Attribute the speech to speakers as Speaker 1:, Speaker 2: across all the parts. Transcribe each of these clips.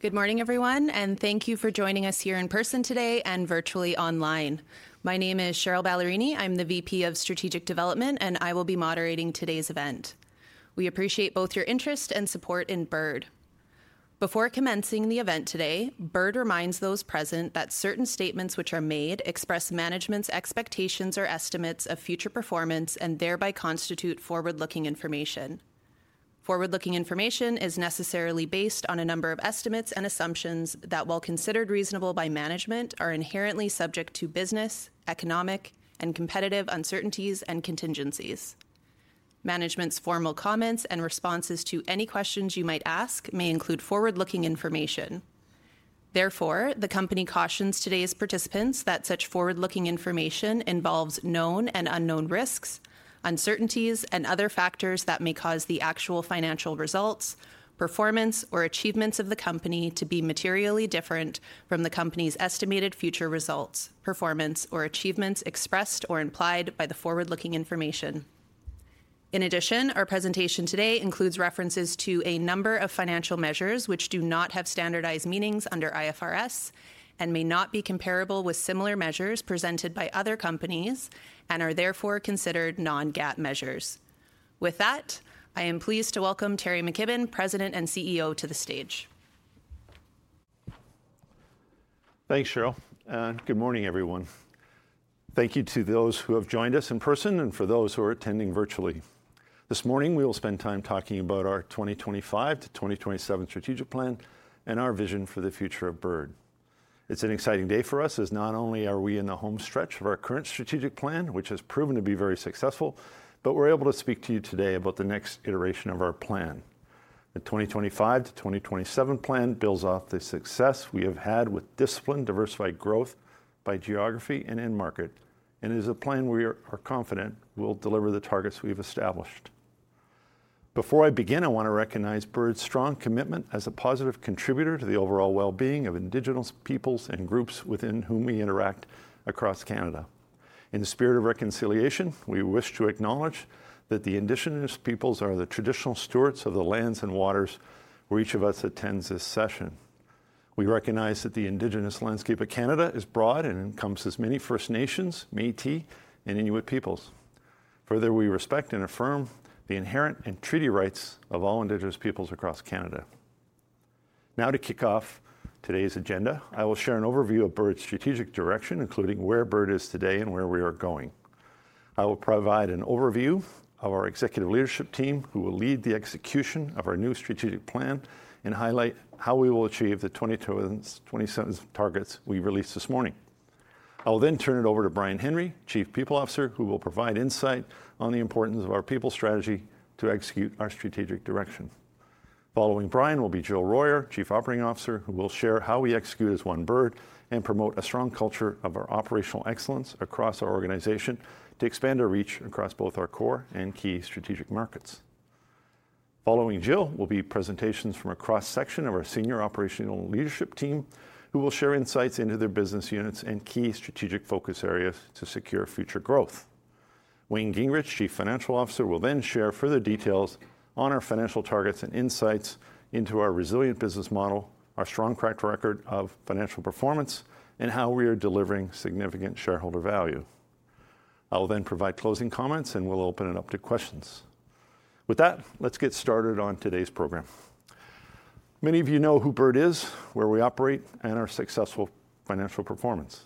Speaker 1: Good morning, everyone, and thank you for joining us here in person today and virtually online. My name is Cheryl Ballerini. I'm the VP of Strategic Development, and I will be moderating today's event. We appreciate both your interest and support in Bird. Before commencing the event today, Bird reminds those present that certain statements which are made express management's expectations or estimates of future performance and thereby constitute forward-looking information. Forward-looking information is necessarily based on a number of estimates and assumptions that, while considered reasonable by management, are inherently subject to business, economic, and competitive uncertainties and contingencies. Management's formal comments and responses to any questions you might ask may include forward-looking information. Therefore, the company cautions today's participants that such forward-looking information involves known and unknown risks, uncertainties, and other factors that may cause the actual financial results, performance, or achievements of the company to be materially different from the company's estimated future results, performance, or achievements expressed or implied by the forward-looking information. In addition, our presentation today includes references to a number of financial measures which do not have standardized meanings under IFRS and may not be comparable with similar measures presented by other companies and are therefore considered non-GAAP measures. With that, I am pleased to welcome Teri McKibbon, President and CEO, to the stage.
Speaker 2: Thanks, Cheryl. Good morning, everyone. Thank you to those who have joined us in person and for those who are attending virtually. This morning, we will spend time talking about our 2025-2027 strategic plan and our vision for the future of Bird. It's an exciting day for us, as not only are we in the home stretch of our current strategic plan, which has proven to be very successful, but we're able to speak to you today about the next iteration of our plan. The 2025-2027 plan builds off the success we have had with disciplined, diversified growth by geography and end market, and it is a plan we are confident will deliver the targets we've established. Before I begin, I want to recognize Bird's strong commitment as a positive contributor to the overall well-being of Indigenous peoples and groups within whom we interact across Canada. In the spirit of reconciliation, we wish to acknowledge that the Indigenous peoples are the traditional stewards of the lands and waters where each of us attends this session. We recognize that the Indigenous landscape of Canada is broad and encompasses many First Nations, Métis, and Inuit peoples. Further, we respect and affirm the inherent and treaty rights of all Indigenous peoples across Canada. Now, to kick off today's agenda, I will share an overview of Bird's strategic direction, including where Bird is today and where we are going. I will provide an overview of our executive leadership team, who will lead the execution of our new strategic plan and highlight how we will achieve the twenty twenty... 2027 targets we released this morning. I will then turn it over to Brian Henry, Chief People Officer, who will provide insight on the importance of our people strategy to execute our strategic direction. Following Brian will be Gilles Royer, Chief Operating Officer, who will share how we execute as One Bird and promote a strong culture of our operational excellence across our organization to expand our reach across both our core and key strategic markets. Following Gilles will be presentations from a cross-section of our senior operational leadership team, who will share insights into their business units and key strategic focus areas to secure future growth. Wayne Gingrich, Chief Financial Officer, will then share further details on our financial targets and insights into our resilient business model, our strong track record of financial performance, and how we are delivering significant shareholder value. I will then provide closing comments, and we'll open it up to questions. With that, let's get started on today's program. Many of you know who Bird is, where we operate, and our successful financial performance.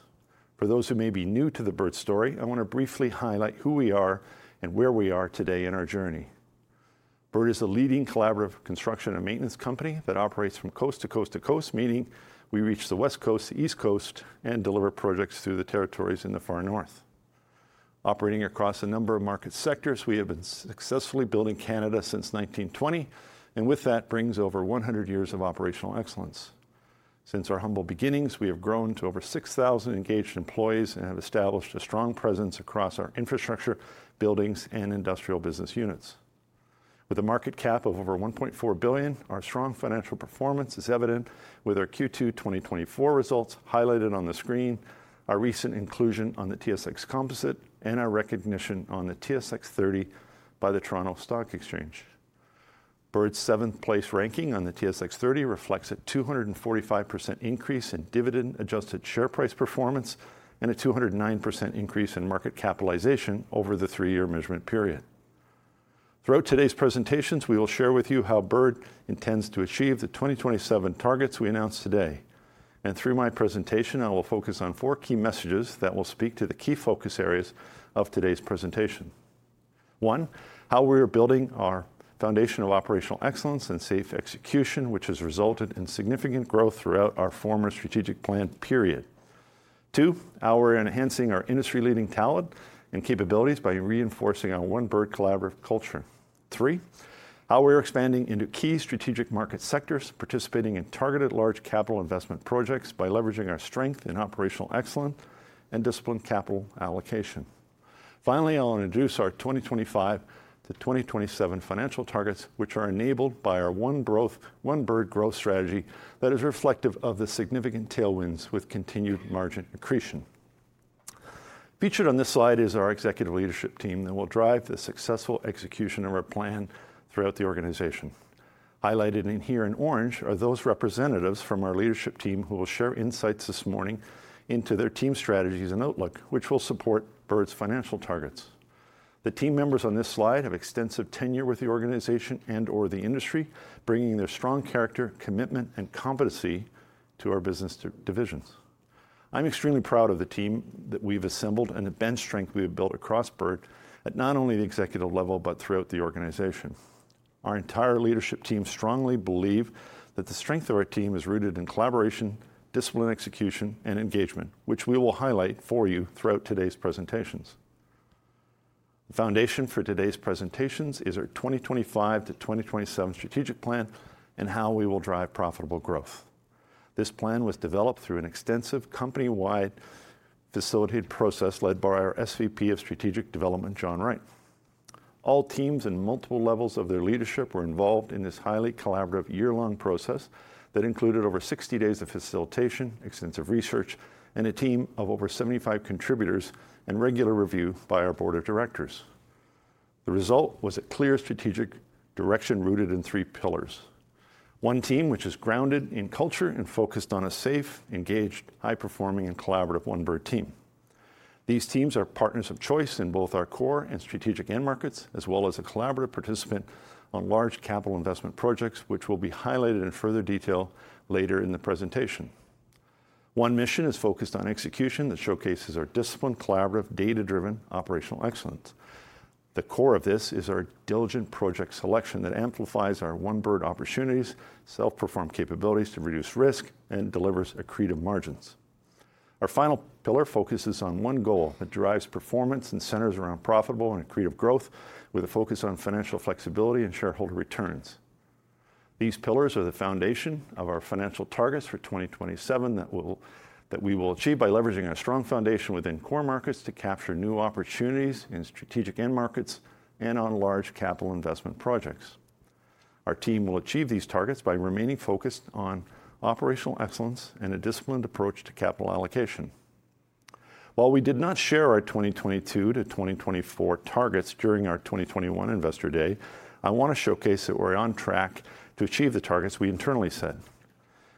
Speaker 2: For those who may be new to the Bird story, I want to briefly highlight who we are and where we are today in our journey. Bird is a leading collaborative construction and maintenance company that operates from coast to coast to coast, meaning we reach the West Coast to East Coast and deliver projects through the territories in the Far North. Operating across a number of market sectors, we have been successfully building Canada since 1920, and with that brings over one hundred years of operational excellence. Since our humble beginnings, we have grown to over 6,000 engaged employees and have established a strong presence across our infrastructure, buildings, and industrial business units. With a market cap of over 1.4 billion, our strong financial performance is evident with our Q2 2024 results highlighted on the screen, our recent inclusion on the TSX Composite, and our recognition on the TSX 30 by the Toronto Stock Exchange. Bird's seventh-place ranking on the TSX 30 reflects a 245% increase in dividend-adjusted share price performance and a 209% increase in market capitalization over the three-year measurement period. Throughout today's presentations, we will share with you how Bird intends to achieve the 2027 targets we announced today, and through my presentation, I will focus on four key messages that will speak to the key focus areas of today's presentation. One, how we are building our foundation of operational excellence and safe execution, which has resulted in significant growth throughout our former strategic plan period. Two, how we're enhancing our industry-leading talent and capabilities by reinforcing our One Bird collaborative culture. Three, how we are expanding into key strategic market sectors, participating in targeted large capital investment projects by leveraging our strength in operational excellence and disciplined capital allocation. Finally, I'll introduce our 2025-2027 financial targets, which are enabled by our One Growth- One Bird growth strategy that is reflective of the significant tailwinds with continued margin accretion... Featured on this slide is our executive leadership team that will drive the successful execution of our plan throughout the organization. Highlighted in here in orange are those representatives from our leadership team who will share insights this morning into their team strategies and outlook, which will support Bird's financial targets. The team members on this slide have extensive tenure with the organization and or the industry, bringing their strong character, commitment, and competency to our business divisions. I'm extremely proud of the team that we've assembled and the bench strength we have built across Bird, at not only the executive level, but throughout the organization. Our entire leadership team strongly believe that the strength of our team is rooted in collaboration, discipline, execution, and engagement, which we will highlight for you throughout today's presentations. The foundation for today's presentations is our 2025-2027 Strategic Plan and how we will drive profitable growth. This plan was developed through an extensive company-wide facilitated process led by our SVP of Strategic Development, John Wright. All teams and multiple levels of their leadership were involved in this highly collaborative year-long process that included over 60 days of facilitation, extensive research, and a team of over 75 contributors and regular review by our board of directors. The result was a clear strategic direction rooted in three pillars. One team, which is grounded in culture and focused on a safe, engaged, high-performing, and collaborative One Bird team. These teams are partners of choice in both our core and strategic end markets, as well as a collaborative participant on large capital investment projects, which will be highlighted in further detail later in the presentation. One mission is focused on execution that showcases our disciplined, collaborative, data-driven operational excellence. The core of this is our diligent project selection that amplifies our One Bird opportunities, self-perform capabilities to reduce risk, and delivers accretive margins. Our final pillar focuses on one goal that drives performance and centers around profitable and accretive growth, with a focus on financial flexibility and shareholder returns. These pillars are the foundation of our financial targets for 2027 that we will achieve by leveraging our strong foundation within core markets to capture new opportunities in strategic end markets and on large capital investment projects. Our team will achieve these targets by remaining focused on operational excellence and a disciplined approach to capital allocation. While we did not share our 2022-2024 targets during our 2021 Investor Day, I want to showcase that we're on track to achieve the targets we internally set.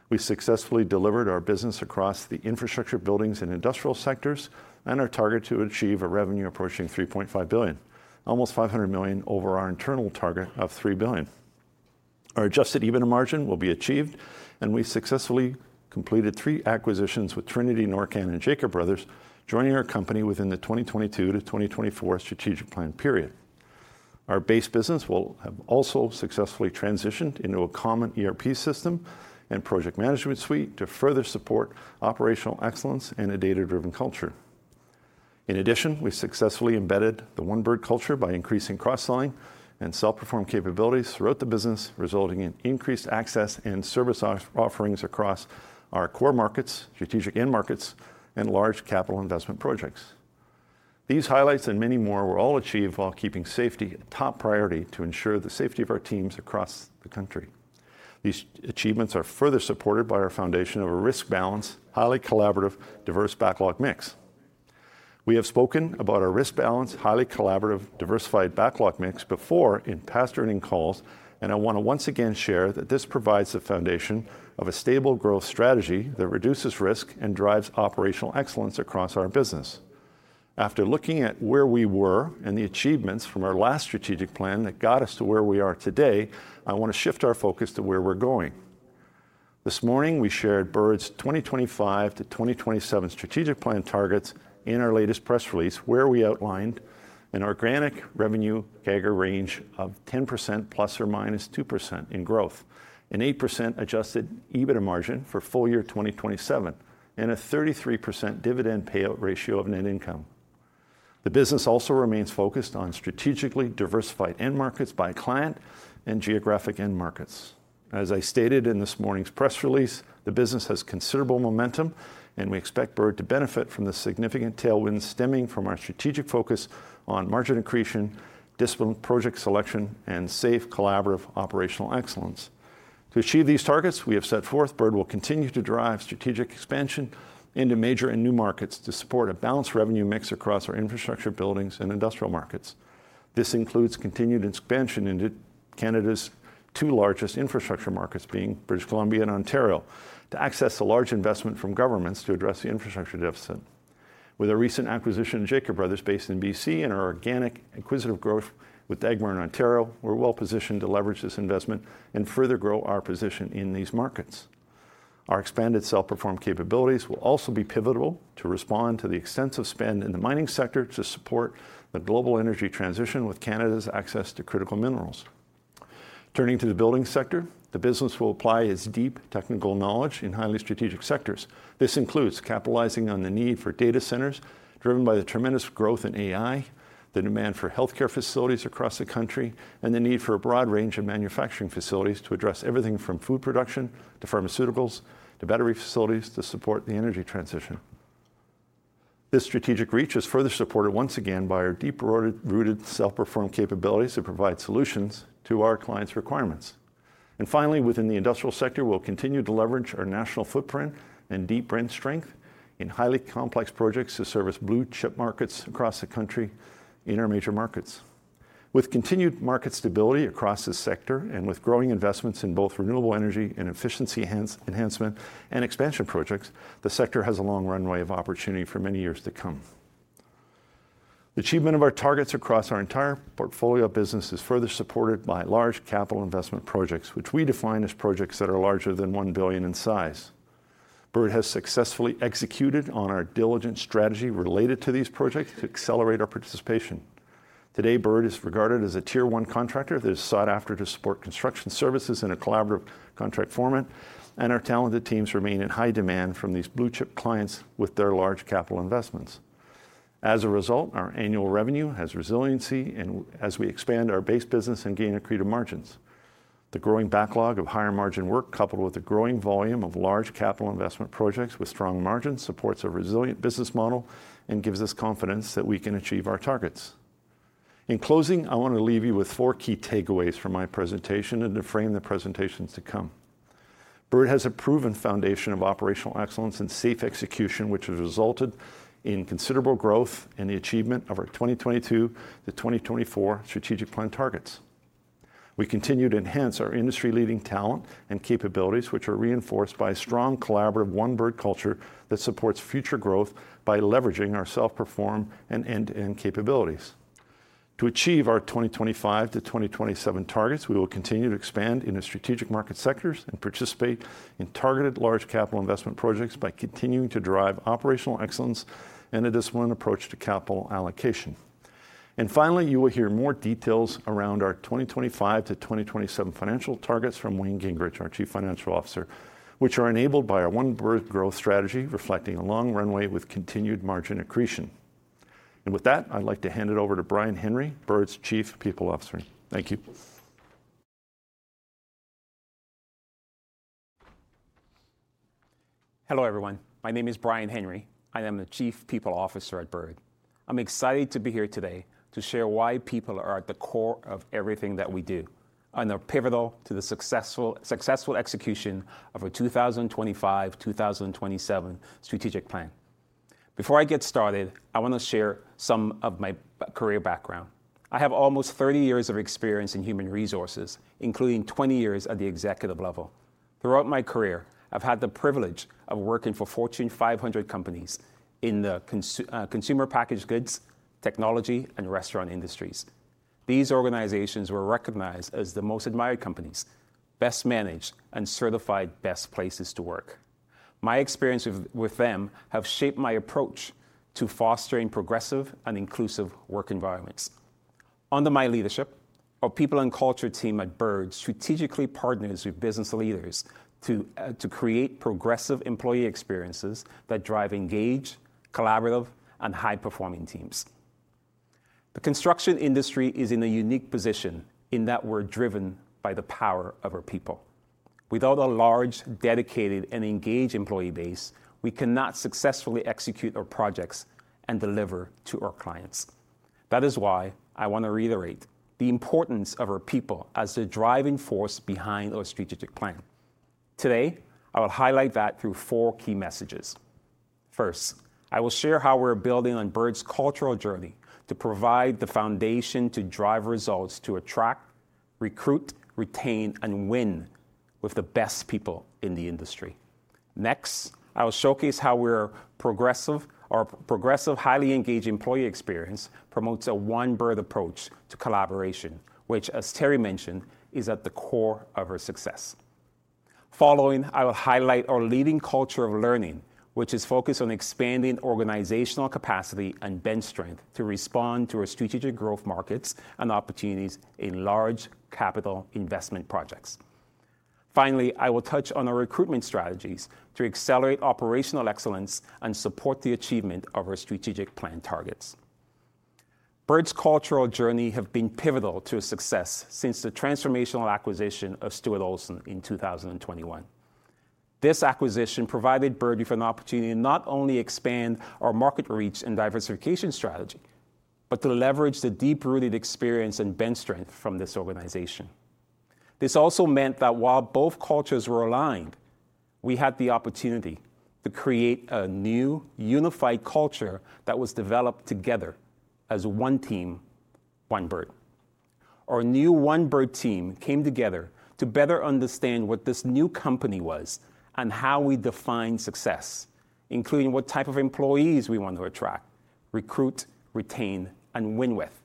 Speaker 2: We successfully delivered our business across the infrastructure, buildings, and industrial sectors, and our target to achieve a revenue approaching $3.5 billion, almost $500 million over our internal target of $3 billion. Our adjusted EBITDA margin will be achieved, and we successfully completed three acquisitions with Trinity, NorCan, and Jacob Bros, joining our company within the 2022 to 2024 strategic plan period. Our base business will have also successfully transitioned into a common ERP system and project management suite to further support operational excellence in a data-driven culture. In addition, we successfully embedded the One Bird culture by increasing cross-selling and self-performed capabilities throughout the business, resulting in increased access and service offerings across our core markets, strategic end markets, and large capital investment projects. These highlights and many more were all achieved while keeping safety a top priority to ensure the safety of our teams across the country. These achievements are further supported by our foundation of a risk-balanced, highly collaborative, diverse backlog mix. We have spoken about our risk-balanced, highly collaborative, diversified backlog mix before in past earnings calls, and I want to once again share that this provides the foundation of a stable growth strategy that reduces risk and drives operational excellence across our business. After looking at where we were and the achievements from our last strategic plan that got us to where we are today, I want to shift our focus to where we're going. This morning, we shared Bird's 2025-2027 strategic plan targets in our latest press release, where we outlined an organic revenue CAGR range of 10%+ or -2% in growth, an 8% adjusted EBITDA margin for full year 2027, and a 33% dividend payout ratio of net income. The business also remains focused on strategically diversified end markets by client and geographic end markets. As I stated in this morning's press release, the business has considerable momentum, and we expect Bird to benefit from the significant tailwinds stemming from our strategic focus on margin accretion, disciplined project selection, and safe, collaborative operational excellence. To achieve these targets we have set forth, Bird will continue to drive strategic expansion into major and new markets to support a balanced revenue mix across our infrastructure, buildings, and industrial markets. This includes continued expansion into Canada's two largest infrastructure markets, being British Columbia and Ontario, to access a large investment from governments to address the infrastructure deficit. With our recent acquisition, Jacob Bros, based in BC, and our organic inquisitive growth with Dagmar in Ontario, we're well-positioned to leverage this investment and further grow our position in these markets. Our expanded self-perform capabilities will also be pivotal to respond to the extensive spend in the mining sector to support the global energy transition with Canada's access to critical minerals. Turning to the building sector, the business will apply its deep technical knowledge in highly strategic sectors. This includes capitalizing on the need for data centers, driven by the tremendous growth in AI, the demand for healthcare facilities across the country, and the need for a broad range of manufacturing facilities to address everything from food production to pharmaceuticals to battery facilities to support the energy transition. This strategic reach is further supported once again by our deep-rooted self-perform capabilities to provide solutions to our clients' requirements. And finally, within the industrial sector, we'll continue to leverage our national footprint and deep brand strength in highly complex projects to service blue-chip markets across the country in our major markets. With continued market stability across this sector, and with growing investments in both renewable energy and efficiency enhancement and expansion projects, the sector has a long runway of opportunity for many years to come. The achievement of our targets across our entire portfolio of business is further supported by large capital investment projects, which we define as projects that are larger than 1 billion in size. Bird has successfully executed on our diligent strategy related to these projects to accelerate our participation. Today, Bird is regarded as a tier one contractor that is sought after to support construction services in a collaborative contract format, and our talented teams remain in high demand from these blue-chip clients with their large capital investments. As a result, our annual revenue has resiliency, and as we expand our base business and gain accretive margins. The growing backlog of higher-margin work, coupled with a growing volume of large capital investment projects with strong margins, supports a resilient business model and gives us confidence that we can achieve our targets. In closing, I want to leave you with four key takeaways from my presentation and to frame the presentations to come. Bird has a proven foundation of operational excellence and safe execution, which has resulted in considerable growth and the achievement of our 2022-2024 strategic plan targets. We continue to enhance our industry-leading talent and capabilities, which are reinforced by a strong, collaborative One Bird culture that supports future growth by leveraging our self-perform and end-to-end capabilities. To achieve our 2025-2027 targets, we will continue to expand in the strategic market sectors and participate in targeted large capital investment projects by continuing to drive operational excellence and a disciplined approach to capital allocation. And finally, you will hear more details around our 2025 to 2027 financial targets from Wayne Gingrich, our Chief Financial Officer, which are enabled by our One Bird growth strategy, reflecting a long runway with continued margin accretion. And with that, I'd like to hand it over to Brian Henry, Bird's Chief People Officer. Thank you.
Speaker 3: Hello, everyone. My name is Brian Henry. I am the Chief People Officer at Bird. I'm excited to be here today to share why people are at the core of everything that we do, and they're pivotal to the successful execution of our 2025-2027 Strategic Plan. Before I get started, I want to share some of my career background. I have almost 30 years of experience in human resources, including 20 years at the executive level. Throughout my career, I've had the privilege of working for Fortune 500 companies in the consumer packaged goods, technology, and restaurant industries. These organizations were recognized as the most admired companies, best managed, and certified best places to work. My experience with them have shaped my approach to fostering progressive and inclusive work environments. Under my leadership, our people and culture team at Bird strategically partners with business leaders to, to create progressive employee experiences that drive engaged, collaborative, and high-performing teams. The construction industry is in a unique position in that we're driven by the power of our people. Without a large, dedicated, and engaged employee base, we cannot successfully execute our projects and deliver to our clients. That is why I want to reiterate the importance of our people as the driving force behind our strategic plan. Today, I will highlight that through four key messages. First, I will share how we're building on Bird's cultural journey to provide the foundation to drive results to attract, recruit, retain, and win with the best people in the industry. Next, I will showcase how we're progressive. Our progressive, highly engaged employee experience promotes a One Bird approach to collaboration, which, as Terry mentioned, is at the core of our success. Following, I will highlight our leading culture of learning, which is focused on expanding organizational capacity and bench strength to respond to our strategic growth markets and opportunities in large capital investment projects. Finally, I will touch on our recruitment strategies to accelerate operational excellence and support the achievement of our strategic plan targets. Bird's cultural journey have been pivotal to its success since the transformational acquisition of Stuart Olson in 2021. This acquisition provided Bird with an opportunity to not only expand our market reach and diversification strategy, but to leverage the deep-rooted experience and bench strength from this organization. This also meant that while both cultures were aligned, we had the opportunity to create a new, unified culture that was developed together as one team, One Bird. Our new One Bird team came together to better understand what this new company was and how we define success, including what type of employees we want to attract, recruit, retain, and win with.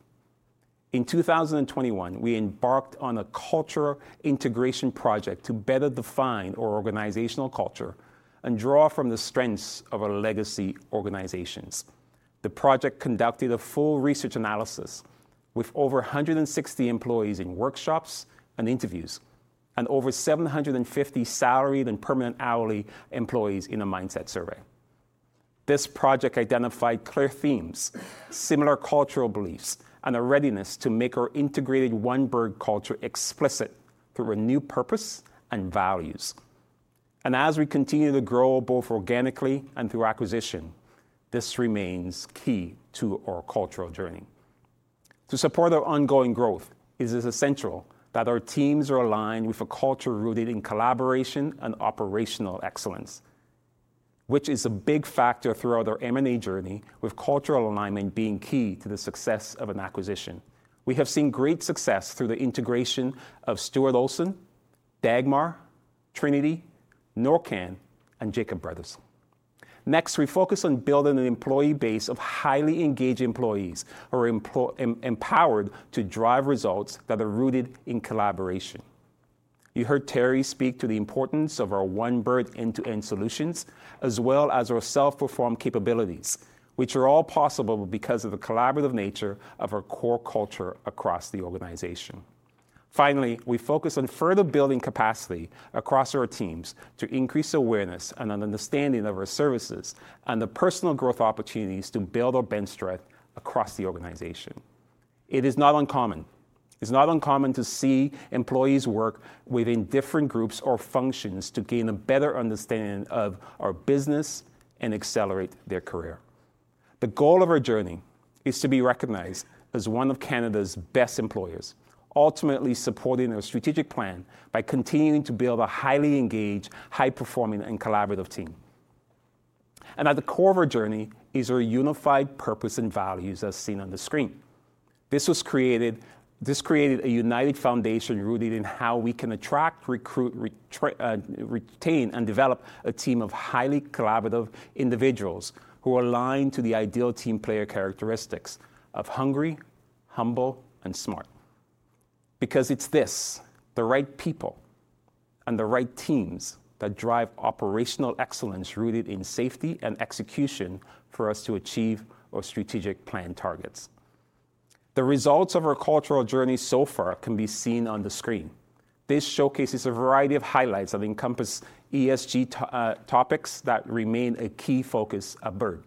Speaker 3: In 2021, we embarked on a culture integration project to better define our organizational culture and draw from the strengths of our legacy organizations. The project conducted a full research analysis with over 160 employees in workshops and interviews, and over 750 salaried and permanent hourly employees in a mindset survey. This project identified clear themes, similar cultural beliefs, and a readiness to make our integrated One Bird culture explicit through a new purpose and values. And as we continue to grow, both organically and through acquisition, this remains key to our cultural journey. To support our ongoing growth, it is essential that our teams are aligned with a culture rooted in collaboration and operational excellence, which is a big factor throughout our M&A journey, with cultural alignment being key to the success of an acquisition. We have seen great success through the integration of Stuart Olson, Dagmar, Trinity, Norcan, and Jacob Brothers. Next, we focus on building an employee base of highly engaged employees who are empowered to drive results that are rooted in collaboration. You heard Terry speak to the importance of our One Bird end-to-end solutions, as well as our self-performed capabilities, which are all possible because of the collaborative nature of our core culture across the organization. Finally, we focus on further building capacity across our teams to increase awareness and an understanding of our services and the personal growth opportunities to build our bench strength across the organization. It is not uncommon to see employees work within different groups or functions to gain a better understanding of our business and accelerate their career. The goal of our journey is to be recognized as one of Canada's best employers, ultimately supporting our strategic plan by continuing to build a highly engaged, high-performing, and collaborative team. And at the core of our journey is our unified purpose and values, as seen on the screen. This created a united foundation rooted in how we can attract, recruit, retain, and develop a team of highly collaborative individuals who align to the ideal team player characteristics of hungry, humble, and smart. Because it's this, the right people and the right teams, that drive operational excellence rooted in safety and execution for us to achieve our strategic plan targets. The results of our cultural journey so far can be seen on the screen. This showcases a variety of highlights that encompass ESG to topics that remain a key focus of Bird.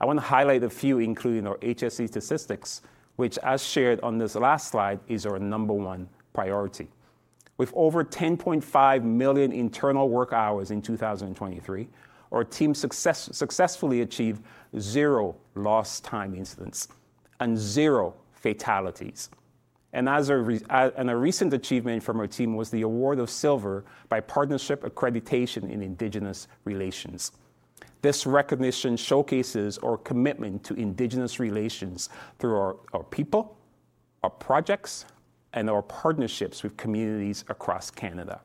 Speaker 3: I wanna highlight a few, including our HSE statistics, which, as shared on this last slide, is our number one priority. With over 10.5 million internal work hours in 2023, our team successfully achieved zero lost time incidents and zero fatalities. And a recent achievement from our team was the award of Silver by Progressive Aboriginal Relations (PAR). This recognition showcases our commitment to Indigenous relations through our people, our projects, and our partnerships with communities across Canada.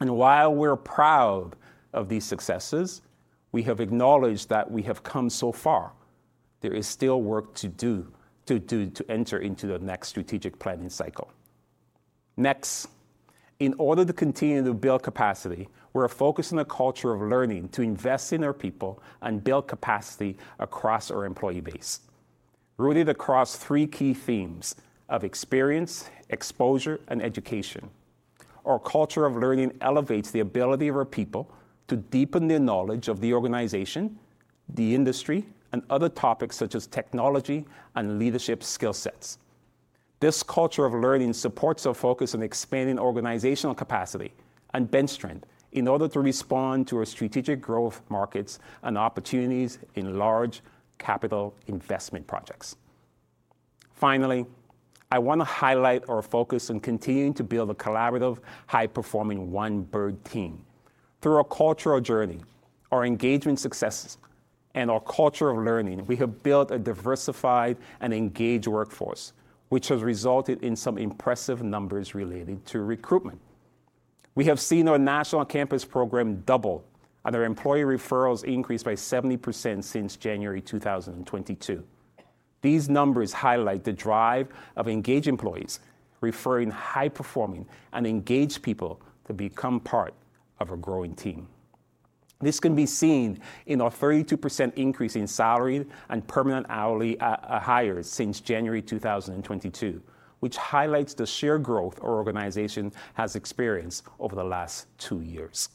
Speaker 3: While we're proud of these successes, we have acknowledged that we have come so far. There is still work to do to enter into the next strategic planning cycle. Next, in order to continue to build capacity, we're focused on a culture of learning, to invest in our people and build capacity across our employee base. Rooted across three key themes of experience, exposure, and education, our culture of learning elevates the ability of our people to deepen their knowledge of the organization, the industry, and other topics such as technology and leadership skill sets. This culture of learning supports our focus on expanding organizational capacity and bench strength in order to respond to our strategic growth markets and opportunities in large capital investment projects. Finally, I wanna highlight our focus on continuing to build a collaborative, high-performing One Bird team. Through our cultural journey, our engagement successes, and our culture of learning, we have built a diversified and engaged workforce, which has resulted in some impressive numbers related to recruitment. We have seen our national campus program double, and our employee referrals increase by 70% since January 2022. These numbers highlight the drive of engaged employees referring high-performing and engaged people to become part of a growing team. This can be seen in our 32% increase in salary and permanent hourly hires since January 2022, which highlights the sheer growth our organization has experienced over the last two years.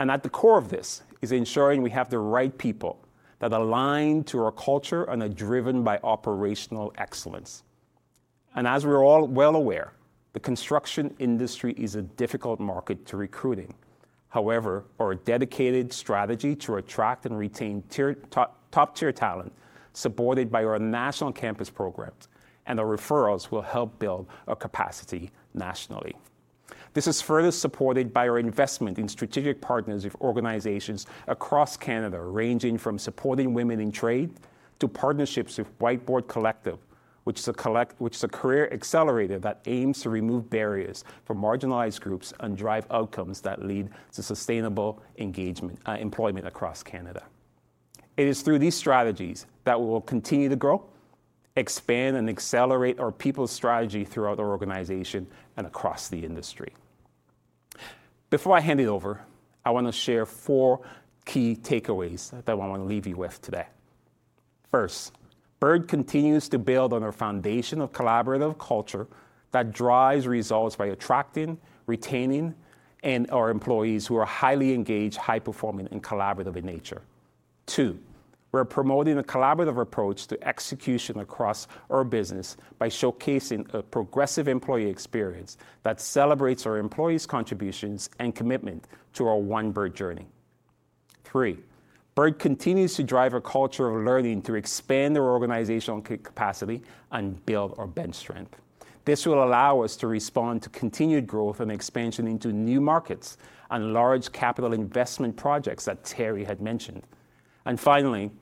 Speaker 3: At the core of this is ensuring we have the right people that align to our culture and are driven by operational excellence. As we're all well aware, the construction industry is a difficult market to recruit in. However, our dedicated strategy to attract and retain top-tier talent, supported by our national campus programs and our referrals, will help build our capacity nationally. This is further supported by our investment in strategic partners with organizations across Canada, ranging from supporting women in trade to partnerships with The Whiteboard, which is a career accelerator that aims to remove barriers for marginalized groups and drive outcomes that lead to sustainable engagement, employment across Canada. It is through these strategies that we will continue to grow, expand, and accelerate our people strategy throughout our organization and across the industry. Before I hand it over, I wanna share four key takeaways that I want to leave you with today. First, Bird continues to build on our foundation of collaborative culture that drives results by attracting, retaining, and our employees who are highly engaged, high-performing, and collaborative in nature. Two, we're promoting a collaborative approach to execution across our business by showcasing a progressive employee experience that celebrates our employees' contributions and commitment to our One Bird journey. Three, Bird continues to drive a culture of learning to expand our organizational capacity and build our bench strength. This will allow us to respond to continued growth and expansion into new markets and large capital investment projects that Terry had mentioned. And finally,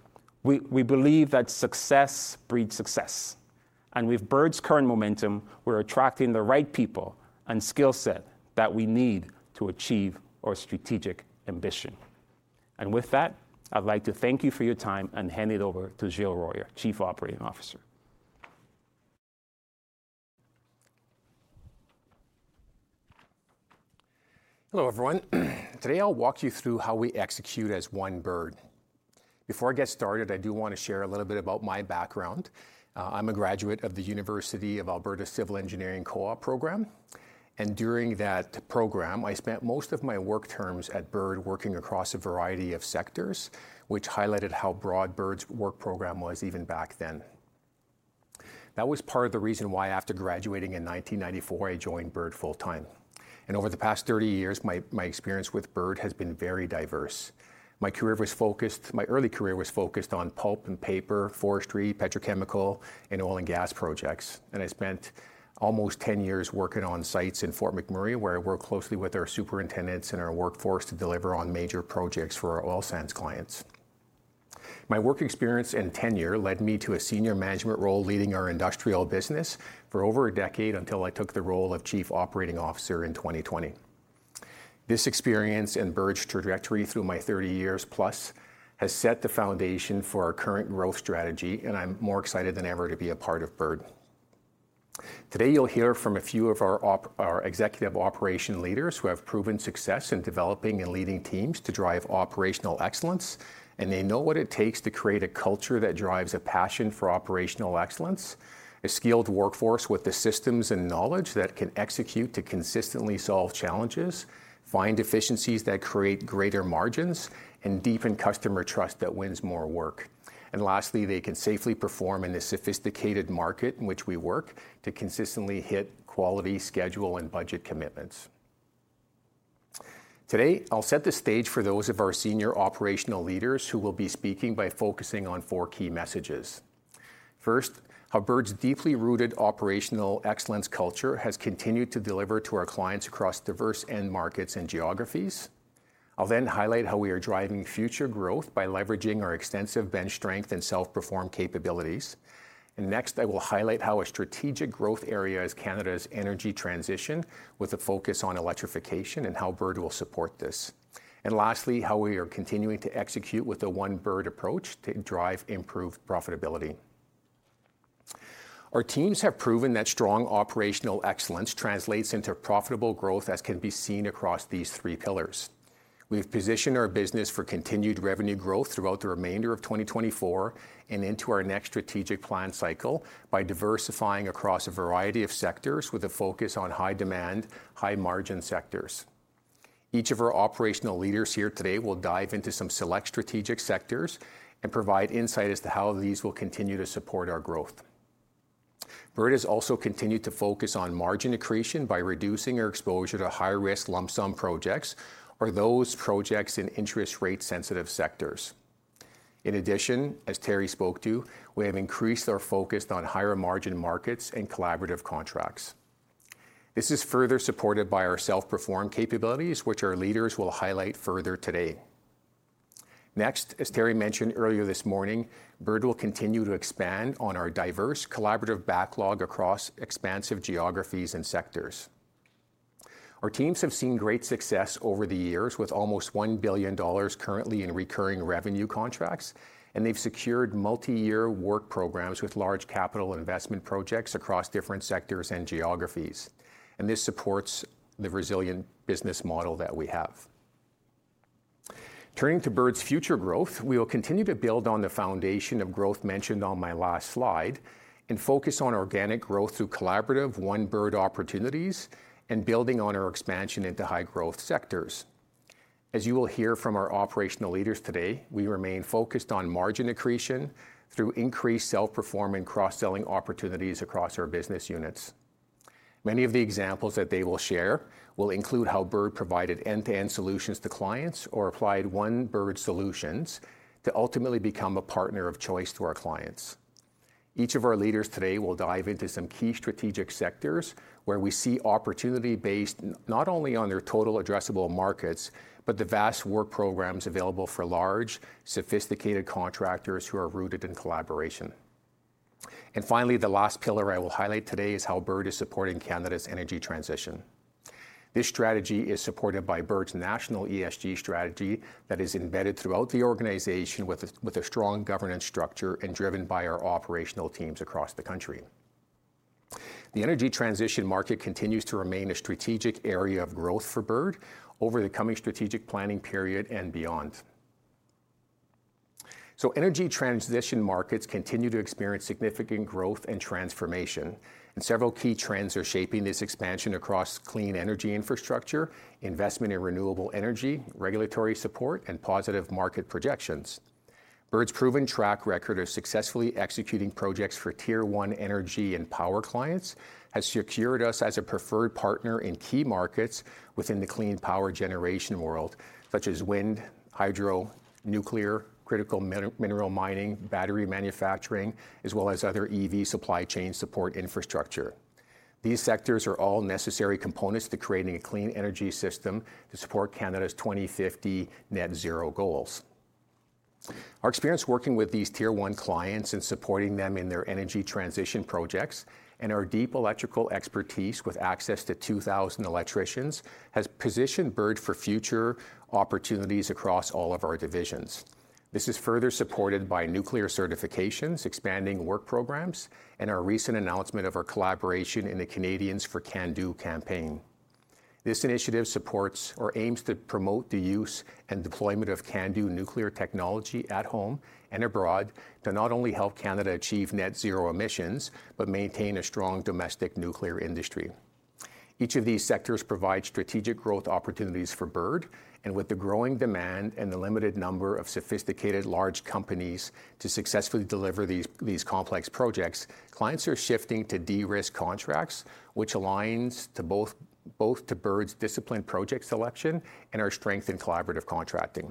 Speaker 3: we believe that success breeds success, and with Bird's current momentum, we're attracting the right people and skill set that we need to achieve our strategic ambition. With that, I'd like to thank you for your time and hand it over to Gilles Royer, Chief Operating Officer.
Speaker 4: Hello, everyone. Today, I'll walk you through how we execute as One Bird. Before I get started, I do want to share a little bit about my background. I'm a graduate of the University of Alberta Civil Engineering Co-op program, and during that program, I spent most of my work terms at Bird, working across a variety of sectors, which highlighted how broad Bird's work program was even back then. That was part of the reason why, after graduating in nineteen ninety-four, I joined Bird full-time. Over the past thirty years, my experience with Bird has been very diverse. My early career was focused on pulp and paper, forestry, petrochemical, and oil and gas projects, and I spent almost ten years working on sites in Fort McMurray, where I worked closely with our superintendents and our workforce to deliver on major projects for our oil sands clients. My work experience and tenure led me to a senior management role, leading our industrial business for over a decade until I took the role of Chief Operating Officer in 2020. This experience and Bird's trajectory through my thirty years plus has set the foundation for our current growth strategy, and I'm more excited than ever to be a part of Bird. Today, you'll hear from a few of our executive operations leaders who have proven success in developing and leading teams to drive operational excellence, and they know what it takes to create a culture that drives a passion for operational excellence, a skilled workforce with the systems and knowledge that can execute to consistently solve challenges, find efficiencies that create greater margins, and deepen customer trust that wins more work, and lastly, they can safely perform in the sophisticated market in which we work to consistently hit quality, schedule, and budget commitments. Today, I'll set the stage for those of our senior operational leaders who will be speaking by focusing on four key messages. First, how Bird's deeply rooted operational excellence culture has continued to deliver to our clients across diverse end markets and geographies. I'll then highlight how we are driving future growth by leveraging our extensive bench strength and self-perform capabilities. And next, I will highlight how a strategic growth area is Canada's energy transition, with a focus on electrification and how Bird will support this. And lastly, how we are continuing to execute with a One Bird approach to drive improved profitability. Our teams have proven that strong operational excellence translates into profitable growth, as can be seen across these three pillars. We've positioned our business for continued revenue growth throughout the remainder of 2024 and into our next strategic plan cycle by diversifying across a variety of sectors with a focus on high-demand, high-margin sectors. Each of our operational leaders here today will dive into some select strategic sectors and provide insight as to how these will continue to support our Bird growth. Bird has also continued to focus on margin accretion by reducing our exposure to high-risk lump sum projects or those projects in interest-rate sensitive sectors. In addition, as Terry spoke to, we have increased our focus on higher-margin markets and collaborative contracts. This is further supported by our self-perform capabilities, which our leaders will highlight further today. Next, as Terry mentioned earlier this morning, Bird will continue to expand on our diverse collaborative backlog across expansive geographies and sectors. Our teams have seen great success over the years with almost 1 billion dollars currently in recurring revenue contracts, and they've secured multi-year work programs with large capital investment projects across different sectors and geographies, and this supports the resilient business model that we have. Turning to Bird's future growth, we will continue to build on the foundation of growth mentioned on my last slide and focus on organic growth through collaborative One Bird opportunities and building on our expansion into high-growth sectors. As you will hear from our operational leaders today, we remain focused on margin accretion through increased self-performing cross-selling opportunities across our business units. Many of the examples that they will share will include how Bird provided end-to-end solutions to clients or applied One Bird solutions to ultimately become a partner of choice to our clients. Each of our leaders today will dive into some key strategic sectors where we see opportunity based not only on their total addressable markets, but the vast work programs available for large, sophisticated contractors who are rooted in collaboration. And finally, the last pillar I will highlight today is how Bird is supporting Canada's energy transition. This strategy is supported by Bird's national ESG strategy that is embedded throughout the organization with a strong governance structure and driven by our operational teams across the country. The energy transition market continues to remain a strategic area of growth for Bird over the coming strategic planning period and beyond. Energy transition markets continue to experience significant growth and transformation, and several key trends are shaping this expansion across clean energy infrastructure, investment in renewable energy, regulatory support, and positive market projections.... Bird's proven track record of successfully executing projects for Tier One energy and power clients has secured us as a preferred partner in key markets within the clean power generation world, such as wind, hydro, nuclear, critical mineral mining, battery manufacturing, as well as other EV supply chain support infrastructure. These sectors are all necessary components to creating a clean energy system to support Canada's 2050 net zero goals. Our experience working with these Tier One clients and supporting them in their energy transition projects, and our deep electrical expertise with access to 2000 electricians, has positioned Bird for future opportunities across all of our divisions. This is further supported by nuclear certifications, expanding work programs, and our recent announcement of our collaboration in the Canadians for CANDU campaign. This initiative supports or aims to promote the use and deployment of CANDU nuclear technology at home and abroad, to not only help Canada achieve net zero emissions, but maintain a strong domestic nuclear industry. Each of these sectors provide strategic growth opportunities for Bird, and with the growing demand and the limited number of sophisticated large companies to successfully deliver these, these complex projects, clients are shifting to de-risk contracts, which aligns to both, both to Bird's disciplined project selection and our strength in collaborative contracting.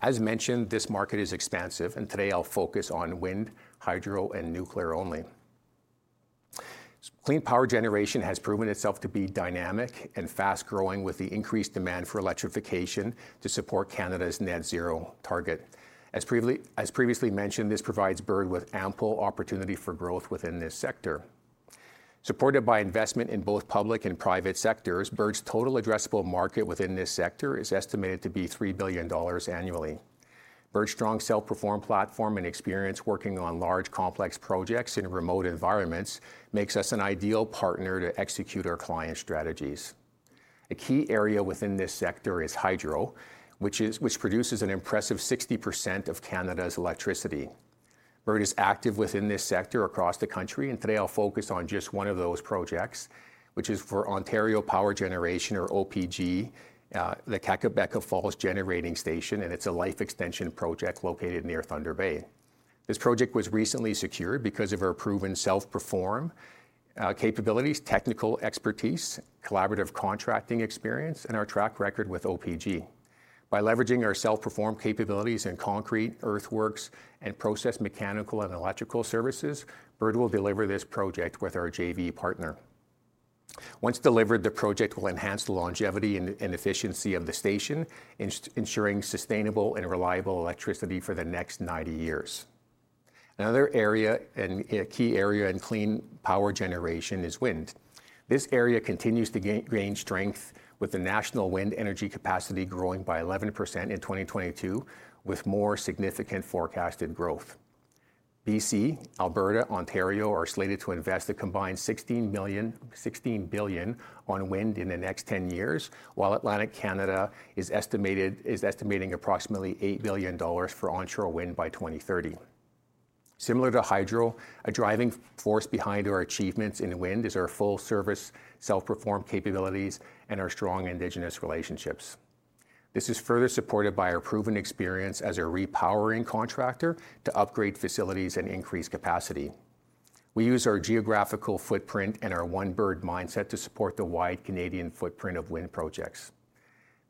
Speaker 4: As mentioned, this market is expansive, and today I'll focus on wind, hydro, and nuclear only. Clean power generation has proven itself to be dynamic and fast-growing, with the increased demand for electrification to support Canada's Net Zero target. As previously mentioned, this provides Bird with ample opportunity for growth within this sector. Supported by investment in both public and private sectors, Bird's total addressable market within this sector is estimated to be $3 billion annually. Bird's strong self-perform platform and experience working on large, complex projects in remote environments makes us an ideal partner to execute our client strategies. A key area within this sector is hydro, which produces an impressive 60% of Canada's electricity. Bird is active within this sector across the country, and today I'll focus on just one of those projects, which is for Ontario Power Generation, or OPG, the Kakabeka Falls Generating Station, and it's a life extension project located near Thunder Bay. This project was recently secured because of our proven self-perform capabilities, technical expertise, collaborative contracting experience, and our track record with OPG. By leveraging our self-perform capabilities in concrete, earthworks, and process mechanical and electrical services, Bird will deliver this project with our JV partner. Once delivered, the project will enhance the longevity and efficiency of the station, ensuring sustainable and reliable electricity for the next 90 years. Another area, and a key area in clean power generation, is wind. This area continues to gain strength, with the national wind energy capacity growing by 11% in 2022, with more significant forecasted growth. BC, Alberta, Ontario are slated to invest a combined 16 billion on wind in the next ten years, while Atlantic Canada is estimating approximately 8 billion dollars for onshore wind by 2030. Similar to hydro, a driving force behind our achievements in wind is our full-service, self-perform capabilities and our strong Indigenous relationships. This is further supported by our proven experience as a repowering contractor to upgrade facilities and increase capacity. We use our geographical footprint and our One Bird mindset to support the wide Canadian footprint of wind projects.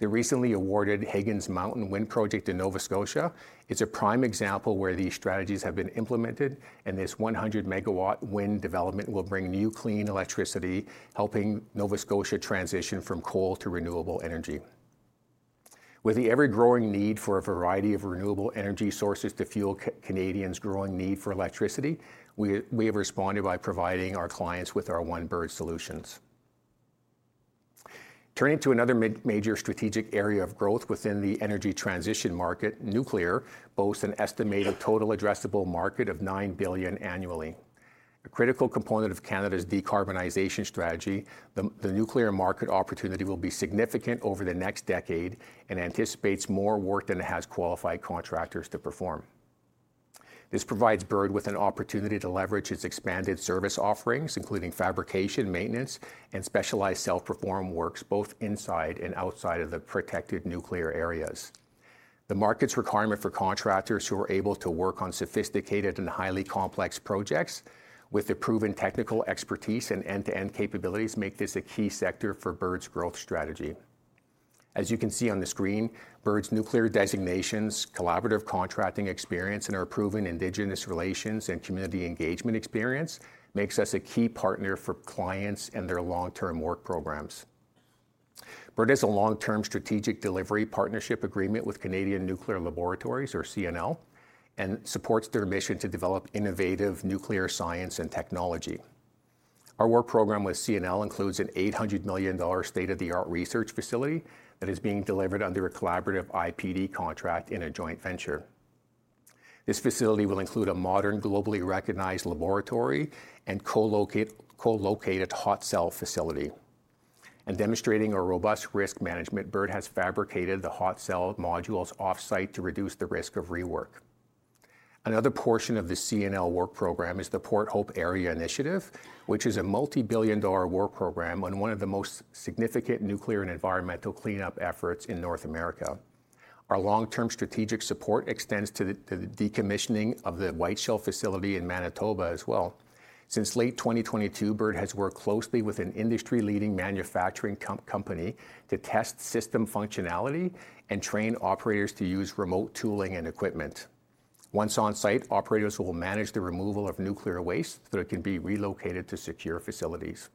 Speaker 4: The recently awarded Higgins Mountain Wind Project in Nova Scotia is a prime example where these strategies have been implemented, and this 100 megawatt wind development will bring new, clean electricity, helping Nova Scotia transition from coal to renewable energy. With the ever-growing need for a variety of renewable energy sources to fuel Canadians' growing need for electricity, we have responded by providing our clients with our One Bird solutions. Turning to another major strategic area of growth within the energy transition market, nuclear boasts an estimated total addressable market of 9 billion annually. A critical component of Canada's decarbonization strategy, the nuclear market opportunity will be significant over the next decade and anticipates more work than it has qualified contractors to perform. This provides Bird with an opportunity to leverage its expanded service offerings, including fabrication, maintenance, and specialized self-perform works, both inside and outside of the protected nuclear areas. The market's requirement for contractors who are able to work on sophisticated and highly complex projects with the proven technical expertise and end-to-end capabilities, make this a key sector for Bird's growth strategy. As you can see on the screen, Bird's nuclear designations, collaborative contracting experience, and our proven Indigenous relations and community engagement experience makes us a key partner for clients and their long-term work programs. Bird has a long-term strategic delivery partnership agreement with Canadian Nuclear Laboratories, or CNL, and supports their mission to develop innovative nuclear science and technology. Our work program with CNL includes a 800 million dollar state-of-the-art research facility that is being delivered under a collaborative IPD contract in a joint venture. This facility will include a modern, globally recognized laboratory and co-located hot cell facility. In demonstrating a robust risk management, Bird has fabricated the hot cell modules off-site to reduce the risk of rework. Another portion of the CNL work program is the Port Hope Area Initiative, which is a multi-billion dollar work program on one of the most significant nuclear and environmental cleanup efforts in North America. Our long-term strategic support extends to the decommissioning of the Whiteshell facility in Manitoba as well. Since late 2022, Bird has worked closely with an industry-leading manufacturing company to test system functionality and train operators to use remote tooling and equipment. Once on site, operators will manage the removal of nuclear waste, so it can be relocated to secure facilities.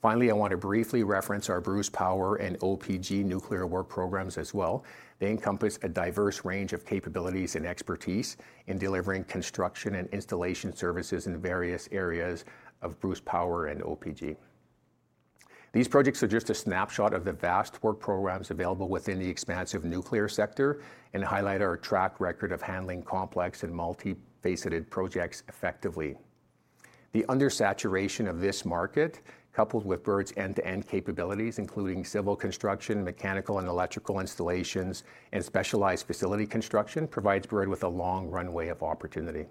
Speaker 4: Finally, I want to briefly reference our Bruce Power and OPG nuclear work programs as well. They encompass a diverse range of capabilities and expertise in delivering construction and installation services in various areas of Bruce Power and OPG. These projects are just a snapshot of the vast work programs available within the expansive nuclear sector and highlight our track record of handling complex and multifaceted projects effectively. The undersaturation of this market, coupled with Bird's end-to-end capabilities, including civil construction, mechanical and electrical installations, and specialized facility construction, provides Bird with a long runway of opportunity.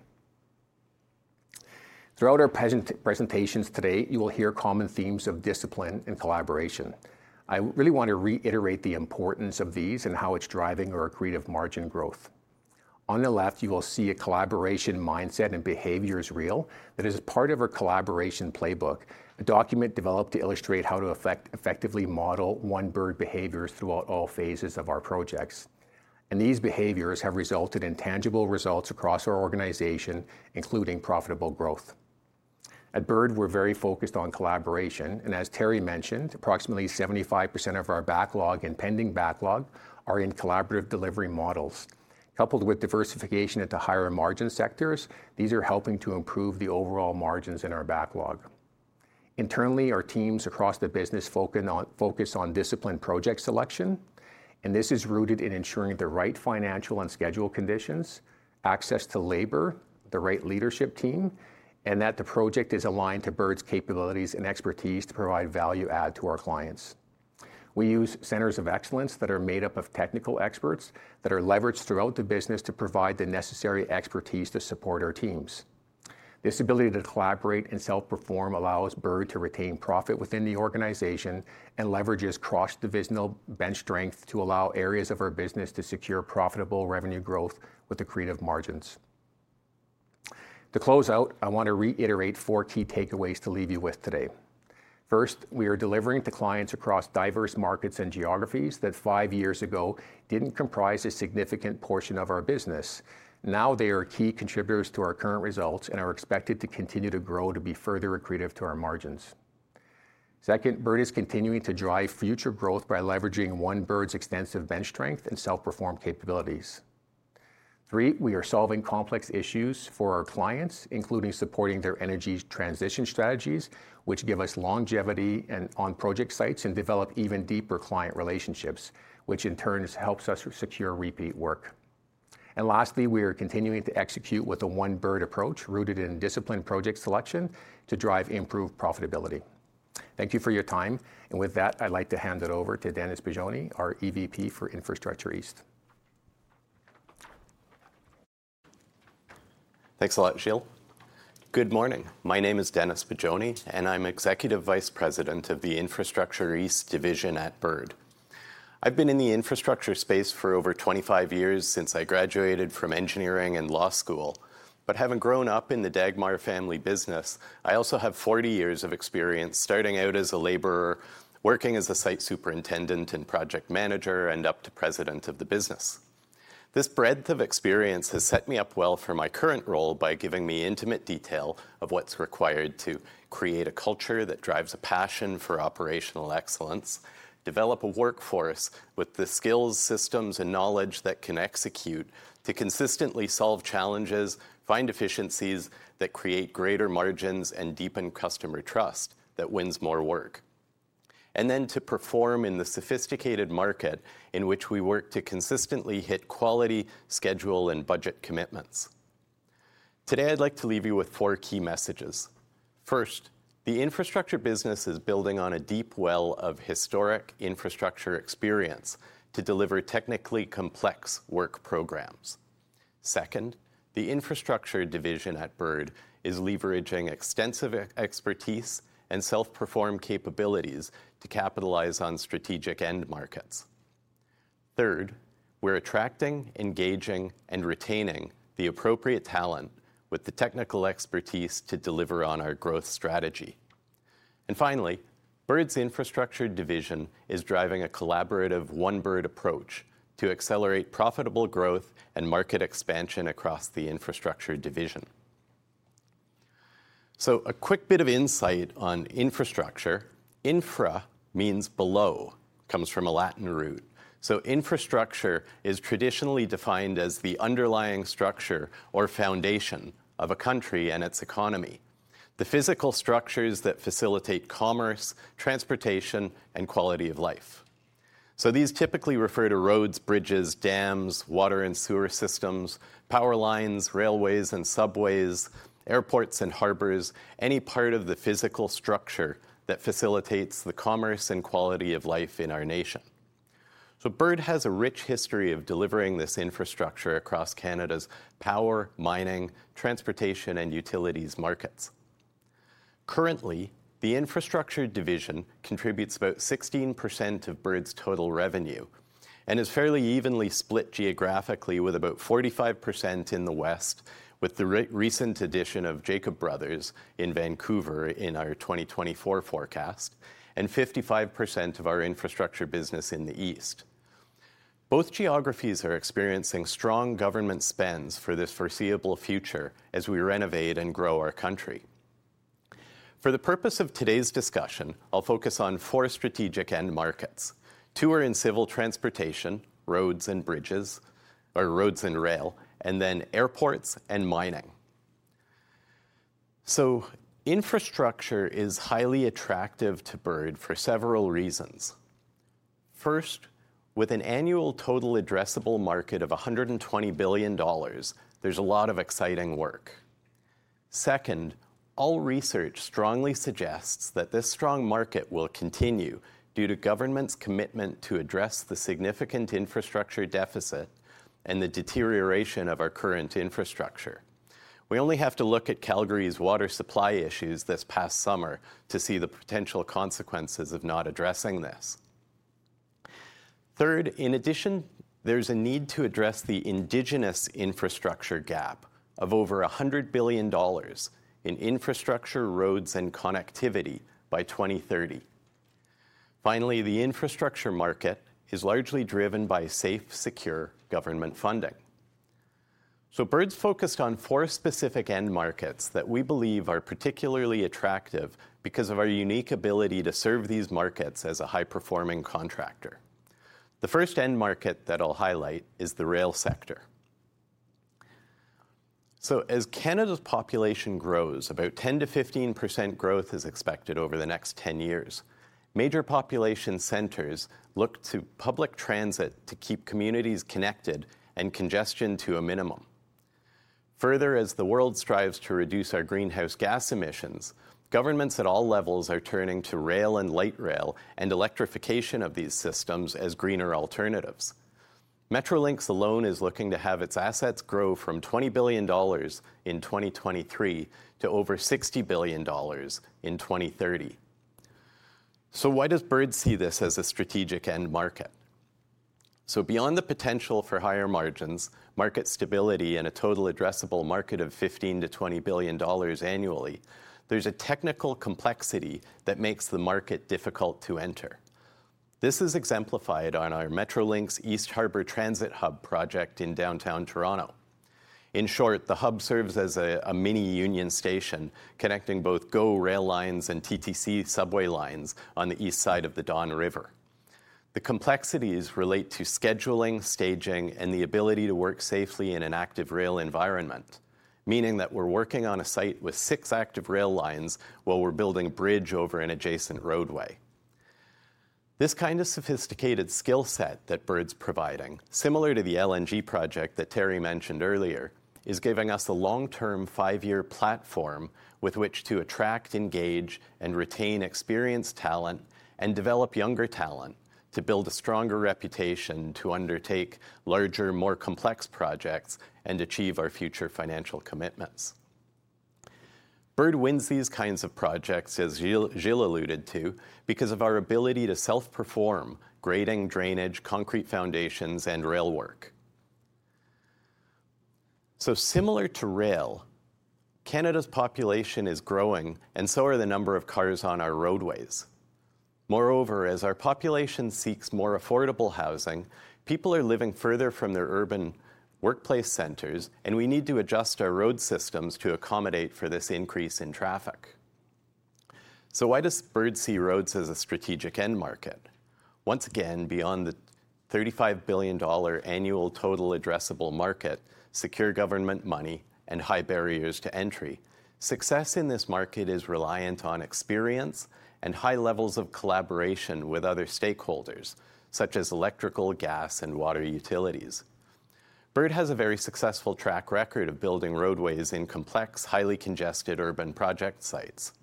Speaker 4: Throughout our presentations today, you will hear common themes of discipline and collaboration. I really want to reiterate the importance of these and how it's driving our accretive margin growth. On the left, you will see a collaboration mindset and behaviors reel that is part of our collaboration playbook, a document developed to illustrate how to effectively model One Bird behaviors throughout all phases of our projects, and these behaviors have resulted in tangible results across our organization, including profitable growth. At Bird, we're very focused on collaboration, and as Terry mentioned, approximately 75% of our backlog and pending backlog are in collaborative delivery models. Coupled with diversification into higher-margin sectors, these are helping to improve the overall margins in our backlog. Internally, our teams across the business focus on disciplined project selection, and this is rooted in ensuring the right financial and schedule conditions, access to labor, the right leadership team, and that the project is aligned to Bird's capabilities and expertise to provide value add to our clients. We use centers of excellence that are made up of technical experts that are leveraged throughout the business to provide the necessary expertise to support our teams. This ability to collaborate and self-perform allows Bird to retain profit within the organization and leverages cross-divisional bench strength to allow areas of our business to secure profitable revenue growth with accretive margins. To close out, I want to reiterate four key takeaways to leave you with today. First, we are delivering to clients across diverse markets and geographies that five years ago didn't comprise a significant portion of our business. Now they are key contributors to our current results and are expected to continue to grow to be further accretive to our margins. Second, Bird is continuing to drive future growth by leveraging One Bird's extensive bench strength and self-perform capabilities. Three, we are solving complex issues for our clients, including supporting their energy transition strategies, which give us longevity and on project sites, and develop even deeper client relationships, which in turn helps us secure repeat work. And lastly, we are continuing to execute with a One Bird approach, rooted in disciplined project selection, to drive improved profitability. Thank you for your time, and with that, I'd like to hand it over to Denis Bigioni, our EVP for Infrastructure East.
Speaker 5: Thanks a lot, Gilles. Good morning. My name is Denis Bigioni, and I'm Executive Vice President of the Infrastructure East Division at Bird. I've been in the infrastructure space for over 25 years since I graduated from engineering and law school, but having grown up in the Dagmar family business, I also have 40 years of experience, starting out as a laborer, working as a site superintendent and project manager, and up to president of the business. This breadth of experience has set me up well for my current role by giving me intimate detail of what's required to create a culture that drives a passion for operational excellence, develop a workforce with the skills, systems, and knowledge that can execute to consistently solve challenges, find efficiencies that create greater margins, and deepen customer trust that wins more work. And then to perform in the sophisticated market in which we work to consistently hit quality, schedule, and budget commitments. Today, I'd like to leave you with four key messages. First, the infrastructure business is building on a deep well of historic infrastructure experience to deliver technically complex work programs. Second, the infrastructure division at Bird is leveraging extensive expertise and self-perform capabilities to capitalize on strategic end markets. Third, we're attracting, engaging, and retaining the appropriate talent with the technical expertise to deliver on our growth strategy. And finally, Bird's infrastructure division is driving a collaborative One Bird approach to accelerate profitable growth and market expansion across the infrastructure division. So a quick bit of insight on infrastructure. Infra means below, comes from a Latin root. Infrastructure is traditionally defined as the underlying structure or foundation of a country and its economy, the physical structures that facilitate commerce, transportation, and quality of life. These typically refer to roads, bridges, dams, water and sewer systems, power lines, railways and subways, airports and harbors, any part of the physical structure that facilitates the commerce and quality of life in our nation.... Bird has a rich history of delivering this infrastructure across Canada's power, mining, transportation, and utilities markets. Currently, the infrastructure division contributes about 16% of Bird's total revenue and is fairly evenly split geographically, with about 45% in the West, with the recent addition of Jacob Bros in Vancouver in our 2024 forecast, and 55% of our infrastructure business in the East. Both geographies are experiencing strong government spends for the foreseeable future as we renovate and grow our country. For the purpose of today's discussion, I'll focus on four strategic end markets. Two are in civil transportation, roads and bridges, or roads and rail, and then airports and mining. So infrastructure is highly attractive to Bird for several reasons. First, with an annual total addressable market of 120 billion dollars, there's a lot of exciting work. Second, all research strongly suggests that this strong market will continue due to government's commitment to address the significant infrastructure deficit and the deterioration of our current infrastructure. We only have to look at Calgary's water supply issues this past summer to see the potential consequences of not addressing this. Third, in addition, there's a need to address the Indigenous infrastructure gap of over 100 billion dollars in infrastructure, roads, and connectivity by 2030. Finally, the infrastructure market is largely driven by safe, secure government funding. So Bird's focused on four specific end markets that we believe are particularly attractive because of our unique ability to serve these markets as a high-performing contractor. The first end market that I'll highlight is the rail sector. So as Canada's population grows, about 10%-15% growth is expected over the next 10 years, major population centers look to public transit to keep communities connected and congestion to a minimum. Further, as the world strives to reduce our greenhouse gas emissions, governments at all levels are turning to rail and light rail and electrification of these systems as greener alternatives. Metrolinx alone is looking to have its assets grow from 20 billion dollars in 2023 to over 60 billion dollars in 2030. So why does Bird see this as a strategic end market? So beyond the potential for higher margins, market stability, and a total addressable market of 15 billion-20 billion dollars annually, there's a technical complexity that makes the market difficult to enter. This is exemplified on our Metrolinx East Harbour Transit Hub project in downtown Toronto. In short, the hub serves as a mini Union Station, connecting both GO rail lines and TTC subway lines on the east side of the Don River. The complexities relate to scheduling, staging, and the ability to work safely in an active rail environment, meaning that we're working on a site with six active rail lines while we're building a bridge over an adjacent roadway. This kind of sophisticated skill set that Bird's providing, similar to the LNG project that Terry mentioned earlier, is giving us a long-term, five-year platform with which to attract, engage and retain experienced talent and develop younger talent to build a stronger reputation, to undertake larger, more complex projects and achieve our future financial commitments. Bird wins these kinds of projects, as Gilles alluded to, because of our ability to self-perform grading, drainage, concrete foundations, and rail work. So similar to rail, Canada's population is growing, and so are the number of cars on our roadways. Moreover, as our population seeks more affordable housing, people are living further from their urban workplace centers, and we need to adjust our road systems to accommodate for this increase in traffic. So why does Bird see roads as a strategic end market? Once again, beyond the 35 billion dollar annual total addressable market, secure government money, and high barriers to entry, success in this market is reliant on experience and high levels of collaboration with other stakeholders, such as electrical, gas, and water utilities. Bird has a very successful track record of building roadways in complex, highly congested urban project sites.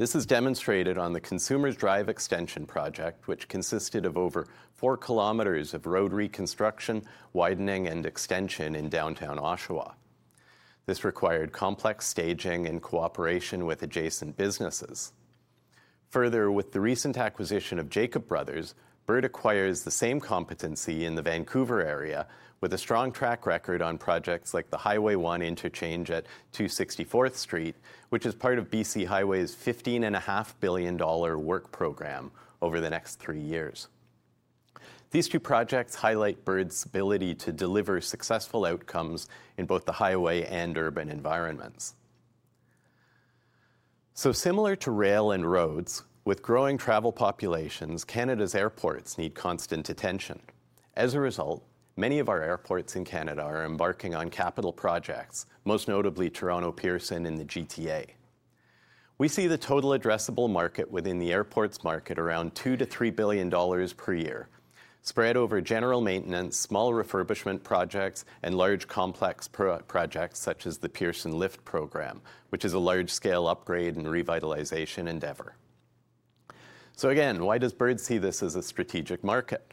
Speaker 5: This is demonstrated on the Consumers Drive Extension project, which consisted of over 4 kilometers of road reconstruction, widening, and extension in downtown Oshawa. This required complex staging and cooperation with adjacent businesses. Further, with the recent acquisition of Jacob Brothers, Bird acquires the same competency in the Vancouver area, with a strong track record on projects like the Highway 1 interchange at 264th Street, which is part of BC Highway's 15.5 billion dollar work program over the next three years. These two projects highlight Bird's ability to deliver successful outcomes in both the highway and urban environments. So similar to rail and roads, with growing travel populations, Canada's airports need constant attention. As a result, many of our airports in Canada are embarking on capital projects, most notably Toronto Pearson in the GTA. We see the total addressable market within the airports market around 2-3 billion dollars per year, spread over general maintenance, small refurbishment projects, and large, complex projects such as the Pearson LIFT Program, which is a large-scale upgrade and revitalization endeavor. So again, why does Bird see this as a strategic market?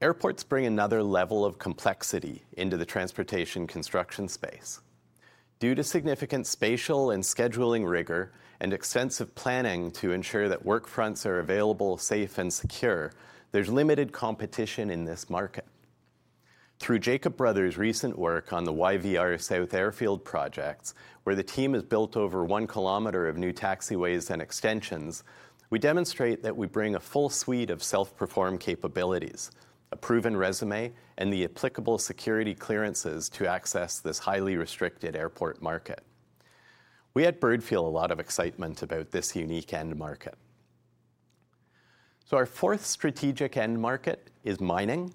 Speaker 5: Airports bring another level of complexity into the transportation construction space. Due to significant spatial and scheduling rigor and extensive planning to ensure that work fronts are available, safe, and secure, there's limited competition in this market. Through Jacob Bros' recent work on the YVR South Airfield projects, where the team has built over one kilometer of new taxiways and extensions, we demonstrate that we bring a full suite of self-performed capabilities, a proven resume, and the applicable security clearances to access this highly restricted airport market. We at Bird feel a lot of excitement about this unique end market. So our fourth strategic end market is mining.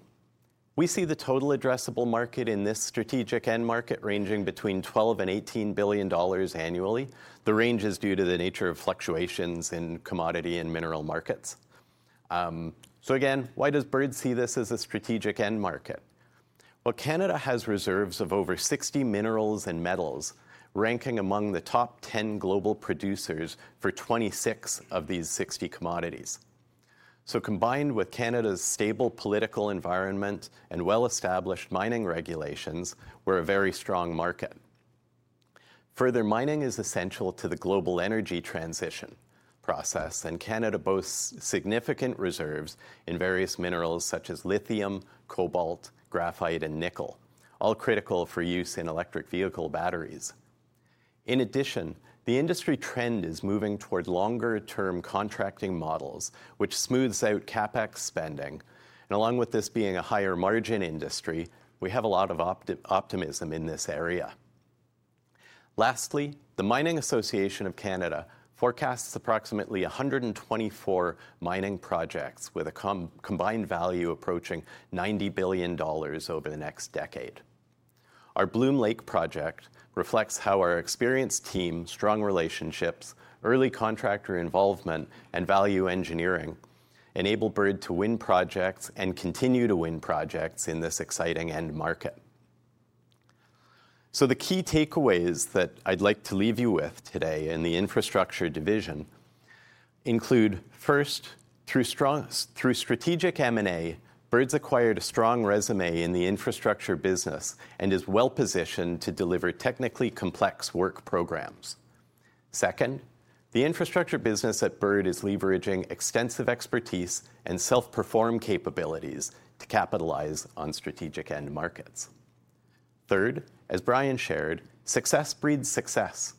Speaker 5: We see the total addressable market in this strategic end market ranging between 12 billion and 18 billion dollars annually. The range is due to the nature of fluctuations in commodity and mineral markets. So again, why does Bird see this as a strategic end market? Well, Canada has reserves of over 60 minerals and metals, ranking among the top 10 global producers for 26 of these 60 commodities. So combined with Canada's stable political environment and well-established mining regulations, we're a very strong market. Further, mining is essential to the global energy transition process, and Canada boasts significant reserves in various minerals such as lithium, cobalt, graphite, and nickel, all critical for use in electric vehicle batteries. In addition, the industry trend is moving towards longer-term contracting models, which smooths out CapEx spending. And along with this being a higher margin industry, we have a lot of optimism in this area. Lastly, the Mining Association of Canada forecasts approximately 124 mining projects with a combined value approaching 90 billion dollars over the next decade. Our Bloom Lake project reflects how our experienced team, strong relationships, early contractor involvement, and value engineering enable Bird to win projects and continue to win projects in this exciting end market. The key takeaways that I'd like to leave you with today in the infrastructure division include, first, through strategic M&A, Bird's acquired a strong resume in the infrastructure business and is well-positioned to deliver technically complex work programs. Second, the infrastructure business at Bird is leveraging extensive expertise and self-perform capabilities to capitalize on strategic end markets. Third, as Brian shared, success breeds success,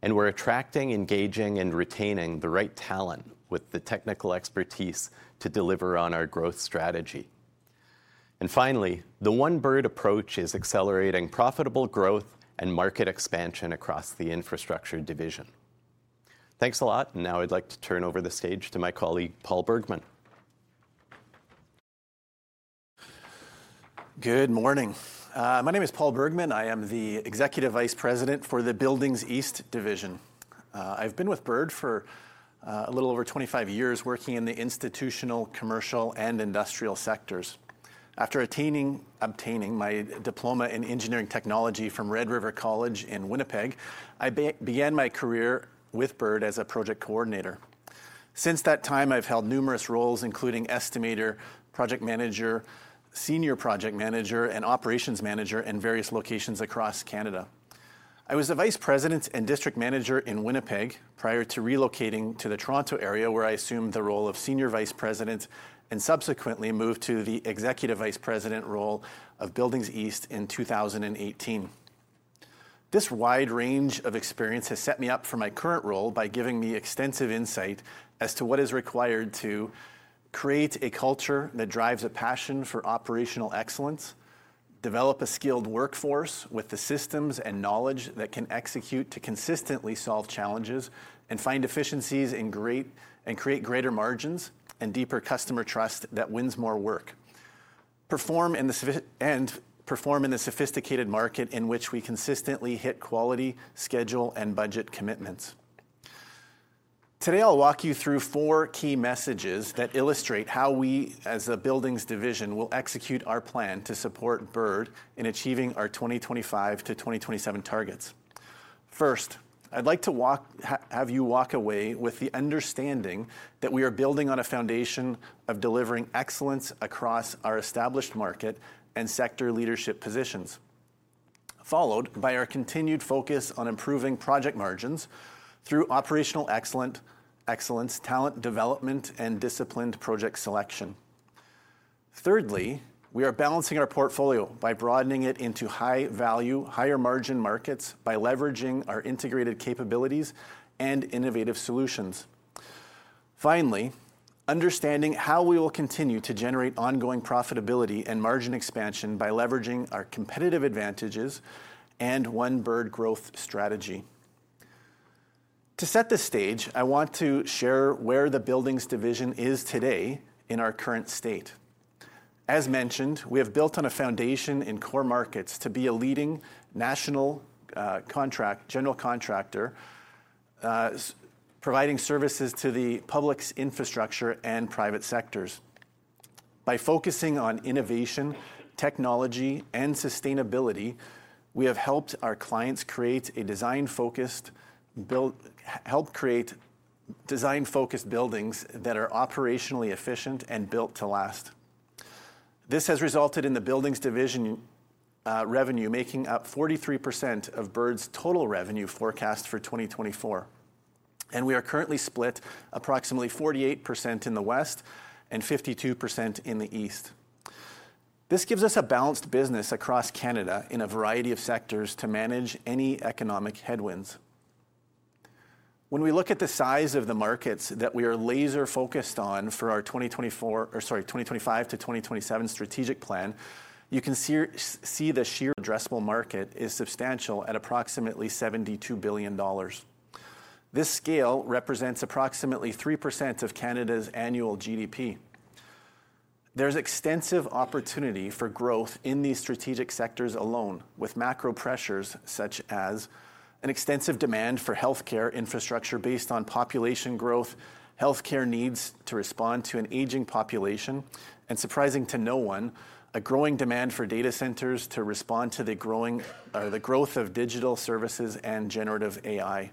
Speaker 5: and we're attracting, engaging, and retaining the right talent with the technical expertise to deliver on our growth strategy. And finally, the One Bird approach is accelerating profitable growth and market expansion across the infrastructure division. Thanks a lot, and now I'd like to turn over the stage to my colleague, Paul Bergman.
Speaker 6: Good morning. My name is Paul Bergman. I am the Executive Vice President for the Buildings East Division. I've been with Bird for a little over twenty-five years, working in the institutional, commercial, and industrial sectors. After obtaining my diploma in Engineering Technology from Red River College in Winnipeg, I began my career with Bird as a project coordinator. Since that time, I've held numerous roles, including estimator, project manager, senior project manager, and operations manager in various locations across Canada. I was the vice president and district manager in Winnipeg prior to relocating to the Toronto area, where I assumed the role of Senior Vice President, and subsequently moved to the Executive Vice President role of Buildings East in 2018. This wide range of experience has set me up for my current role by giving me extensive insight as to what is required to create a culture that drives a passion for operational excellence, develop a skilled workforce with the systems and knowledge that can execute to consistently solve challenges and find efficiencies and create greater margins and deeper customer trust that wins more work and perform in the sophisticated market in which we consistently hit quality, schedule, and budget commitments. Today, I'll walk you through four key messages that illustrate how we, as a buildings division, will execute our plan to support Bird in achieving our 2025 to 2027 targets. First, I'd like to have you walk away with the understanding that we are building on a foundation of delivering excellence across our established market and sector leadership positions, followed by our continued focus on improving project margins through operational excellence, talent development, and disciplined project selection. Thirdly, we are balancing our portfolio by broadening it into high-value, higher-margin markets by leveraging our integrated capabilities and innovative solutions. Finally, understanding how we will continue to generate ongoing profitability and margin expansion by leveraging our competitive advantages and One Bird growth strategy. To set the stage, I want to share where the Buildings Division is today in our current state. As mentioned, we have built on a foundation in core markets to be a leading national general contractor providing services to the public infrastructure and private sectors. By focusing on innovation, technology, and sustainability, we have helped our clients create a design-focused build help create design-focused buildings that are operationally efficient and built to last. This has resulted in the buildings division revenue making up 43% of Bird's total revenue forecast for 2024, and we are currently split approximately 48% in the West and 52% in the East. This gives us a balanced business across Canada in a variety of sectors to manage any economic headwinds. When we look at the size of the markets that we are laser-focused on for our 2024 or sorry, 2025-2027 strategic plan, you can see the sheer addressable market is substantial at approximately 72 billion dollars. This scale represents approximately 3% of Canada's annual GDP. There's extensive opportunity for growth in these strategic sectors alone, with macro pressures such as an extensive demand for healthcare infrastructure based on population growth, healthcare needs to respond to an aging population, and surprising to no one, a growing demand for data centers to respond to the growing, the growth of digital services and generative AI.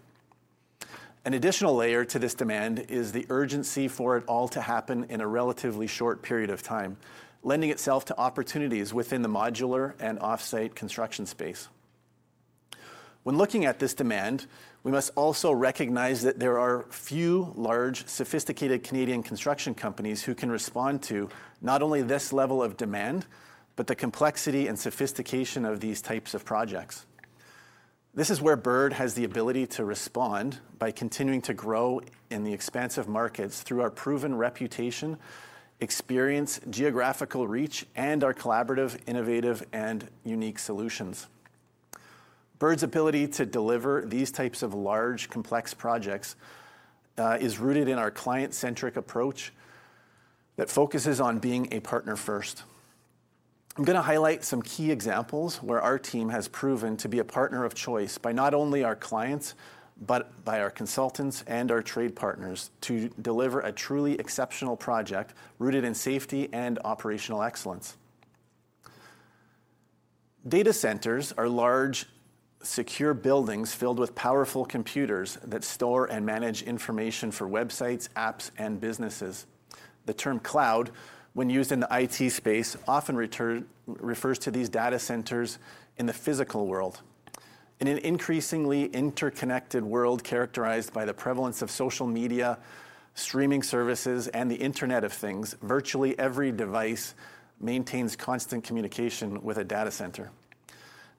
Speaker 6: An additional layer to this demand is the urgency for it all to happen in a relatively short period of time, lending itself to opportunities within the modular and offsite construction space. When looking at this demand, we must also recognize that there are few large, sophisticated Canadian construction companies who can respond to not only this level of demand, but the complexity and sophistication of these types of projects. This is where Bird has the ability to respond by continuing to grow in the expansive markets through our proven reputation, experience, geographical reach, and our collaborative, innovative, and unique solutions. Bird's ability to deliver these types of large, complex projects is rooted in our client-centric approach that focuses on being a partner first. I'm gonna highlight some key examples where our team has proven to be a partner of choice by not only our clients, but by our consultants and our trade partners, to deliver a truly exceptional project rooted in safety and operational excellence. Data centers are large, secure buildings filled with powerful computers that store and manage information for websites, apps, and businesses. The term cloud, when used in the IT space, often refers to these data centers in the physical world. In an increasingly interconnected world characterized by the prevalence of social media, streaming services, and the Internet of Things, virtually every device maintains constant communication with a data center.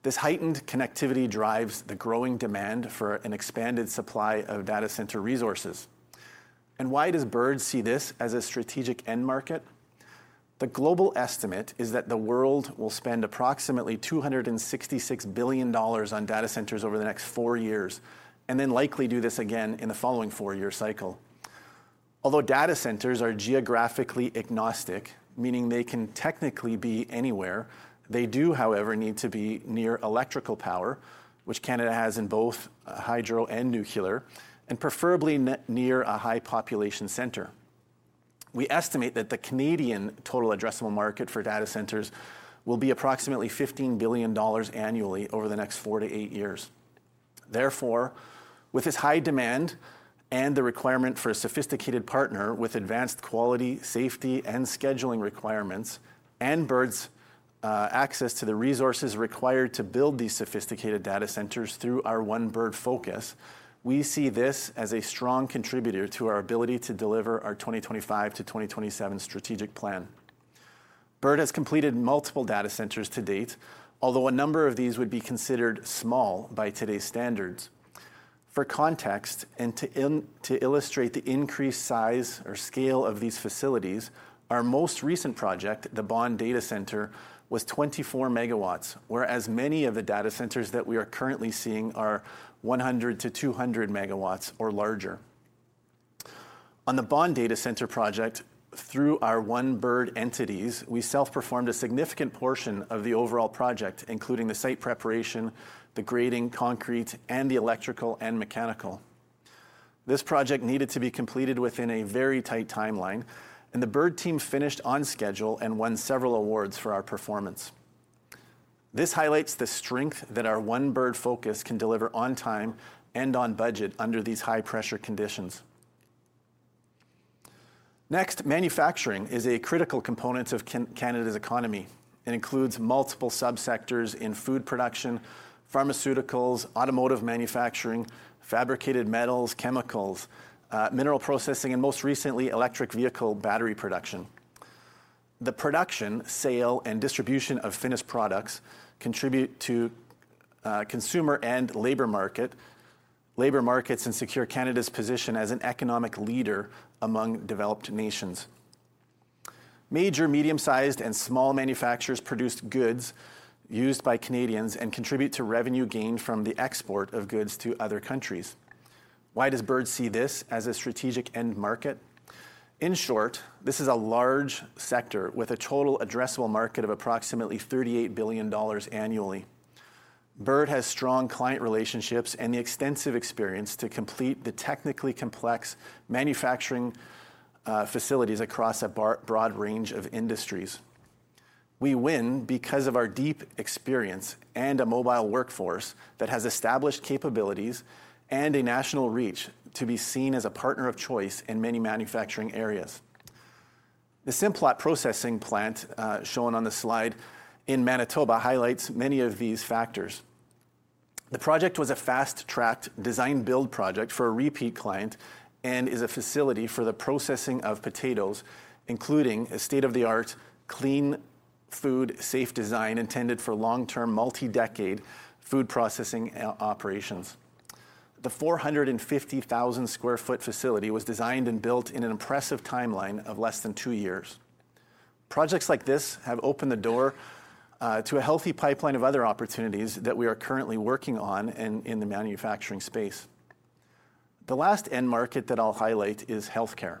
Speaker 6: This heightened connectivity drives the growing demand for an expanded supply of data center resources. And why does Bird see this as a strategic end market? The global estimate is that the world will spend approximately 266 billion dollars on data centers over the next four years, and then likely do this again in the following four-year cycle. Although data centers are geographically agnostic, meaning they can technically be anywhere, they do, however, need to be near electrical power, which Canada has in both hydro and nuclear, and preferably near a high population center. We estimate that the Canadian total addressable market for data centers will be approximately 15 billion dollars annually over the next four to eight years. Therefore, with this high demand and the requirement for a sophisticated partner with advanced quality, safety, and scheduling requirements, and Bird's access to the resources required to build these sophisticated data centers through our One Bird focus, we see this as a strong contributor to our ability to deliver our 2025-2027 Strategic Plan. Bird has completed multiple data centers to date, although a number of these would be considered small by today's standards. For context, and to illustrate the increased size or scale of these facilities, our most recent project, the Vaughan Data Center, was 24 megawatts, whereas many of the data centers that we are currently seeing are 100 megawatts-200 megawatts or larger. On the Vaughan Data Center project, through our One Bird entities, we self-performed a significant portion of the overall project, including the site preparation, the grading, concrete, and the electrical and mechanical. This project needed to be completed within a very tight timeline, and the Bird team finished on schedule and won several awards for our performance. This highlights the strength that our One Bird focus can deliver on time and on budget under these high-pressure conditions. Next, manufacturing is a critical component of Canada's economy and includes multiple subsectors in food production, pharmaceuticals, automotive manufacturing, fabricated metals, chemicals, mineral processing, and most recently, electric vehicle battery production. The production, sale, and distribution of finished products contribute to consumer and labor markets, and secure Canada's position as an economic leader among developed nations. Major medium-sized and small manufacturers produce goods used by Canadians and contribute to revenue gained from the export of goods to other countries. Why does Bird see this as a strategic end market? In short, this is a large sector with a total addressable market of approximately 38 billion dollars annually.... Bird has strong client relationships and the extensive experience to complete the technically complex manufacturing facilities across a broad range of industries. We win because of our deep experience and a mobile workforce that has established capabilities and a national reach to be seen as a partner of choice in many manufacturing areas. The Simplot processing plant, shown on the slide, in Manitoba, highlights many of these factors. The project was a fast-tracked design build project for a repeat client, and is a facility for the processing of potatoes, including a state-of-the-art, clean food, safe design intended for long-term, multi-decade food processing operations. The 450,000 sq ft facility was designed and built in an impressive timeline of less than two years. Projects like this have opened the door to a healthy pipeline of other opportunities that we are currently working on in the manufacturing space. The last end market that I'll highlight is healthcare.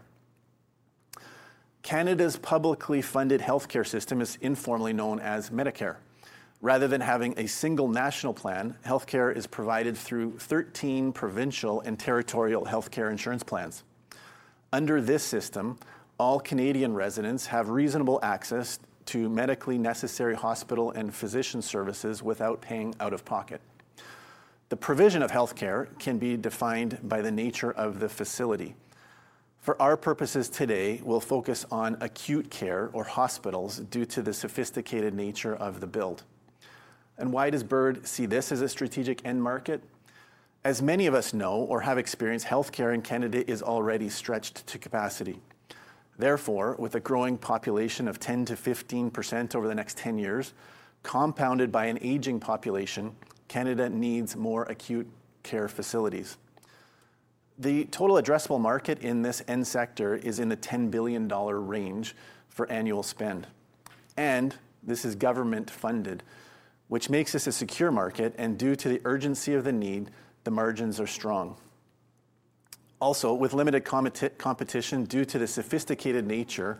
Speaker 6: Canada's publicly funded healthcare system is informally known as Medicare. Rather than having a single national plan, healthcare is provided through thirteen provincial and territorial healthcare insurance plans. Under this system, all Canadian residents have reasonable access to medically necessary hospital and physician services without paying out of pocket. The provision of healthcare can be defined by the nature of the facility. For our purposes today, we'll focus on acute care or hospitals, due to the sophisticated nature of the build, and why does Bird see this as a strategic end market? As many of us know or have experienced, healthcare in Canada is already stretched to capacity. Therefore, with a growing population of 10%-15% over the next 10 years, compounded by an aging population, Canada needs more acute care facilities. The total addressable market in this end sector is in the 10 billion dollar range for annual spend, and this is government-funded, which makes this a secure market, and due to the urgency of the need, the margins are strong. Also, with limited competition, due to the sophisticated nature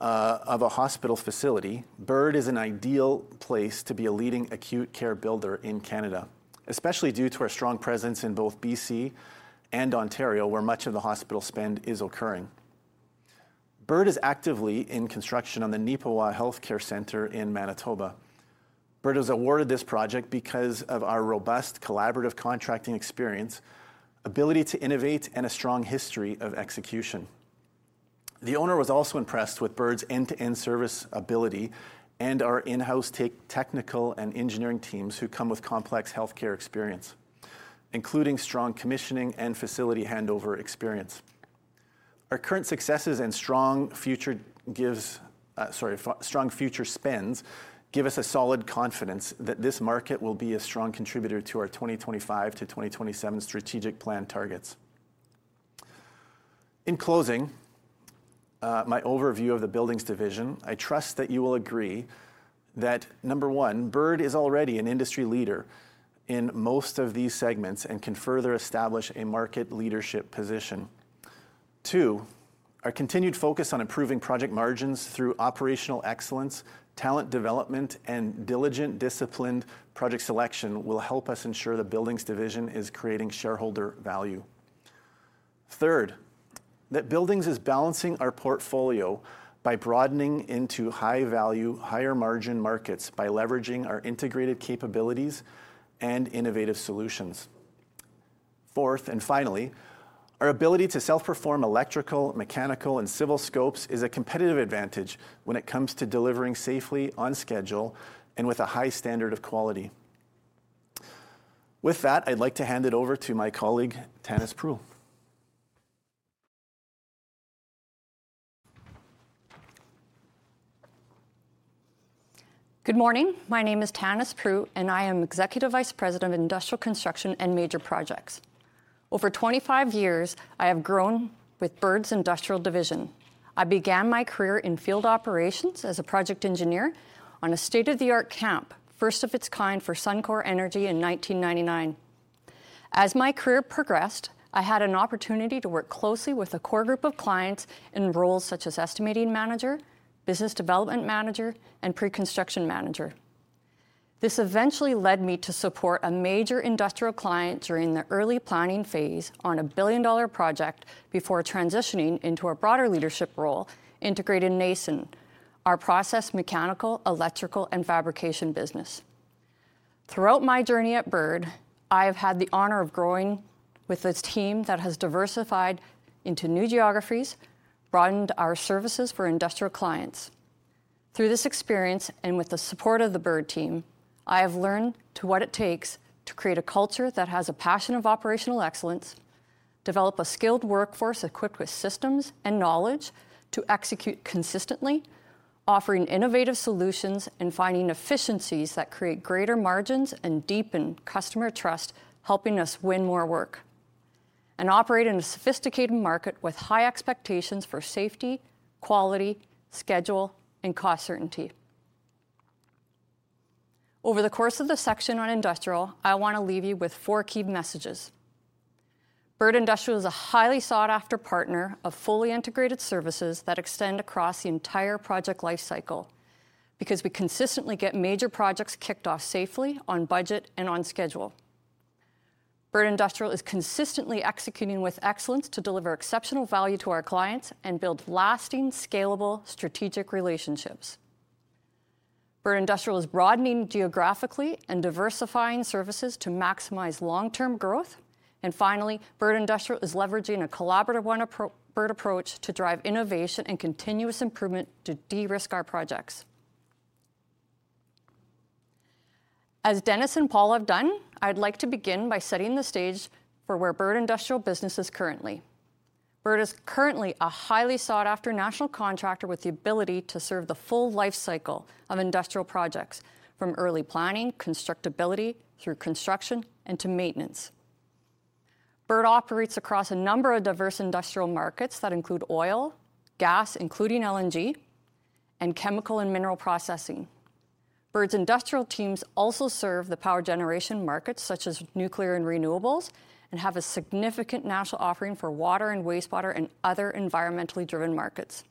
Speaker 6: of a hospital facility, Bird is an ideal place to be a leading acute care builder in Canada, especially due to our strong presence in both BC and Ontario, where much of the hospital spend is occurring. Bird is actively in construction on the Neepawa Health Centre in Manitoba. Bird was awarded this project because of our robust collaborative contracting experience, ability to innovate, and a strong history of execution. The owner was also impressed with Bird's end-to-end service ability and our in-house technical and engineering teams, who come with complex healthcare experience, including strong commissioning and facility handover experience. Our current successes and strong future spends give us a solid confidence that this market will be a strong contributor to our 2025-2027 Strategic Plan targets. In closing, my overview of the buildings division, I trust that you will agree that, number one, Bird is already an industry leader in most of these segments and can further establish a market leadership position. Two, our continued focus on improving project margins through operational excellence, talent development, and diligent, disciplined project selection will help us ensure the buildings division is creating shareholder value. Third, that buildings is balancing our portfolio by broadening into high-value, higher-margin markets by leveraging our integrated capabilities and innovative solutions. Fourth, and finally, our ability to self-perform electrical, mechanical, and civil scopes is a competitive advantage when it comes to delivering safely, on schedule, and with a high standard of quality. With that, I'd like to hand it over to my colleague, Tanis Prew.
Speaker 7: Good morning. My name is Tanis Prew, and I am Executive Vice President of Industrial Construction and Major Projects. Over 25 years, I have grown with Bird's Industrial division. I began my career in field operations as a project engineer on a state-of-the-art camp, first of its kind for Suncor Energy in 1999. As my career progressed, I had an opportunity to work closely with a core group of clients in roles such as estimating manager, business development manager, and preconstruction manager. This eventually led me to support a major industrial client during the early planning phase on a billion-dollar project before transitioning into a broader leadership role, integrated NorCan, our process, mechanical, electrical, and fabrication business. Throughout my journey at Bird, I have had the honor of growing with this team that has diversified into new geographies, broadened our services for industrial clients. Through this experience, and with the support of the Bird team, I have learned what it takes to create a culture that has a passion of operational excellence, develop a skilled workforce equipped with systems and knowledge to execute consistently, offering innovative solutions, and finding efficiencies that create greater margins and deepen customer trust, helping us win more work, and operate in a sophisticated market with high expectations for safety, quality, schedule, and cost certainty. Over the course of this section on industrial, I want to leave you with four key messages… Bird Industrial is a highly sought-after partner of fully integrated services that extend across the entire project lifecycle, because we consistently get major projects kicked off safely, on budget, and on schedule. Bird Industrial is consistently executing with excellence to deliver exceptional value to our clients and build lasting, scalable, strategic relationships. Bird Industrial is broadening geographically and diversifying services to maximize long-term growth, and finally, Bird Industrial is leveraging a collaborative one Bird approach to drive innovation and continuous improvement to de-risk our projects. As Dennis and Paul have done, I'd like to begin by setting the stage for where Bird Industrial business is currently. Bird is currently a highly sought-after national contractor with the ability to serve the full lifecycle of industrial projects, from early planning, constructability, through construction, and to maintenance. Bird operates across a number of diverse industrial markets that include oil, gas, including LNG, and chemical and mineral processing. Bird's industrial teams also serve the power generation markets, such as nuclear and renewables, and have a significant national offering for water and wastewater and other environmentally driven markets.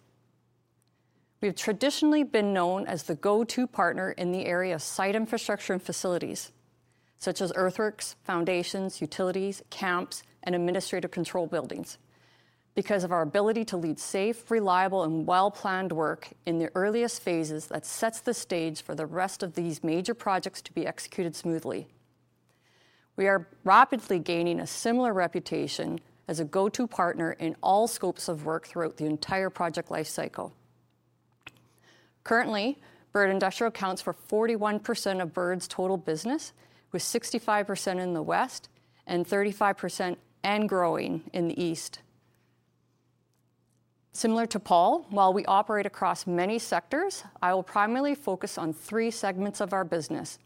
Speaker 7: We have traditionally been known as the go-to partner in the area of site infrastructure and facilities, such as earthworks, foundations, utilities, camps, and administrative control buildings, because of our ability to lead safe, reliable, and well-planned work in the earliest phases that sets the stage for the rest of these major projects to be executed smoothly. We are rapidly gaining a similar reputation as a go-to partner in all scopes of work throughout the entire project lifecycle. Currently, Bird Industrial accounts for 41% of Bird's total business, with 65% in the West and 35%, and growing, in the East. Similar to Paul, while we operate across many sectors, I will primarily focus on three segments of our business: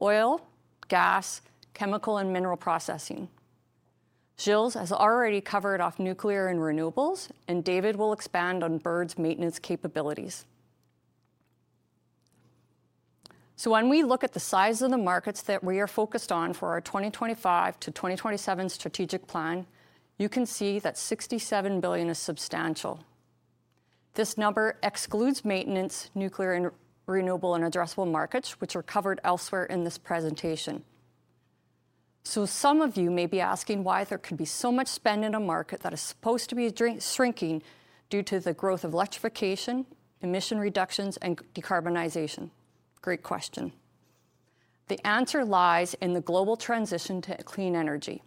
Speaker 7: oil, gas, chemical, and mineral processing. Gilles has already covered off nuclear and renewables, and David will expand on Bird's maintenance capabilities. So when we look at the size of the markets that we are focused on for our 2025-2027 Strategic Plan, you can see that 67 billion is substantial. This number excludes maintenance, nuclear, and renewable and addressable markets, which are covered elsewhere in this presentation. Some of you may be asking why there could be so much spend in a market that is supposed to be shrinking due to the growth of electrification, emission reductions, and decarbonization. Great question. The answer lies in the global transition to clean energy.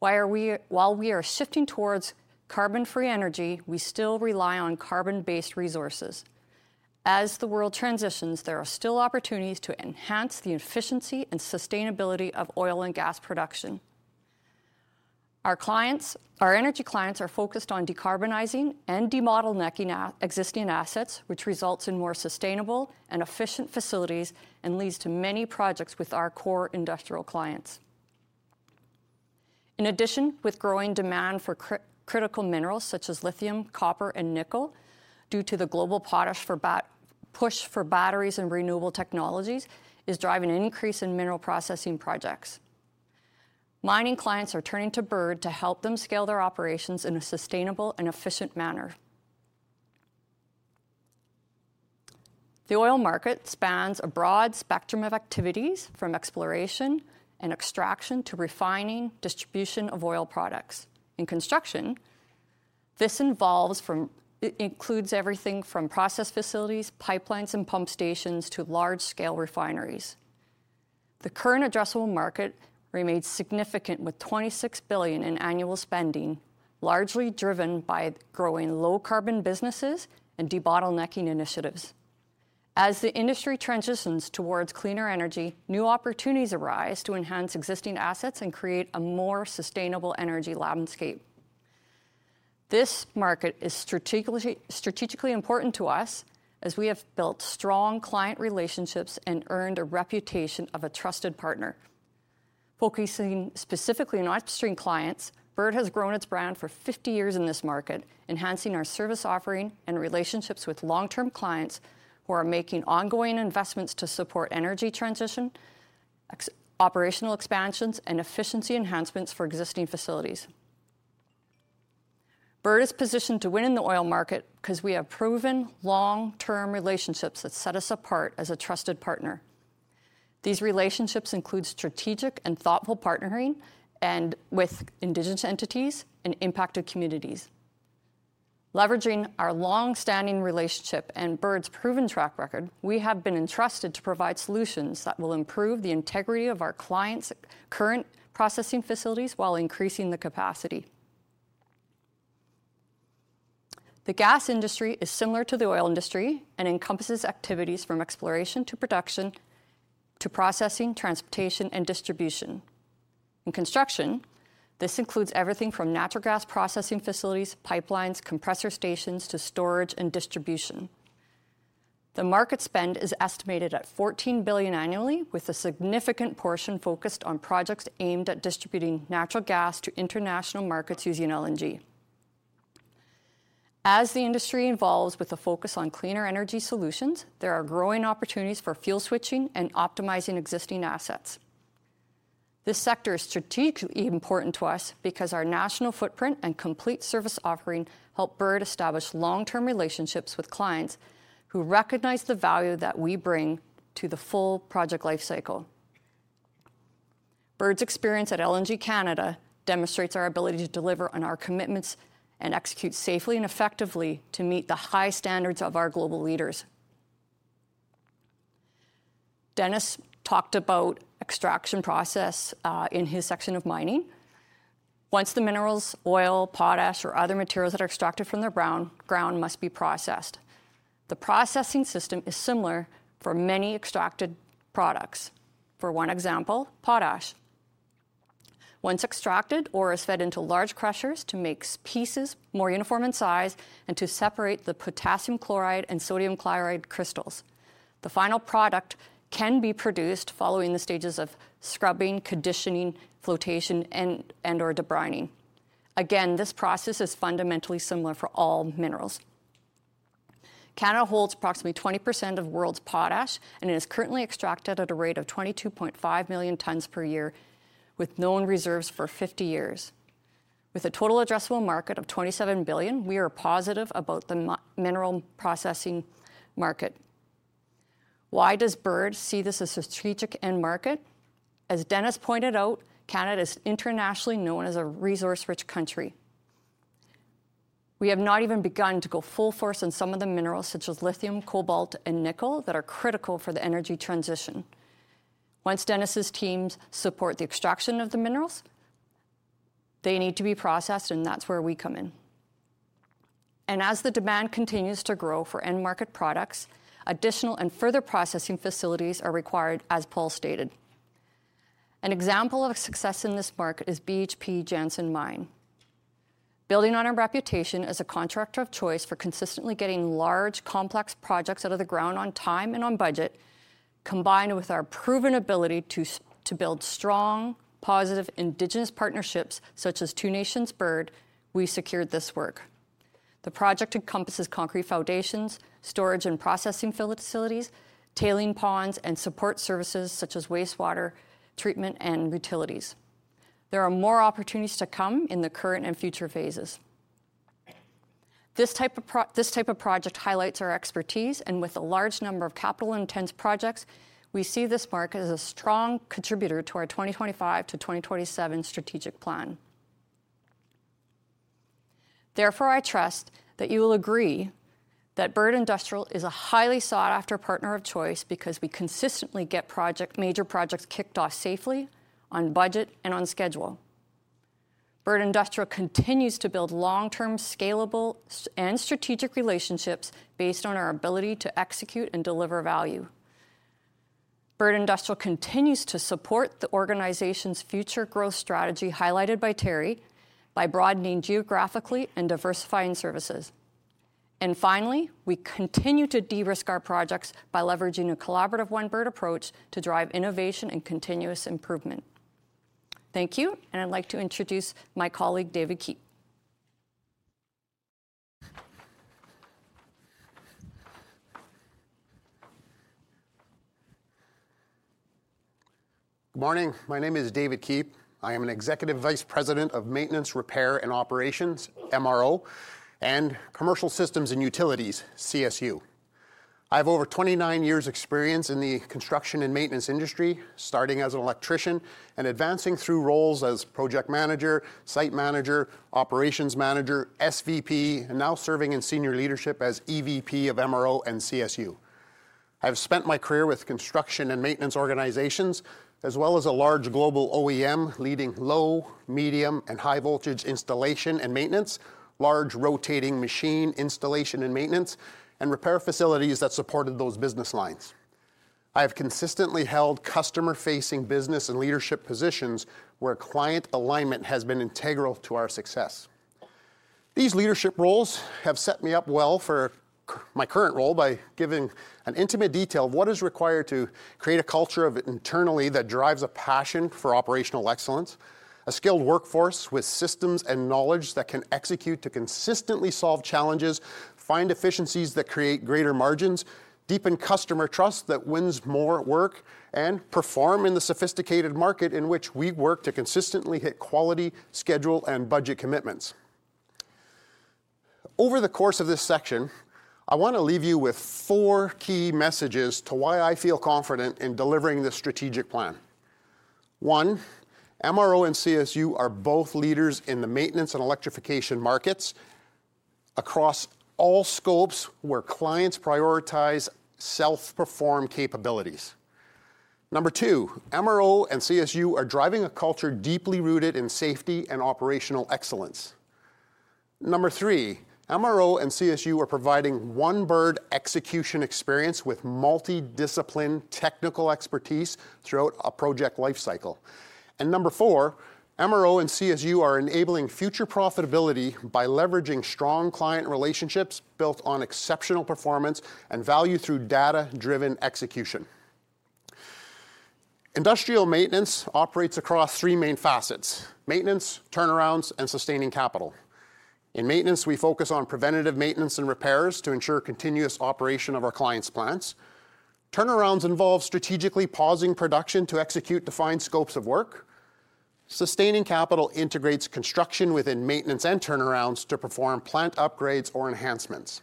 Speaker 7: While we are shifting towards carbon-free energy, we still rely on carbon-based resources. As the world transitions, there are still opportunities to enhance the efficiency and sustainability of oil and gas production. Our clients, our energy clients are focused on decarbonizing and demottlenecking existing assets, which results in more sustainable and efficient facilities and leads to many projects with our core industrial clients. In addition, with growing demand for critical minerals such as lithium, copper, and nickel, due to the global push for batteries and renewable technologies, is driving an increase in mineral processing projects. Mining clients are turning to Bird to help them scale their operations in a sustainable and efficient manner. The oil market spans a broad spectrum of activities, from exploration and extraction to refining, distribution of oil products. In construction, this involves. It includes everything from process facilities, pipelines, and pump stations to large-scale refineries. The current addressable market remains significant, with 26 billion in annual spending, largely driven by growing low-carbon businesses and debottlenecking initiatives. As the industry transitions towards cleaner energy, new opportunities arise to enhance existing assets and create a more sustainable energy landscape. This market is strategically important to us, as we have built strong client relationships and earned a reputation of a trusted partner. Focusing specifically on upstream clients, Bird has grown its brand for fifty years in this market, enhancing our service offering and relationships with long-term clients who are making ongoing investments to support energy transition, e.g., operational expansions, and efficiency enhancements for existing facilities. Bird is positioned to win in the oil market because we have proven long-term relationships that set us apart as a trusted partner. These relationships include strategic and thoughtful partnering with indigenous entities and impacted communities. Leveraging our long-standing relationship and Bird's proven track record, we have been entrusted to provide solutions that will improve the integrity of our clients' current processing facilities while increasing the capacity. The gas industry is similar to the oil industry and encompasses activities from exploration to production to processing, transportation, and distribution. In construction, this includes everything from natural gas processing facilities, pipelines, compressor stations, to storage and distribution. The market spend is estimated at 14 billion annually, with a significant portion focused on projects aimed at distributing natural gas to international markets using LNG. As the industry evolves with a focus on cleaner energy solutions, there are growing opportunities for fuel switching and optimizing existing assets. This sector is strategically important to us because our national footprint and complete service offering help Bird establish long-term relationships with clients who recognize the value that we bring to the full project life cycle. Bird's experience at LNG Canada demonstrates our ability to deliver on our commitments and execute safely and effectively to meet the high standards of our global leaders. Denis talked about extraction process in his section of mining. Once the minerals, oil, potash, or other materials that are extracted from the ground must be processed. The processing system is similar for many extracted products. For one example, potash. Once extracted, ore is fed into large crushers to make smaller pieces more uniform in size and to separate the potassium chloride and sodium chloride crystals. The final product can be produced following the stages of scrubbing, conditioning, flotation, and/or debrining. Again, this process is fundamentally similar for all minerals. Canada holds approximately 20% of the world's potash, and it is currently extracted at a rate of 22.5 million tons per year, with known reserves for 50 years. With a total addressable market of 27 billion, we are positive about the mineral processing market. Why does Bird see this as a strategic end market? As Denis pointed out, Canada is internationally known as a resource-rich country. We have not even begun to go full force on some of the minerals, such as lithium, cobalt, and nickel, that are critical for the energy transition. Once Denis's teams support the extraction of the minerals, they need to be processed, and that's where we come in. As the demand continues to grow for end market products, additional and further processing facilities are required, as Paul stated. An example of success in this market is BHP Jansen Mine. Building on our reputation as a contractor of choice for consistently getting large, complex projects out of the ground on time and on budget, combined with our proven ability to build strong, positive Indigenous partnerships, such as Two Nations Bird, we secured this work. The project encompasses concrete foundations, storage and processing facilities, tailings ponds, and support services such as wastewater treatment and utilities. There are more opportunities to come in the current and future phases. This type of project highlights our expertise, and with a large number of capital-intensive projects, we see this market as a strong contributor to our 2025 to 2027 strategic plan. Therefore, I trust that you will agree that Bird Industrial is a highly sought-after partner of choice because we consistently get project, major projects kicked off safely, on budget, and on schedule. Bird Industrial continues to build long-term, scalable, and strategic relationships based on our ability to execute and deliver value. Bird Industrial continues to support the organization's future growth strategy, highlighted by Terry, by broadening geographically and diversifying services. And finally, we continue to de-risk our projects by leveraging a collaborative One Bird approach to drive innovation and continuous improvement. Thank you, and I'd like to introduce my colleague, David Keep.
Speaker 8: Good morning. My name is David Keep. I am an Executive Vice President of Maintenance, Repair, and Operations, MRO, and Commercial Systems and Utilities, CSU. I have over twenty-nine years' experience in the construction and maintenance industry, starting as an electrician and advancing through roles as project manager, site manager, operations manager, SVP, and now serving in senior leadership as EVP of MRO and CSU. I've spent my career with construction and maintenance organizations, as well as a large global OEM, leading low, medium, and high voltage installation and maintenance, large rotating machine installation and maintenance, and repair facilities that supported those business lines. I have consistently held customer-facing business and leadership positions, where client alignment has been integral to our success. These leadership roles have set me up well for my current role by giving an intimate detail of what is required to create a culture of it internally that drives a passion for operational excellence, a skilled workforce with systems and knowledge that can execute to consistently solve challenges, find efficiencies that create greater margins, deepen customer trust that wins more work, and perform in the sophisticated market in which we work to consistently hit quality, schedule, and budget commitments. Over the course of this section, I want to leave you with four key messages to why I feel confident in delivering this strategic plan. One, MRO and CSU are both leaders in the maintenance and electrification markets across all scopes where clients prioritize self-performed capabilities. Number two, MRO and CSU are driving a culture deeply rooted in safety and operational excellence. Number three, MRO and CSU are providing One Bird execution experience with multi-disciplined technical expertise throughout a project life cycle. And number four, MRO and CSU are enabling future profitability by leveraging strong client relationships built on exceptional performance and value through data-driven execution. Industrial maintenance operates across three main facets: maintenance, turnarounds, and sustaining capital. In maintenance, we focus on preventative maintenance and repairs to ensure continuous operation of our clients' plants. Turnarounds involve strategically pausing production to execute defined scopes of work. Sustaining capital integrates construction within maintenance and turnarounds to perform plant upgrades or enhancements.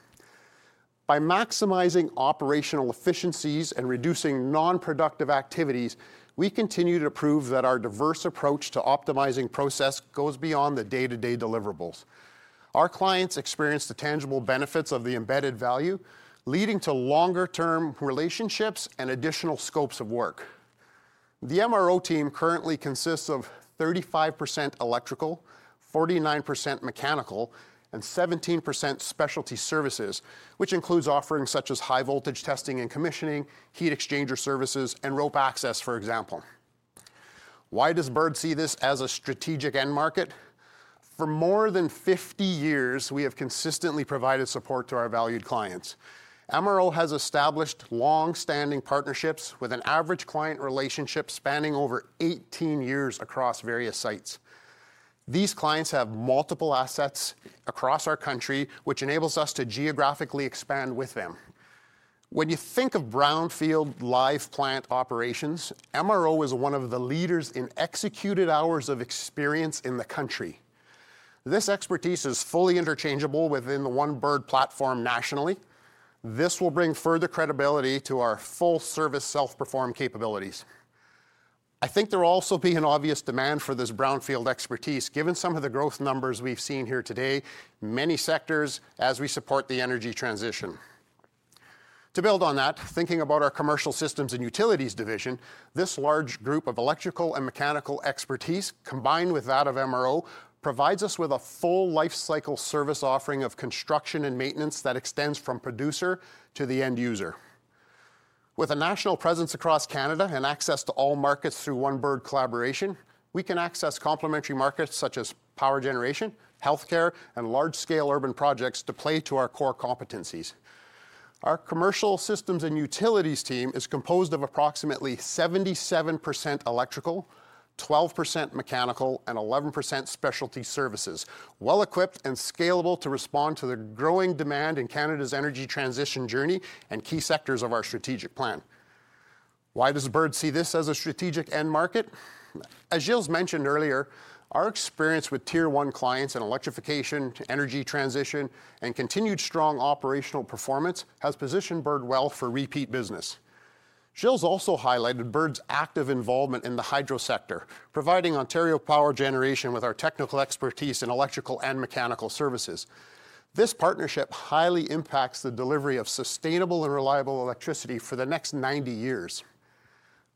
Speaker 8: By maximizing operational efficiencies and reducing non-productive activities, we continue to prove that our diverse approach to optimizing process goes beyond the day-to-day deliverables. Our clients experience the tangible benefits of the embedded value, leading to longer-term relationships and additional scopes of work. The MRO team currently consists of 35% electrical, 49% mechanical, and 17% specialty services, which includes offerings such as high voltage testing and commissioning, heat exchanger services, and rope access, for example. Why does Bird see this as a strategic end market? For more than 50 years, we have consistently provided support to our valued clients. MRO has established long-standing partnerships, with an average client relationship spanning over 18 years across various sites. These clients have multiple assets across our country, which enables us to geographically expand with them. When you think of brownfield live plant operations, MRO is one of the leaders in executed hours of experience in the country. This expertise is fully interchangeable within the One Bird platform nationally. This will bring further credibility to our full-service, self-perform capabilities. I think there will also be an obvious demand for this brownfield expertise, given some of the growth numbers we've seen here today, many sectors, as we support the energy transition. To build on that, thinking about our Commercial Systems and Utilities division, this large group of electrical and mechanical expertise, combined with that of MRO, provides us with a full lifecycle service offering of construction and maintenance that extends from producer to the end user. With a national presence across Canada and access to all markets through One Bird collaboration, we can access complementary markets such as power generation, healthcare, and large-scale urban projects to play to our core competencies. Our Commercial Systems and Utilities team is composed of approximately 77% electrical, 12% mechanical, and 11% specialty services, well-equipped and scalable to respond to the growing demand in Canada's energy transition journey and key sectors of our strategic plan. Why does Bird see this as a strategic end market? As Gilles mentioned earlier, our experience with Tier One clients in electrification to energy transition and continued strong operational performance has positioned Bird well for repeat business. Gilles also highlighted Bird's active involvement in the hydro sector, providing Ontario Power Generation with our technical expertise in electrical and mechanical services. This partnership highly impacts the delivery of sustainable and reliable electricity for the next 90 years.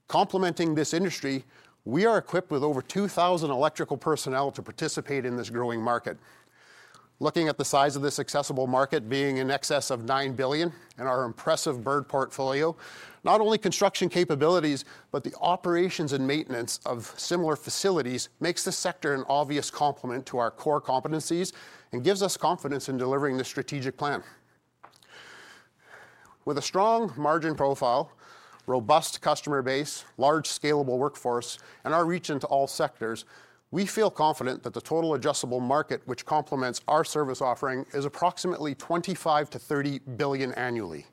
Speaker 8: Complementing this industry, we are equipped with over 2,000 electrical personnel to participate in this growing market. Looking at the size of this accessible market being in excess of 9 billion and our impressive Bird portfolio, not only construction capabilities, but the operations and maintenance of similar facilities makes this sector an obvious complement to our core competencies and gives us confidence in delivering this strategic plan. With a strong margin profile, robust customer base, large scalable workforce, and our reach into all sectors, we feel confident that the total addressable market, which complements our service offering, is approximately 25-30 billion annually.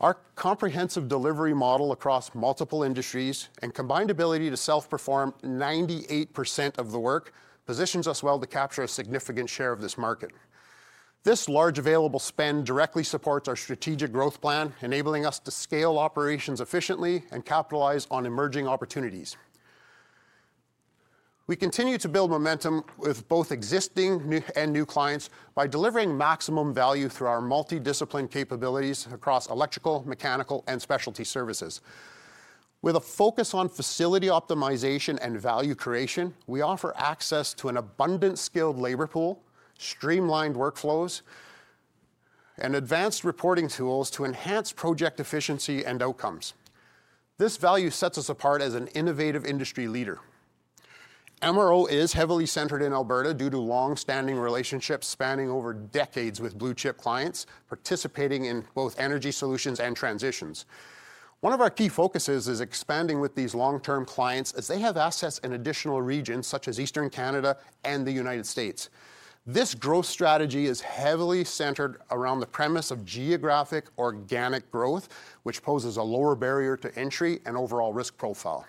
Speaker 8: Our comprehensive delivery model across multiple industries and combined ability to self-perform 98% of the work positions us well to capture a significant share of this market. This large available spend directly supports our strategic growth plan, enabling us to scale operations efficiently and capitalize on emerging opportunities. We continue to build momentum with both existing new, and new clients by delivering maximum value through our multi-discipline capabilities across electrical, mechanical, and specialty services. With a focus on facility optimization and value creation, we offer access to an abundant skilled labor pool, streamlined workflows, and advanced reporting tools to enhance project efficiency and outcomes. This value sets us apart as an innovative industry leader. MRO is heavily centered in Alberta due to long-standing relationships spanning over decades with blue-chip clients, participating in both energy solutions and transitions. One of our key focuses is expanding with these long-term clients, as they have assets in additional regions, such as Eastern Canada and the United States. This growth strategy is heavily centered around the premise of geographic, organic growth, which poses a lower barrier to entry and overall risk profile.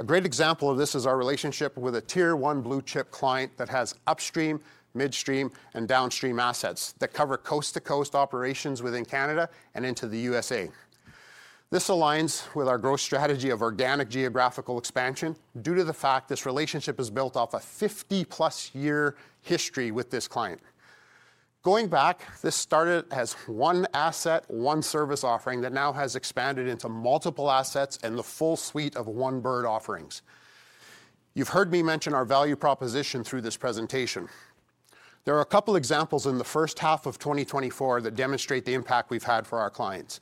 Speaker 8: A great example of this is our relationship with a Tier One blue-chip client that has upstream, midstream, and downstream assets that cover coast-to-coast operations within Canada and into the USA. This aligns with our growth strategy of organic geographical expansion due to the fact this relationship is built off a fifty-plus year history with this client. Going back, this started as one asset, one service offering that now has expanded into multiple assets and the full suite of One Bird offerings. You've heard me mention our value proposition through this presentation. There are a couple examples in the first half of 2024 that demonstrate the impact we've had for our clients.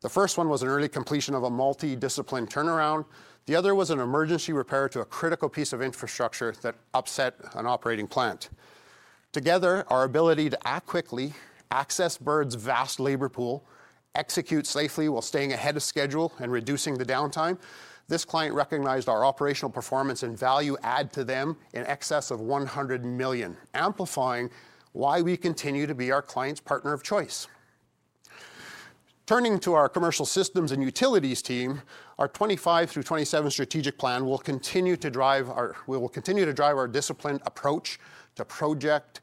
Speaker 8: The first one was an early completion of a multi-discipline turnaround. The other was an emergency repair to a critical piece of infrastructure that upset an operating plant. Together, our ability to act quickly, access Bird's vast labor pool, execute safely while staying ahead of schedule and reducing the downtime, this client recognized our operational performance and value add to them in excess of $100 million, amplifying why we continue to be our client's partner of choice. Turning to our Commercial Systems and Utilities team, our 2025 through 2027 strategic plan will continue to drive. We will continue to drive our disciplined approach to project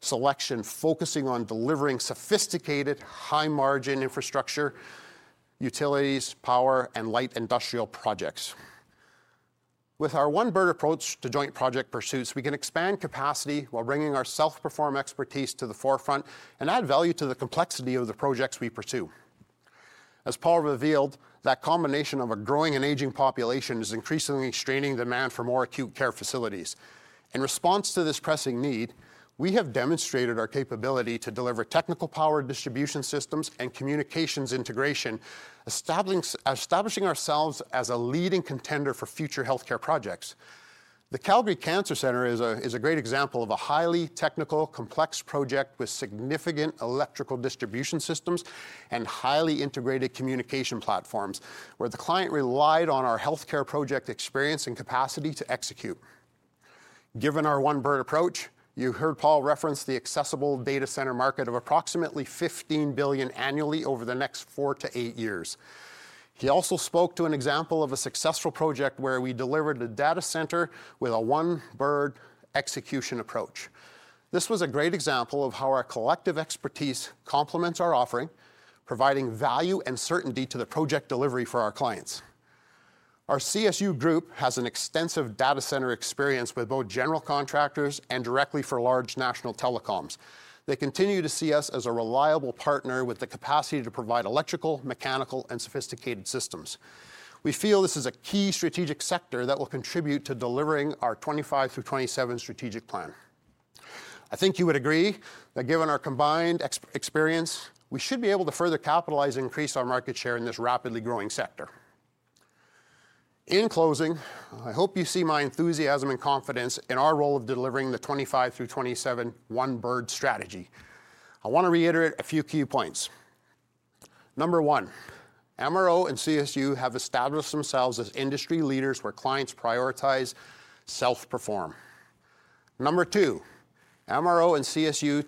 Speaker 8: selection, focusing on delivering sophisticated, high-margin infrastructure, utilities, power, and light industrial projects. With our One Bird approach to joint project pursuits, we can expand capacity while bringing our self-perform expertise to the forefront and add value to the complexity of the projects we pursue. As Paul revealed, that combination of a growing and aging population is increasingly straining demand for more acute care facilities. In response to this pressing need, we have demonstrated our capability to deliver technical power distribution systems and communications integration, establishing ourselves as a leading contender for future healthcare projects. The Calgary Cancer Centre is a great example of a highly technical, complex project with significant electrical distribution systems and highly integrated communication platforms, where the client relied on our healthcare project experience and capacity to execute. Given our One Bird approach, you heard Paul reference the accessible data center market of approximately $15 billion annually over the next four to eight years. He also spoke to an example of a successful project where we delivered a data center with a One Bird execution approach. This was a great example of how our collective expertise complements our offering, providing value and certainty to the project delivery for our clients. Our CSU group has an extensive data center experience with both general contractors and directly for large national telecoms. They continue to see us as a reliable partner with the capacity to provide electrical, mechanical, and sophisticated systems. We feel this is a key strategic sector that will contribute to delivering our 2025 through 2027 strategic plan. I think you would agree that given our combined experience, we should be able to further capitalize and increase our market share in this rapidly growing sector. In closing, I hope you see my enthusiasm and confidence in our role of delivering the 2025 through 2027 One Bird strategy. I want to reiterate a few key points. Number one, MRO and CSU have established themselves as industry leaders where clients prioritize self-perform. Number two, MRO and CSU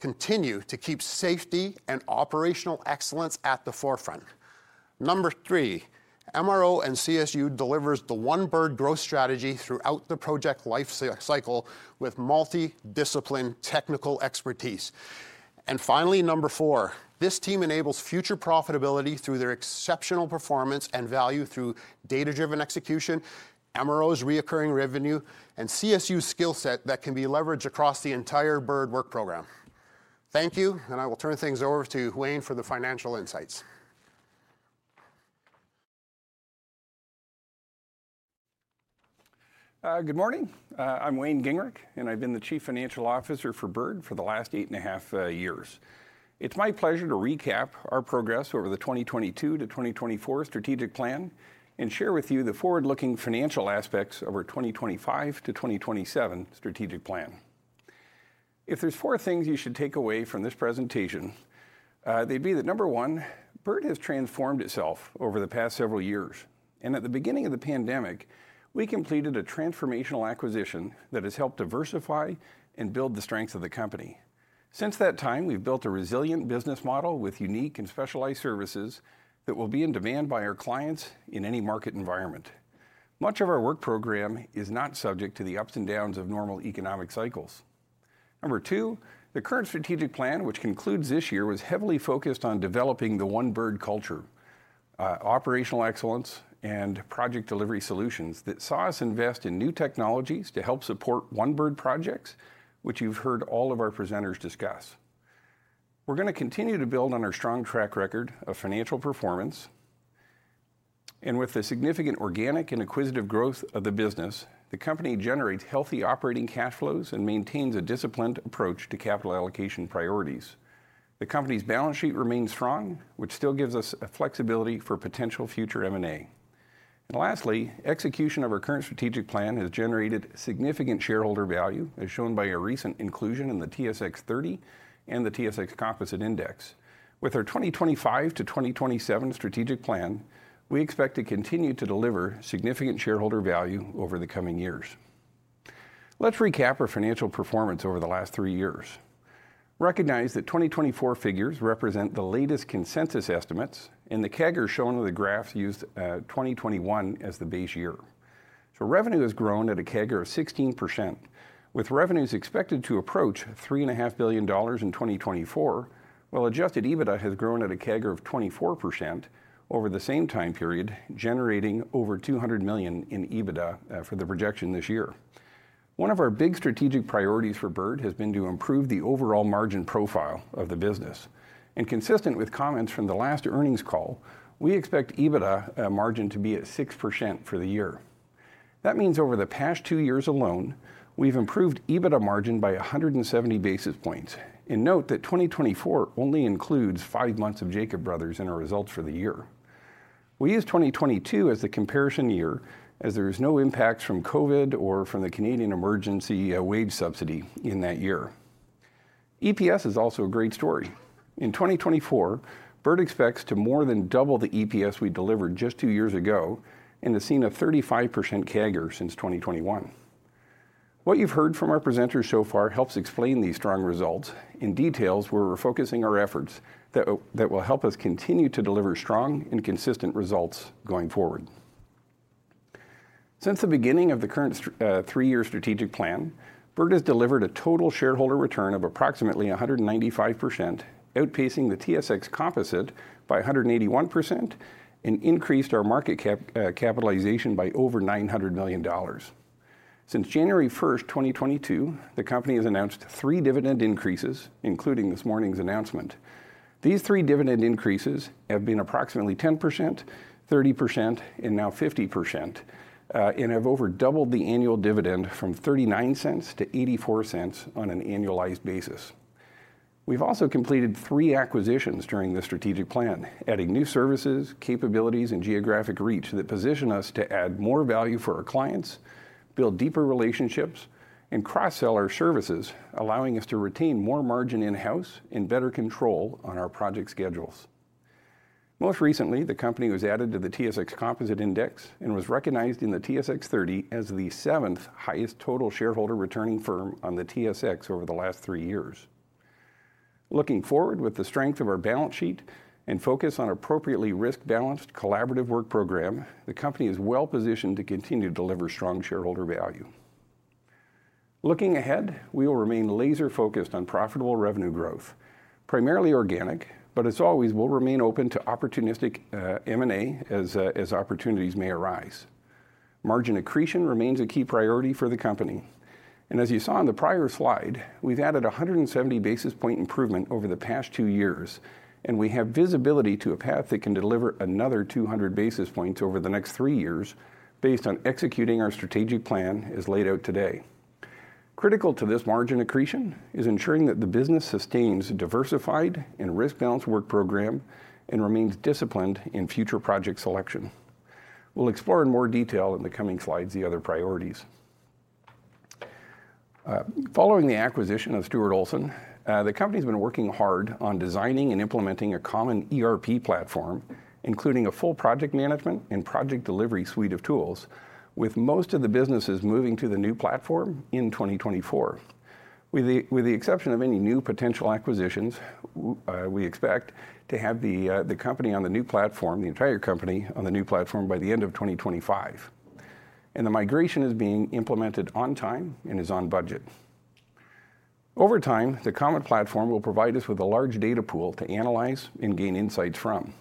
Speaker 8: continue to keep safety and operational excellence at the forefront. Number three, MRO and CSU delivers the One Bird growth strategy throughout the project life cycle with multi-discipline technical expertise. And finally, number four, this team enables future profitability through their exceptional performance and value through data-driven execution, MRO's recurring revenue, and CSU's skill set that can be leveraged across the entire Bird work program. Thank you, and I will turn things over to Wayne for the financial insights.
Speaker 9: Good morning. I'm Wayne Gingrich, and I've been the Chief Financial Officer for Bird for the last eight and a half years. It's my pleasure to recap our progress over the 2022 to 2024 strategic plan and share with you the forward-looking financial aspects of our 2025 to 2027 strategic plan. If there's four things you should take away from this presentation, they'd be that, number one, Bird has transformed itself over the past several years, and at the beginning of the pandemic, we completed a transformational acquisition that has helped diversify and build the strengths of the company. Since that time, we've built a resilient business model with unique and specialized services that will be in demand by our clients in any market environment. Much of our work program is not subject to the ups and downs of normal economic cycles. Number two, the current strategic plan, which concludes this year, was heavily focused on developing the One Bird culture, operational excellence, and project delivery solutions that saw us invest in new technologies to help support One Bird projects, which you've heard all of our presenters discuss. We're gonna continue to build on our strong track record of financial performance, and with the significant organic and acquisitive growth of the business, the company generates healthy operating cash flows and maintains a disciplined approach to capital allocation priorities. The company's balance sheet remains strong, which still gives us a flexibility for potential future M&A. And lastly, execution of our current strategic plan has generated significant shareholder value, as shown by a recent inclusion in the TSX 30 and the TSX Composite Index. With our 2025 to 2027 strategic plan, we expect to continue to deliver significant shareholder value over the coming years. Let's recap our financial performance over the last three years. Recognize that 2024 figures represent the latest consensus estimates, and the CAGR shown on the graph used, 2021 as the base year. So revenue has grown at a CAGR of 16%, with revenues expected to approach 3.5 billion dollars in 2024, while adjusted EBITDA has grown at a CAGR of 24% over the same time period, generating over 200 million in EBITDA, for the projection this year. One of our big strategic priorities for Bird has been to improve the overall margin profile of the business, and consistent with comments from the last earnings call, we expect EBITDA, margin to be at 6% for the year. That means over the past two years alone, we've improved EBITDA margin by 170 basis points. And note that 2024 only includes five months of Jacob Brothers in our results for the year. We use 2022 as the comparison year, as there is no impact from COVID or from the Canadian Emergency Wage Subsidy in that year. EPS is also a great story. In 2024, Bird expects to more than double the EPS we delivered just two years ago and has seen a 35% CAGR since twenty twenty-one. What you've heard from our presenters so far helps explain these strong results in details where we're focusing our efforts that will help us continue to deliver strong and consistent results going forward. Since the beginning of the current three-year strategic plan, Bird has delivered a total shareholder return of approximately 195%, outpacing the TSX Composite by 181%, and increased our market cap capitalization by over 900 million dollars. Since January first, 2022, the company has announced three dividend increases, including this morning's announcement. These three dividend increases have been approximately 10%, 30%, and now 50%, and have over doubled the annual dividend from $0.39 to $0.84 on an annualized basis. We've also completed three acquisitions during the strategic plan, adding new services, capabilities, and geographic reach that position us to add more value for our clients, build deeper relationships, and cross-sell our services, allowing us to retain more margin in-house and better control on our project schedules. Most recently, the company was added to the TSX Composite Index and was recognized in the TSX 30 as the seventh highest total shareholder returning firm on the TSX over the last three years. Looking forward, with the strength of our balance sheet and focus on appropriately risk-balanced collaborative work program, the company is well-positioned to continue to deliver strong shareholder value. Looking ahead, we will remain laser-focused on profitable revenue growth, primarily organic, but as always, we'll remain open to opportunistic, M&A as, as opportunities may arise. Margin accretion remains a key priority for the company, and as you saw on the prior slide, we've added a hundred and seventy basis point improvement over the past two years, and we have visibility to a path that can deliver another two hundred basis points over the next three years based on executing our strategic plan as laid out today. Critical to this margin accretion is ensuring that the business sustains a diversified and risk-balanced work program and remains disciplined in future project selection. We'll explore in more detail in the coming slides, the other priorities. Following the acquisition of Stuart Olson, the company's been working hard on designing and implementing a common ERP platform, including a full project management and project delivery suite of tools, with most of the businesses moving to the new platform in 2024. With the exception of any new potential acquisitions, we expect to have the company on the new platform, the entire company on the new platform by the end of 2025, and the migration is being implemented on time and is on budget. Over time, the common platform will provide us with a large data pool to analyze and gain insights from.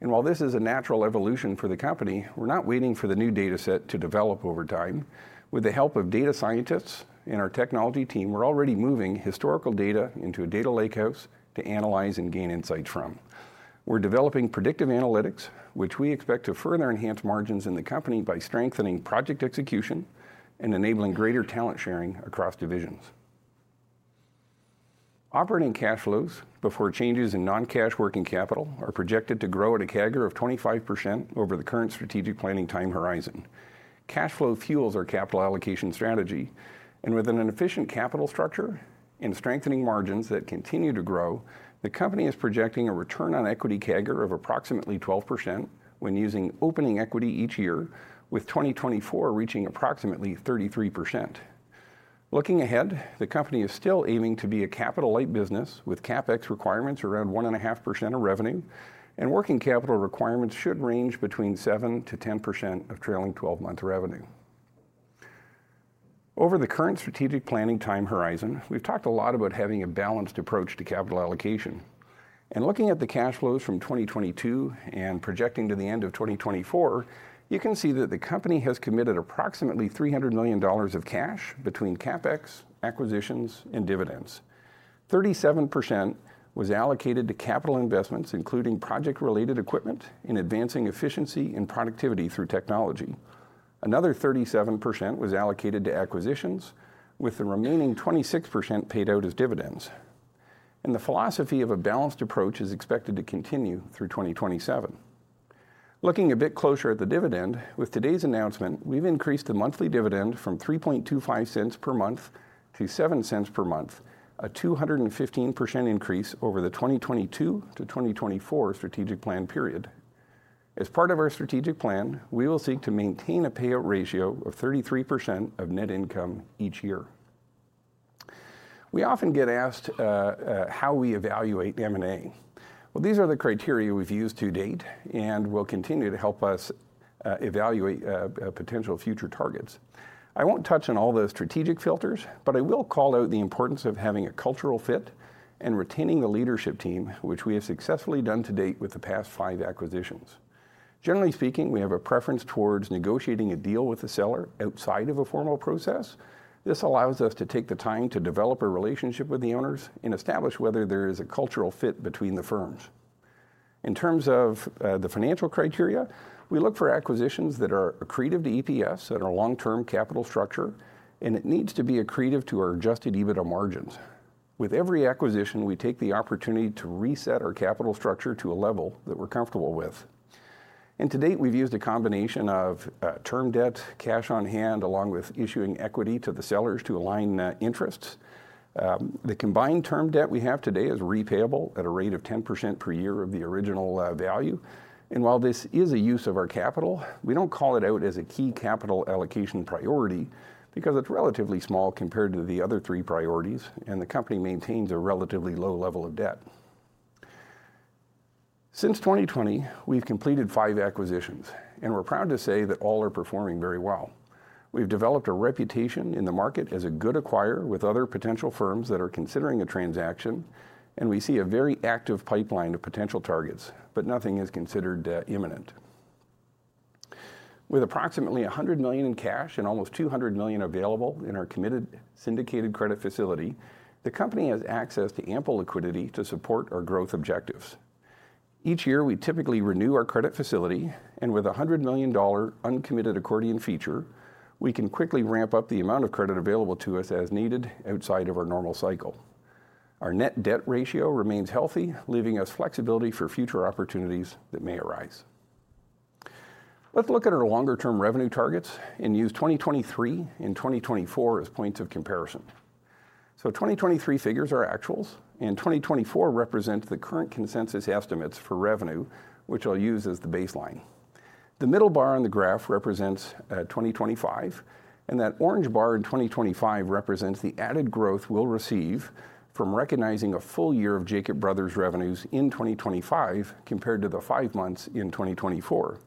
Speaker 9: And while this is a natural evolution for the company, we're not waiting for the new dataset to develop over time. With the help of data scientists and our technology team, we're already moving historical data into a data lakehouse to analyze and gain insights from. We're developing predictive analytics, which we expect to further enhance margins in the company by strengthening project execution and enabling greater talent sharing across divisions. Operating cash flows before changes in non-cash working capital are projected to grow at a CAGR of 25% over the current strategic planning time horizon. Cash flow fuels our capital allocation strategy, and with an efficient capital structure and strengthening margins that continue to grow, the company is projecting a return on equity CAGR of approximately 12% when using opening equity each year, with 2024 reaching approximately 33%. Looking ahead, the company is still aiming to be a capital-light business with CapEx requirements around 1.5% of revenue, and working capital requirements should range between 7%-10% of trailing twelve-month revenue. Over the current strategic planning time horizon, we've talked a lot about having a balanced approach to capital allocation. Looking at the cash flows from 2022 and projecting to the end of 2024, you can see that the company has committed approximately 300 million dollars of cash between CapEx, acquisitions, and dividends. 37% was allocated to capital investments, including project-related equipment, and advancing efficiency and productivity through technology. Another 37% was allocated to acquisitions, with the remaining 26% paid out as dividends. The philosophy of a balanced approach is expected to continue through 2027. Looking a bit closer at the dividend, with today's announcement, we've increased the monthly dividend from 0.0325 per month to 0.07 per month, a 215% increase over the 2022-2024 strategic plan period. As part of our strategic plan, we will seek to maintain a payout ratio of 33% of net income each year. We often get asked how we evaluate M&A. These are the criteria we've used to date and will continue to help us evaluate potential future targets. I won't touch on all the strategic filters, but I will call out the importance of having a cultural fit and retaining the leadership team, which we have successfully done to date with the past five acquisitions. Generally speaking, we have a preference towards negotiating a deal with the seller outside of a formal process. This allows us to take the time to develop a relationship with the owners and establish whether there is a cultural fit between the firms. In terms of the financial criteria, we look for acquisitions that are accretive to EPS and our long-term capital structure, and it needs to be accretive to our adjusted EBITDA margins. With every acquisition, we take the opportunity to reset our capital structure to a level that we're comfortable with. And to date, we've used a combination of term debt, cash on hand, along with issuing equity to the sellers to align interests. The combined term debt we have today is repayable at a rate of 10% per year of the original value. And while this is a use of our capital, we don't call it out as a key capital allocation priority because it's relatively small compared to the other three priorities, and the company maintains a relatively low level of debt. Since 2020, we've completed five acquisitions, and we're proud to say that all are performing very well. We've developed a reputation in the market as a good acquirer with other potential firms that are considering a transaction, and we see a very active pipeline of potential targets, but nothing is considered imminent. With approximately $100 million in cash and almost $200 million available in our committed syndicated credit facility, the company has access to ample liquidity to support our growth objectives. Each year, we typically renew our credit facility, and with a $100 million uncommitted accordion feature, we can quickly ramp up the amount of credit available to us as needed outside of our normal cycle. Our net debt ratio remains healthy, leaving us flexibility for future opportunities that may arise. and use 2023 and 2024 as points of comparison. So 2023 figures are actuals, and 2024 represent the current consensus estimates for revenue, which I'll use as the baseline, so 2023 figures are actuals, and 2024 represent the current consensus estimates for revenue, which I'll use as the baseline. The middle bar on the graph represents, 2025, and that orange bar in 2025 represents the added growth we'll receive from recognizing a full year of Jacob Brothers revenues in 2025 compared to the five months in 2024.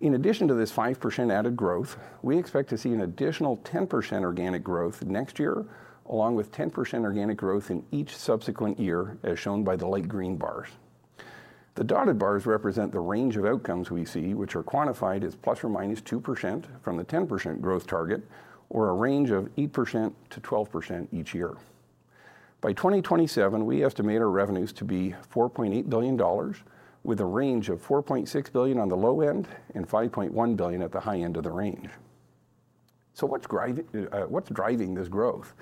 Speaker 9: In addition to this 5% added growth, we expect to see an additional 10% organic growth next year, along with 10% organic growth in each subsequent year, as shown by the light green bars. The dotted bars represent the range of outcomes we see, which are quantified as plus or -2% from the 10% growth target or a range of 8%-12% each year. By 2027, we estimate our revenues to be 4.8 billion dollars, with a range of 4.6 billion on the low end and 5.1 billion at the high end of the range. So what's driving this growth?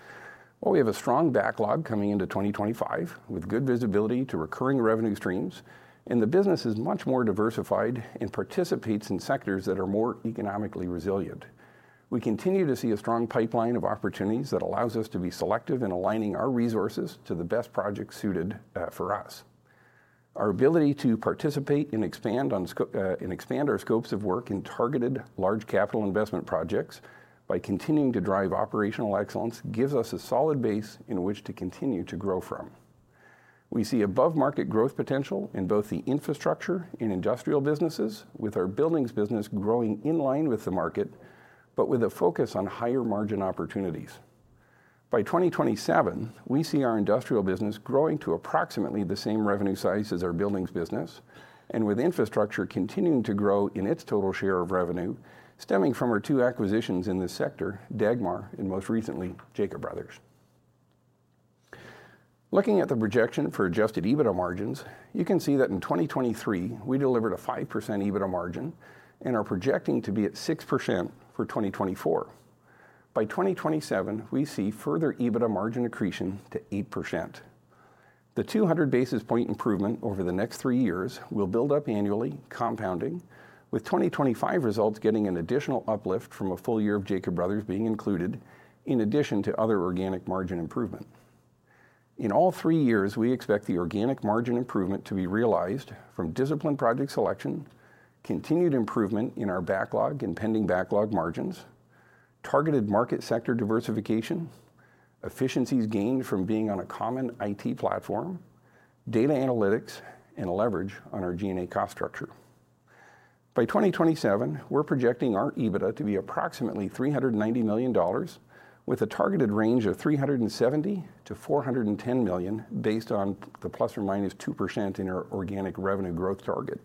Speaker 9: Well, we have a strong backlog coming into 2025, with good visibility to recurring revenue streams, and the business is much more diversified and participates in sectors that are more economically resilient. We continue to see a strong pipeline of opportunities that allows us to be selective in aligning our resources to the best projects suited for us. Our ability to participate and expand our scopes of work in targeted large capital investment projects by continuing to drive operational excellence, gives us a solid base in which to continue to grow from. We see above-market growth potential in both the infrastructure and industrial businesses, with our buildings business growing in line with the market, but with a focus on higher-margin opportunities. By 2027, we see our industrial business growing to approximately the same revenue size as our buildings business, and with infrastructure continuing to grow in its total share of revenue, stemming from our two acquisitions in this sector, Dagmar and most recently, Jacob Bros. Looking at the projection for Adjusted EBITDA margins, you can see that in twenty twenty-three, we delivered a 5% EBITDA margin and are projecting to be at 6% for 2024. By 2027, we see further EBITDA margin accretion to 8%. The 200 basis point improvement over the next three years will build up annually, compounding, with 2025 results getting an additional uplift from a full year of Jacob Brothers being included, in addition to other organic margin improvement. In all three years, we expect the organic margin improvement to be realized from disciplined project selection, continued improvement in our backlog and pending backlog margins, targeted market sector diversification, efficiencies gained from being on a common IT platform, data analytics, and leverage on our G&A cost structure. By 2027, we're projecting our EBITDA to be approximately 390 million dollars, with a targeted range of 370 million-410 million, based on the +/- 2% in our organic revenue growth target.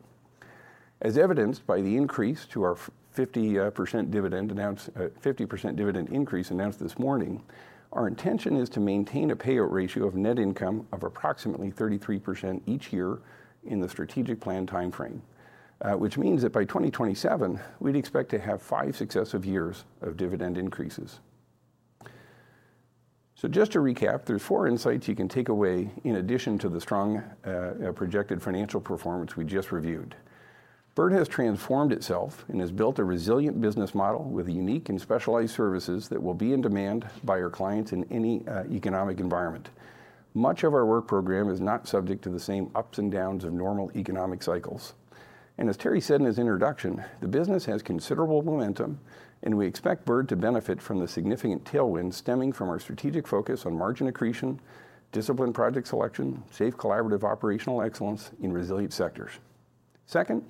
Speaker 9: As evidenced by the increase to our 50% dividend increase announced this morning, our intention is to maintain a payout ratio of net income of approximately 33% each year in the strategic plan timeframe. Which means that by 2027, we'd expect to have five successive years of dividend increases. So just to recap, there's four insights you can take away in addition to the strong projected financial performance we just reviewed. Bird has transformed itself and has built a resilient business model with unique and specialized services that will be in demand by our clients in any economic environment. Much of our work program is not subject to the same ups and downs of normal economic cycles. As Terry said in his introduction, the business has considerable momentum, and we expect Bird to benefit from the significant tailwinds stemming from our strategic focus on margin accretion, disciplined project selection, safe collaborative operational excellence in resilient sectors. Second,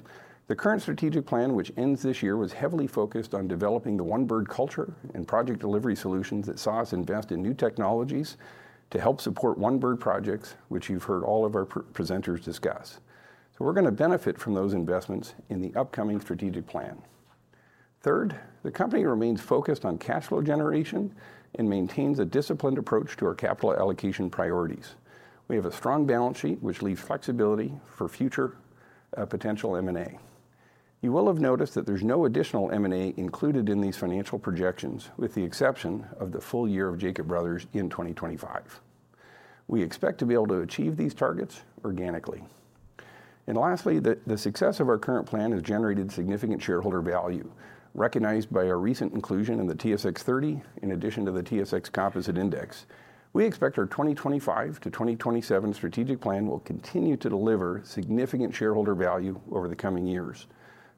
Speaker 9: the current strategic plan, which ends this year, was heavily focused on developing the One Bird culture and project delivery solutions that saw us invest in new technologies to help support One Bird projects, which you've heard all of our presenters discuss. We're gonna benefit from those investments in the upcoming strategic plan. Third, the company remains focused on cash flow generation and maintains a disciplined approach to our capital allocation priorities. We have a strong balance sheet, which leaves flexibility for future, potential M&A. You will have noticed that there's no additional M&A included in these financial projections, with the exception of the full year of Jacob Brothers in 2025. We expect to be able to achieve these targets organically. And lastly, the success of our current plan has generated significant shareholder value, recognized by our recent inclusion in the TSX 30, in addition to the TSX Composite Index. We expect our 2025-2027 strategic plan will continue to deliver significant shareholder value over the coming years.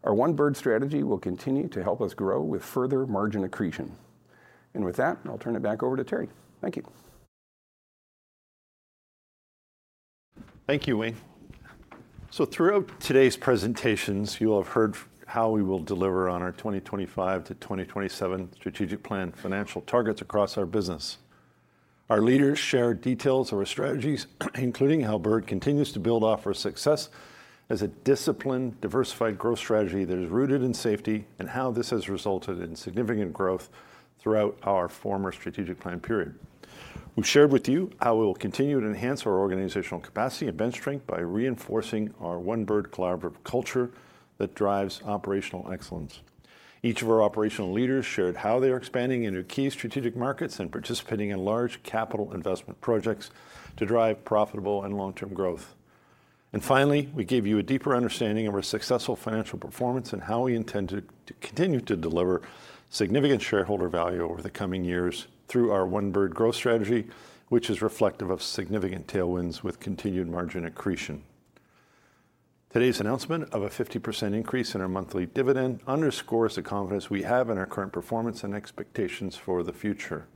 Speaker 9: Our One Bird strategy will continue to help us grow with further margin accretion. And with that, I'll turn it back over to Terry. Thank you.
Speaker 2: Thank you, Wayne. So throughout today's presentations, you will have heard how we will deliver on our 2025 to 2027 Strategic Plan financial targets across our business. Our leaders shared details of our strategies, including how Bird continues to build off our success as a disciplined, diversified growth strategy that is rooted in safety, and how this has resulted in significant growth throughout our former strategic plan period. We've shared with you how we will continue to enhance our organizational capacity and bench strength by reinforcing our One Bird collaborative culture that drives operational excellence. Each of our operational leaders shared how they are expanding into key strategic markets and participating in large capital investment projects to drive profitable and long-term growth. And finally, we gave you a deeper understanding of our successful financial performance and how we intend to continue to deliver significant shareholder value over the coming years through our One Bird growth strategy, which is reflective of significant tailwinds, with continued margin accretion. Today's announcement of a 50% increase in our monthly dividend underscores the confidence we have in our current performance and expectations for the future.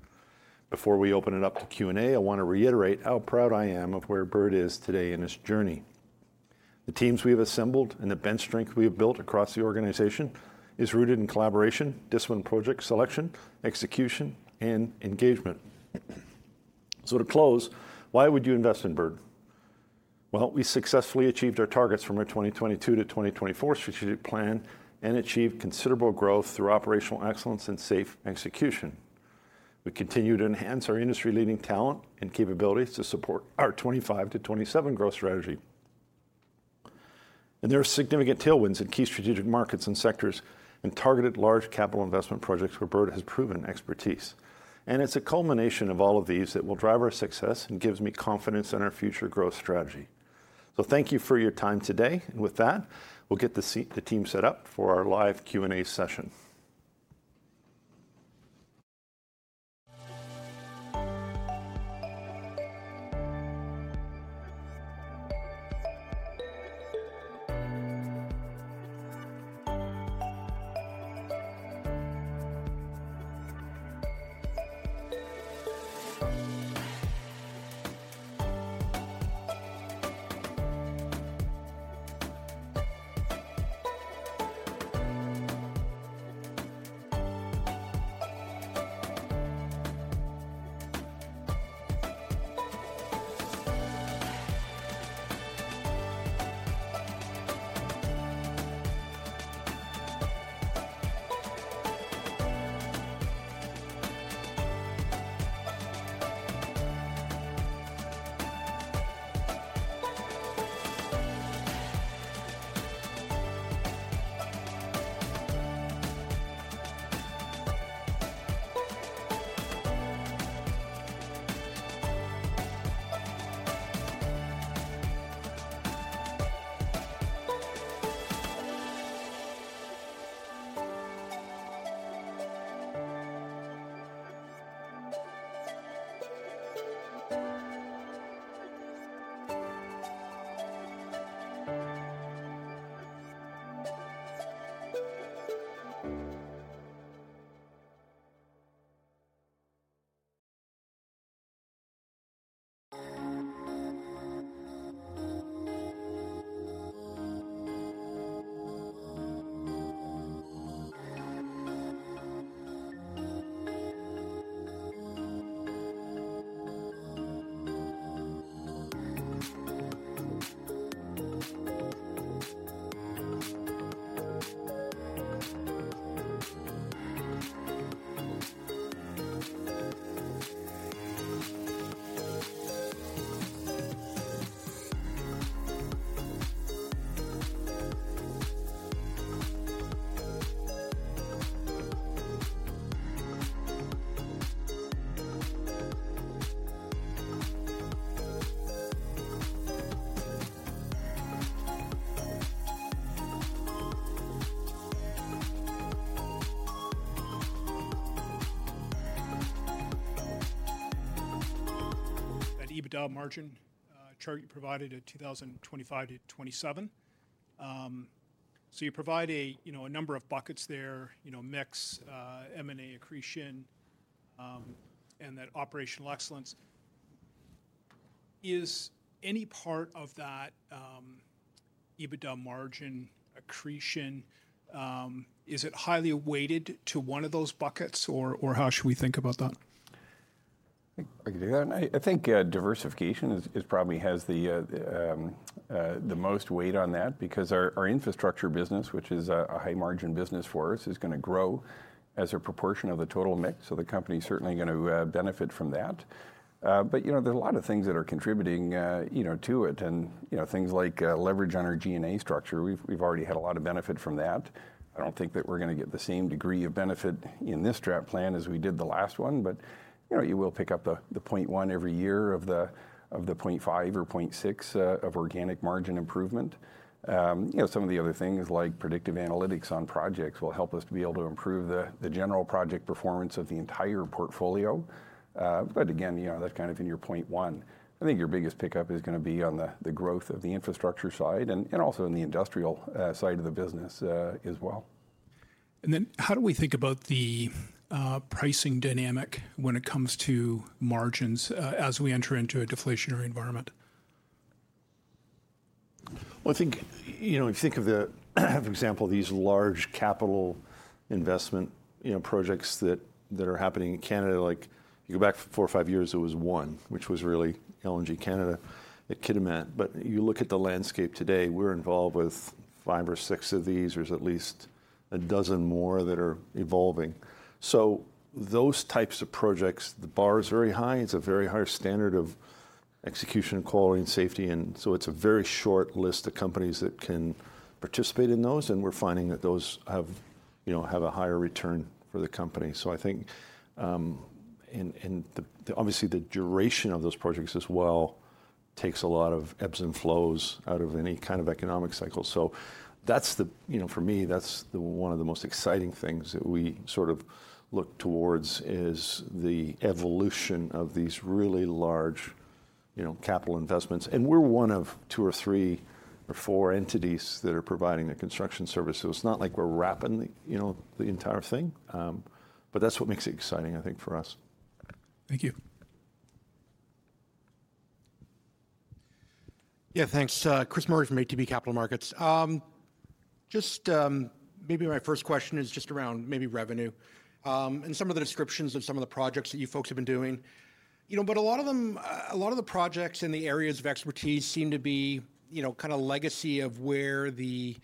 Speaker 2: Before we open it up to Q&A, I want to reiterate how proud I am of where Bird is today in its journey. The teams we have assembled and the bench strength we have built across the organization is rooted in collaboration, disciplined project selection, execution, and engagement. So to close, why would you invest in Bird? We successfully achieved our targets from our 2022-2024 strategic plan and achieved considerable growth through operational excellence and safe execution. We continue to enhance our industry-leading talent and capabilities to support our 2025-2027 growth strategy. There are significant tailwinds in key strategic markets and sectors, and targeted large capital investment projects where Bird has proven expertise. It's a culmination of all of these that will drive our success and gives me confidence in our future growth strategy. Thank you for your time today, and with that, we'll get the team set up for our live Q&A session.
Speaker 10: That EBITDA margin chart you provided at 2025-2027. So you provide a, you know, a number of buckets there, you know, mix, M&A accretion, and that operational excellence. Is any part of that EBITDA margin accretion, is it highly weighted to one of those buckets or how should we think about that? ...
Speaker 9: I can do that. I think diversification is probably has the most weight on that, because our infrastructure business, which is a high-margin business for us, is gonna grow as a proportion of the total mix, so the company's certainly gonna benefit from that. But you know, there's a lot of things that are contributing, you know, to it, and you know, things like leverage on our G&A structure. We've already had a lot of benefit from that. I don't think that we're gonna get the same degree of benefit in this draft plan as we did the last one, but you know, you will pick up the 0.1 every year of the 0.5 or 0.6 of organic margin improvement. You know, some of the other things, like predictive analytics on projects, will help us to be able to improve the general project performance of the entire portfolio. But again, you know, that's kind of in your point one. I think your biggest pickup is gonna be on the growth of the infrastructure side and also in the industrial side of the business, as well.
Speaker 10: How do we think about the pricing dynamic when it comes to margins as we enter into a deflationary environment?
Speaker 2: I think, you know, if you think of, for example, these large capital investment, you know, projects that are happening in Canada, like, you go back four or five years, it was one, which was really LNG Canada at Kitimat. But you look at the landscape today, we're involved with five or six of these. There's at least a dozen more that are evolving. So those types of projects, the bar is very high, and it's a very high standard of execution and quality and safety, and so it's a very short list of companies that can participate in those, and we're finding that those have, you know, a higher return for the company. So I think and obviously the duration of those projects as well takes a lot of ebbs and flows out of any kind of economic cycle. So that's the- you know, for me, that's the one of the most exciting things that we sort of look towards, is the evolution of these really large, you know, capital investments. And we're one of two or three or four entities that are providing the construction services. It's not like we're wrapping, you know, the entire thing. But that's what makes it exciting, I think, for us.
Speaker 10: Thank you.
Speaker 11: Yeah, thanks. Chris Murray from ATB Capital Markets. Just, maybe my first question is just around maybe revenue, and some of the descriptions of some of the projects that you folks have been doing. You know, but a lot of them, a lot of the projects in the areas of expertise seem to be, you know, kinda legacy of where the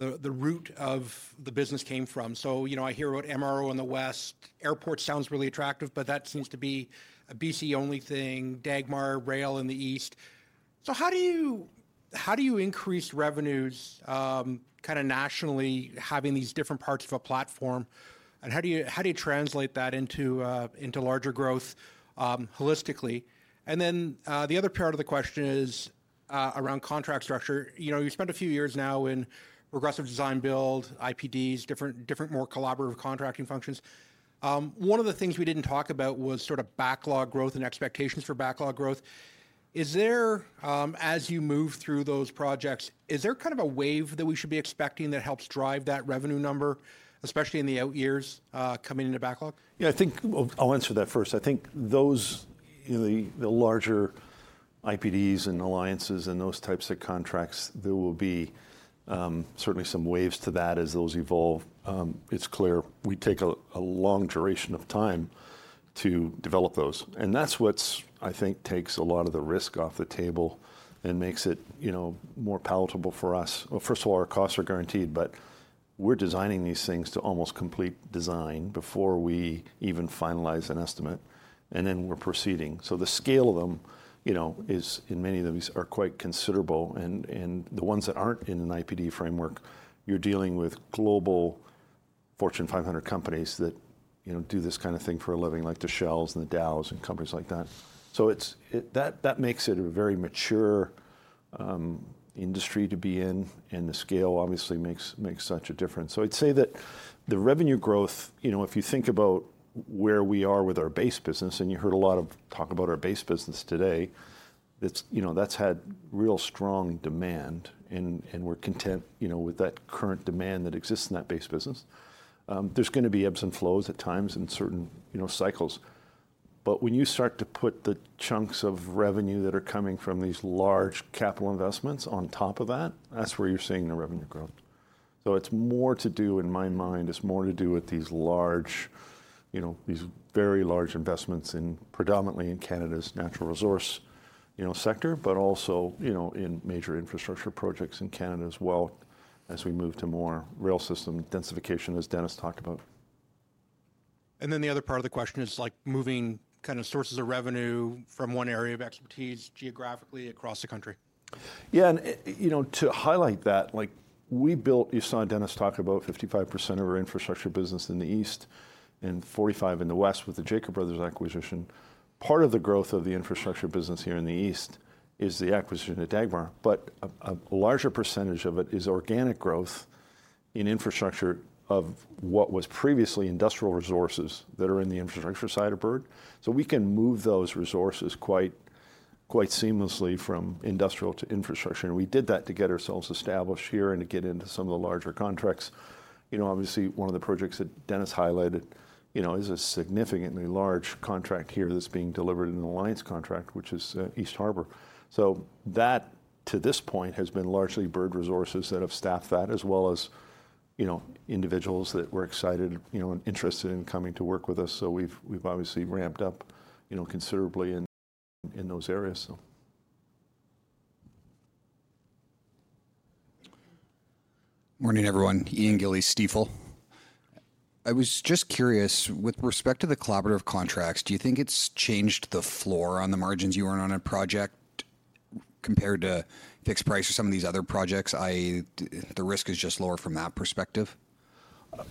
Speaker 11: root of the business came from. So, you know, I hear about MRO in the West. Airport sounds really attractive, but that seems to be a BC-only thing, Dagmar Rail in the East. So how do you increase revenues, kinda nationally, having these different parts of a platform, and how do you translate that into larger growth, holistically? And then, the other part of the question is around contract structure. You know, you've spent a few years now in progressive design build, IPDs, different, more collaborative contracting functions. One of the things we didn't talk about was sorta backlog growth and expectations for backlog growth. Is there... As you move through those projects, is there kind of a wave that we should be expecting that helps drive that revenue number, especially in the out years, coming into backlog?
Speaker 2: Yeah, I think. Well, I'll answer that first. I think those, you know, the larger IPDs and alliances and those types of contracts. There will be certainly some waves to that as those evolve. It's clear we take a long duration of time to develop those, and that's what I think takes a lot of the risk off the table and makes it, you know, more palatable for us. Well, first of all, our costs are guaranteed, but we're designing these things to almost complete design before we even finalize an estimate, and then we're proceeding. The scale of them, you know, is, in many of these, are quite considerable, and the ones that aren't in an IPD framework, you're dealing with global Fortune 500 companies that, you know, do this kind of thing for a living, like the Shell and the Dow and companies like that. That makes it a very mature industry to be in, and the scale obviously makes such a difference. I'd say that the revenue growth, you know, if you think about where we are with our base business, and you heard a lot of talk about our base business today, it's, you know, that's had real strong demand, and we're content, you know, with that current demand that exists in that base business. There's gonna be ebbs and flows at times in certain, you know, cycles. But when you start to put the chunks of revenue that are coming from these large capital investments on top of that, that's where you're seeing the revenue growth. So it's more to do, in my mind, it's more to do with these large, you know, these very large investments in, predominantly in Canada's natural resource, you know, sector, but also, you know, in major infrastructure projects in Canada as well, as we move to more rail system densification, as Denis talked about.
Speaker 11: And then the other part of the question is, like, moving kinda sources of revenue from one area of expertise geographically across the country.
Speaker 2: Yeah, and you know, to highlight that, like, we built. You saw Denis talk about 55% of our infrastructure business in the east and 45% in the west with the Jacob Bros acquisition. Part of the growth of the infrastructure business here in the east is the acquisition of Dagmar, but a larger percentage of it is organic growth in infrastructure of what was previously industrial resources that are in the infrastructure side of Bird. So we can move those resources quite seamlessly from industrial to infrastructure, and we did that to get ourselves established here and to get into some of the larger contracts. You know, obviously, one of the projects that Denis highlighted is a significantly large contract here that's being delivered in an alliance contract, which is East Harbour. So that, to this point, has been largely Bird resources that have staffed that, as well as you know, individuals that were excited, you know, and interested in coming to work with us. So we've obviously ramped up, you know, considerably in those areas, so.
Speaker 12: Morning, everyone. Ian Gillies, Stifel. I was just curious, with respect to the collaborative contracts, do you think it's changed the floor on the margins you earn on a project compared to fixed price or some of these other projects, i.e., the risk is just lower from that perspective?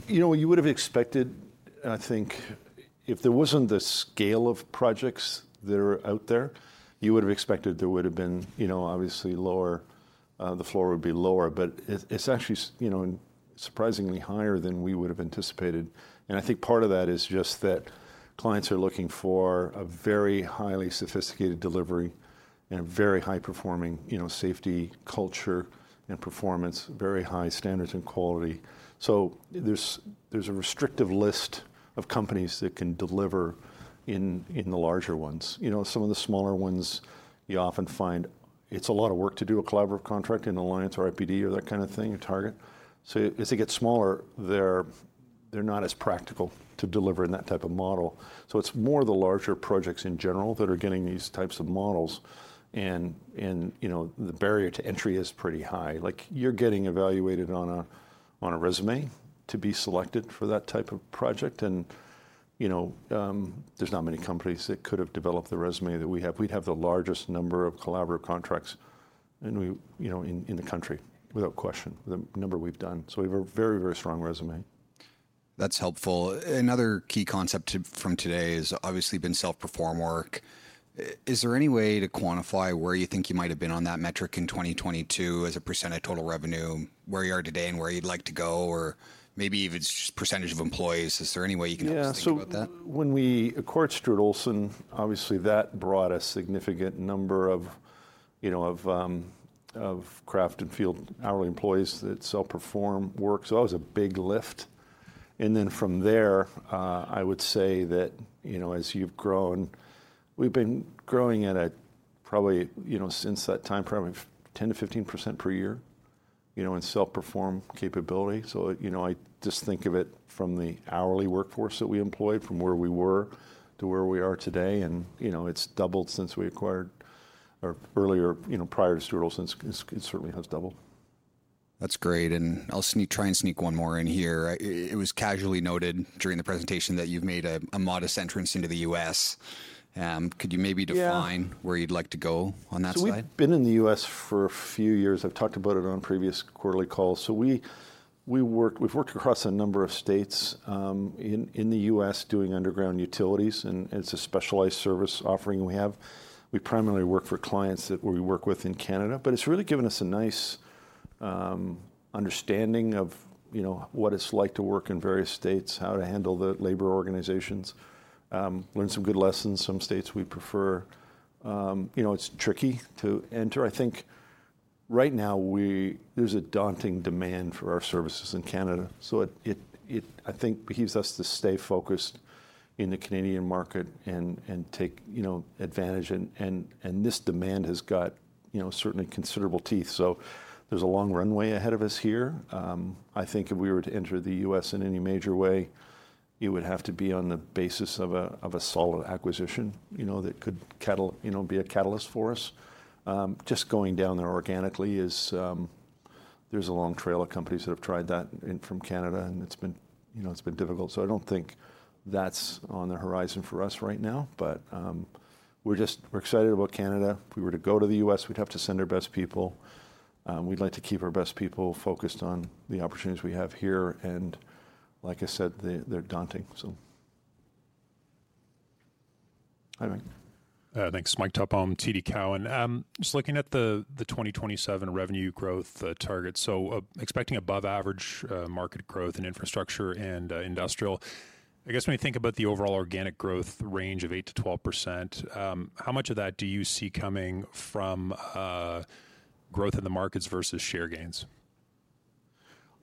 Speaker 2: You know, you would've expected, I think, if there wasn't the scale of projects that are out there, you would've expected there would've been, you know, obviously, lower, the floor would be lower. But it, it's actually, you know, and surprisingly higher than we would've anticipated, and I think part of that is just that clients are looking for a very highly sophisticated delivery and a very high-performing, you know, safety culture and performance, very high standards and quality. So there's a restrictive list of companies that can deliver in the larger ones. You know, some of the smaller ones, you often find it's a lot of work to do a collaborative contract, an alliance or IPD or that kind of thing, a target. So as they get smaller, they're not as practical to deliver in that type of model. So it's more the larger projects in general that are getting these types of models, and you know, the barrier to entry is pretty high. Like, you're getting evaluated on a resume to be selected for that type of project, and you know, there's not many companies that could've developed the resume that we have. We have the largest number of collaborative contracts, and we, you know, in the country, without question, the number we've done, so we have a very, very strong resume.
Speaker 12: That's helpful. Another key concept from today has obviously been self-perform work. Eh, is there any way to quantify where you think you might have been on that metric in 2022 as a % of total revenue, where you are today and where you'd like to go, or maybe even just % of employees? Is there any way you can help us think about that?
Speaker 2: Yeah, so when we acquired Stuart Olson, obviously, that brought a significant number of, you know, craft and field hourly employees that self-perform work, so that was a big lift. And then from there, I would say that, you know, as you've grown, we've been growing at a, probably, you know, since that time, probably 10%-15% per year, you know, in self-perform capability. So, you know, I just think of it from the hourly workforce that we employed, from where we were to where we are today, and, you know, it's doubled since we acquired, or earlier, you know, prior to Stuart Olson. It certainly has doubled.
Speaker 12: That's great, and I'll try and sneak one more in here. It was casually noted during the presentation that you've made a modest entrance into the U.S. Could you maybe define-
Speaker 2: Yeah....
Speaker 12: where you'd like to go on that slide?
Speaker 2: So we've been in the U.S. for a few years. I've talked about it on previous quarterly calls. So we've worked across a number of states in the U.S., doing underground utilities, and it's a specialized service offering we have. We primarily work for clients that we work with in Canada, but it's really given us a nice understanding of, you know, what it's like to work in various states, how to handle the labor organizations, learned some good lessons. Some states we prefer. You know, it's tricky to enter. I think right now there's a daunting demand for our services in Canada, so I think behooves us to stay focused in the Canadian market and take, you know, advantage. This demand has got, you know, certainly considerable teeth, so there's a long runway ahead of us here. I think if we were to enter the U.S. in any major way, it would have to be on the basis of a solid acquisition, you know, that could be a catalyst for us. Just going down there organically is. There's a long trail of companies that have tried that from Canada, and it's been, you know, it's been difficult. So I don't think that's on the horizon for us right now, but we're just, we're excited about Canada. If we were to go to the U.S., we'd have to send our best people. We'd like to keep our best people focused on the opportunities we have here, and like I said, they, they're daunting, so. Hi, Mike.
Speaker 13: Thanks. Mike Tupholme, TD Cowen. Just looking at the 2027 revenue growth target, so expecting above average market growth in infrastructure and industrial. I guess when we think about the overall organic growth range of 8%-12%, how much of that do you see coming from growth in the markets versus share gains?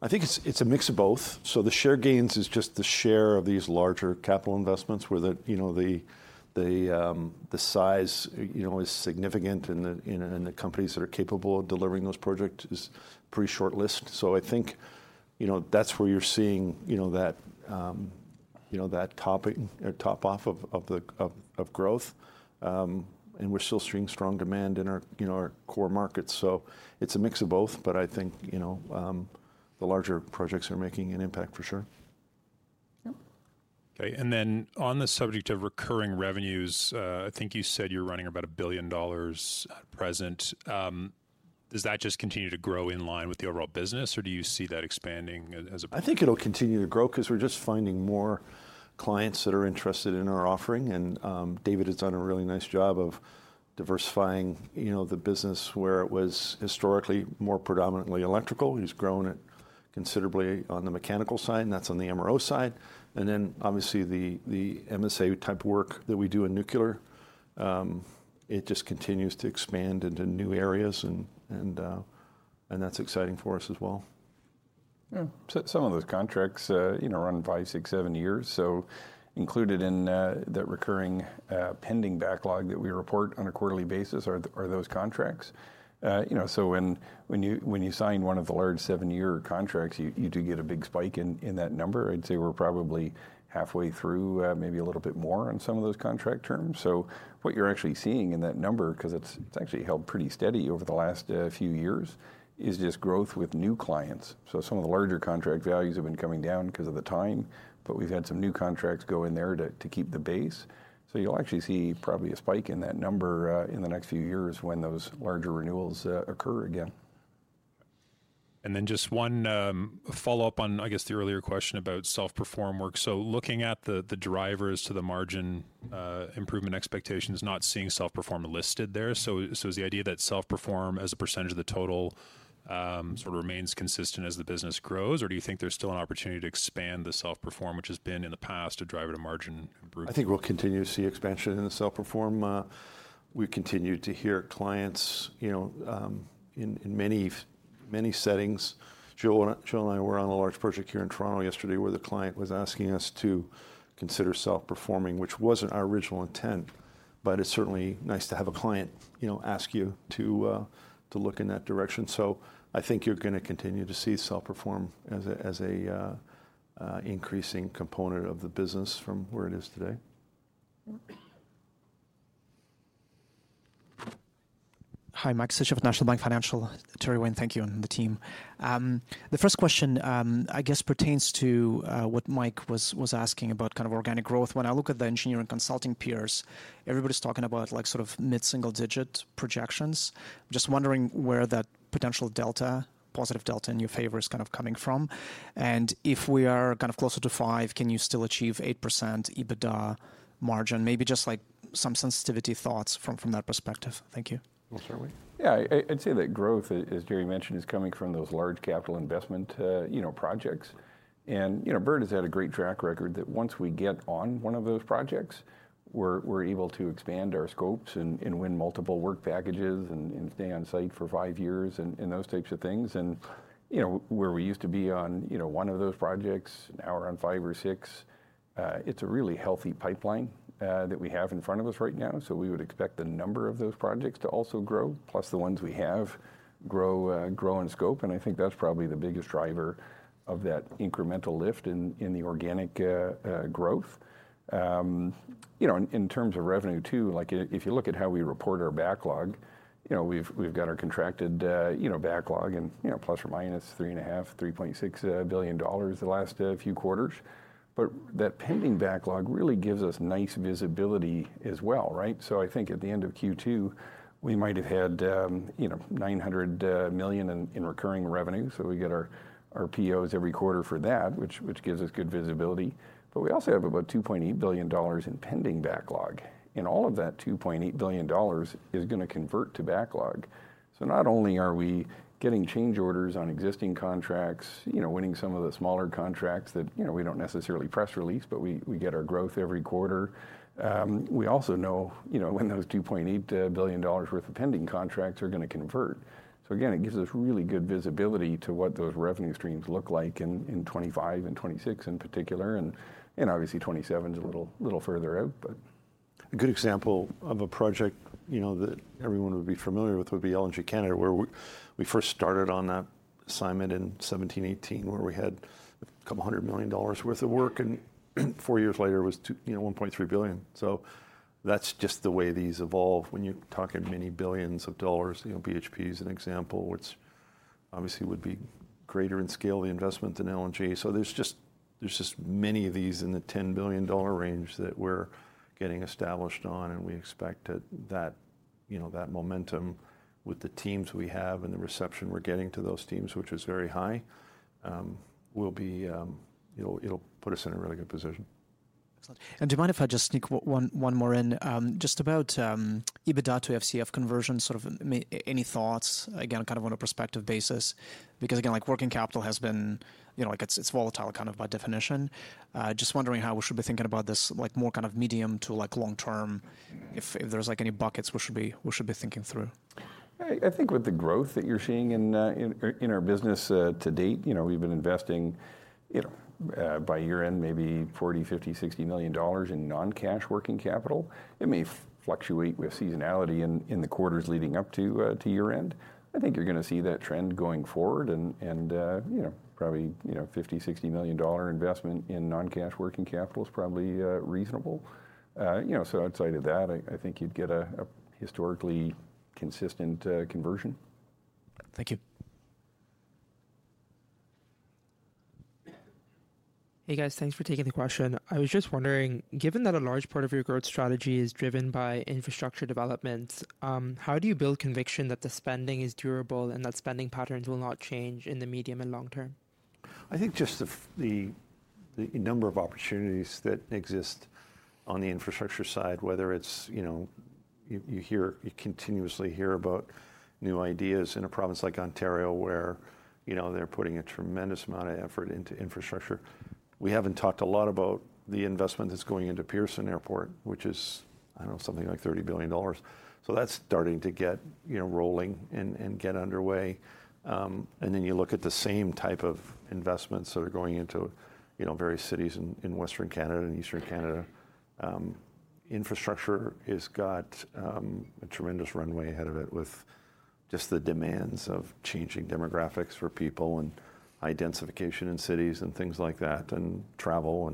Speaker 2: I think it's a mix of both, so the share gains is just the share of these larger capital investments, where the you know the size you know is significant, and you know the companies that are capable of delivering those projects is pretty short list, so I think you know that's where you're seeing you know that topping top off of the growth, and we're still seeing strong demand in our you know our core markets, so it's a mix of both, but I think you know the larger projects are making an impact, for sure.
Speaker 13: Yep. Okay, and then on the subject of recurring revenues, I think you said you're running about 1 billion dollars at present. Does that just continue to grow in line with the overall business, or do you see that expanding as a-
Speaker 2: I think it'll continue to grow 'cause we're just finding more clients that are interested in our offering, and David has done a really nice job of diversifying, you know, the business, where it was historically more predominantly electrical. He's grown it considerably on the mechanical side, and that's on the MRO side, and then obviously, the MSA type of work that we do in nuclear, it just continues to expand into new areas, and that's exciting for us as well....
Speaker 9: Yeah, so some of those contracts, you know, run five, six, seven years, so included in that recurring pending backlog that we report on a quarterly basis are those contracts. You know, so when you sign one of the large seven-year contracts, you do get a big spike in that number. I'd say we're probably halfway through, maybe a little bit more on some of those contract terms. So what you're actually seeing in that number, 'cause it's actually held pretty steady over the last few years, is just growth with new clients. So some of the larger contract values have been coming down 'cause of the time, but we've had some new contracts go in there to keep the base. So you'll actually see probably a spike in that number, in the next few years when those larger renewals, occur again.
Speaker 13: Then just one follow-up on, I guess, the earlier question about self-perform work. So looking at the drivers to the margin improvement expectations, not seeing self-perform listed there. So is the idea that self-perform as a percentage of the total sort of remains consistent as the business grows? Or do you think there's still an opportunity to expand the self-perform, which has been in the past, a driver to margin improvement?
Speaker 2: I think we'll continue to see expansion in the self-perform. We continue to hear clients, you know, in many, many settings. Gilles and I were on a large project here in Toronto yesterday, where the client was asking us to consider self-performing, which wasn't our original intent, but it's certainly nice to have a client, you know, ask you to look in that direction. So I think you're gonna continue to see self-perform as a increasing component of the business from where it is today.
Speaker 14: Hi, Max Sytchev with National Bank Financial. Teri, Wayne, thank you, and the team. The first question, I guess, pertains to what Mike was asking about kind of organic growth. When I look at the engineering consulting peers, everybody's talking about like sort of mid-single-digit projections. I'm just wondering where that potential delta, positive delta in your favor is kind of coming from, and if we are kind of closer to five, can you still achieve 8% EBITDA margin? Maybe just, like, some sensitivity thoughts from that perspective. Thank you.
Speaker 2: Well, start, Wayne?
Speaker 9: Yeah. I'd say that growth, as Teri mentioned, is coming from those large capital investment, you know, projects. And, you know, Bird has had a great track record that once we get on one of those projects, we're able to expand our scopes and win multiple work packages and stay on site for five years and those types of things. And, you know, where we used to be on, you know, one of those projects, now we're on five or six. It's a really healthy pipeline that we have in front of us right now, so we would expect the number of those projects to also grow, plus the ones we have grow in scope, and I think that's probably the biggest driver of that incremental lift in the organic growth. You know, in, in terms of revenue, too, like, if you look at how we report our backlog, you know, we've got our contracted, you know, backlog, and, you know, plus or minus 3.5 billion-3.6 billion dollars the last few quarters. But that pending backlog really gives us nice visibility as well, right? So I think at the end of Q2, we might have had, you know, 900 million in recurring revenue, so we get our POs every quarter for that, which gives us good visibility. But we also have about 2.8 billion dollars in pending backlog, and all of that 2.8 billion dollars is gonna convert to backlog. So not only are we getting change orders on existing contracts, you know, winning some of the smaller contracts that, you know, we don't necessarily press release, but we get our growth every quarter. We also know, you know, when those 2.8 billion dollars worth of pending contracts are gonna convert. So again, it gives us really good visibility to what those revenue streams look like in 2025 and 2026 in particular, and obviously 2027 is a little further out, but...
Speaker 2: A good example of a project, you know, that everyone would be familiar with would be LNG Canada, where we first started on that assignment in 2017, 2018, where we had a couple hundred million dollars' worth of work, and four years later, it was two- you know, 1.3 billion. So that's just the way these evolve when you're talking many billions of dollars. You know, BHP is an example, which obviously would be greater in scale of the investment than LNG. So there's just many of these in the 10 billion dollar range that we're getting established on, and we expect that, you know, that momentum with the teams we have and the reception we're getting to those teams, which is very high, will be. It'll put us in a really good position.
Speaker 14: Excellent. And do you mind if I just sneak one more in? Just about EBITDA to FCF conversion, sort of, maybe any thoughts, again, kind of on a prospective basis? Because, again, like working capital has been, you know, like, it's volatile kind of by definition. Just wondering how we should be thinking about this, like, more kind of medium to, like, long term, if there's, like, any buckets we should be thinking through.
Speaker 9: I think with the growth that you're seeing in our business to date, you know, we've been investing, you know, by year-end, maybe 40, 50, 60 million in non-cash working capital. It may fluctuate with seasonality in the quarters leading up to year-end. I think you're gonna see that trend going forward, and you know, probably you know, 50, 60 million dollar investment in non-cash working capital is probably reasonable. You know, so outside of that, I think you'd get a historically consistent conversion.
Speaker 14: Thank you.
Speaker 10: Hey, guys. Thanks for taking the question. I was just wondering, given that a large part of your growth strategy is driven by infrastructure developments, how do you build conviction that the spending is durable and that spending patterns will not change in the medium and long term?
Speaker 2: I think just the number of opportunities that exist on the infrastructure side, whether it's, you know, you continuously hear about new ideas in a province like Ontario, where, you know, they're putting a tremendous amount of effort into infrastructure. We haven't talked a lot about the investment that's going into Pearson Airport, which is, I don't know, something like 30 billion dollars. So that's starting to get, you know, rolling and get underway. And then you look at the same type of investments that are going into, you know, various cities in western Canada and eastern Canada. Infrastructure has got a tremendous runway ahead of it with just the demands of changing demographics for people, and identification in cities, and things like that, and travel.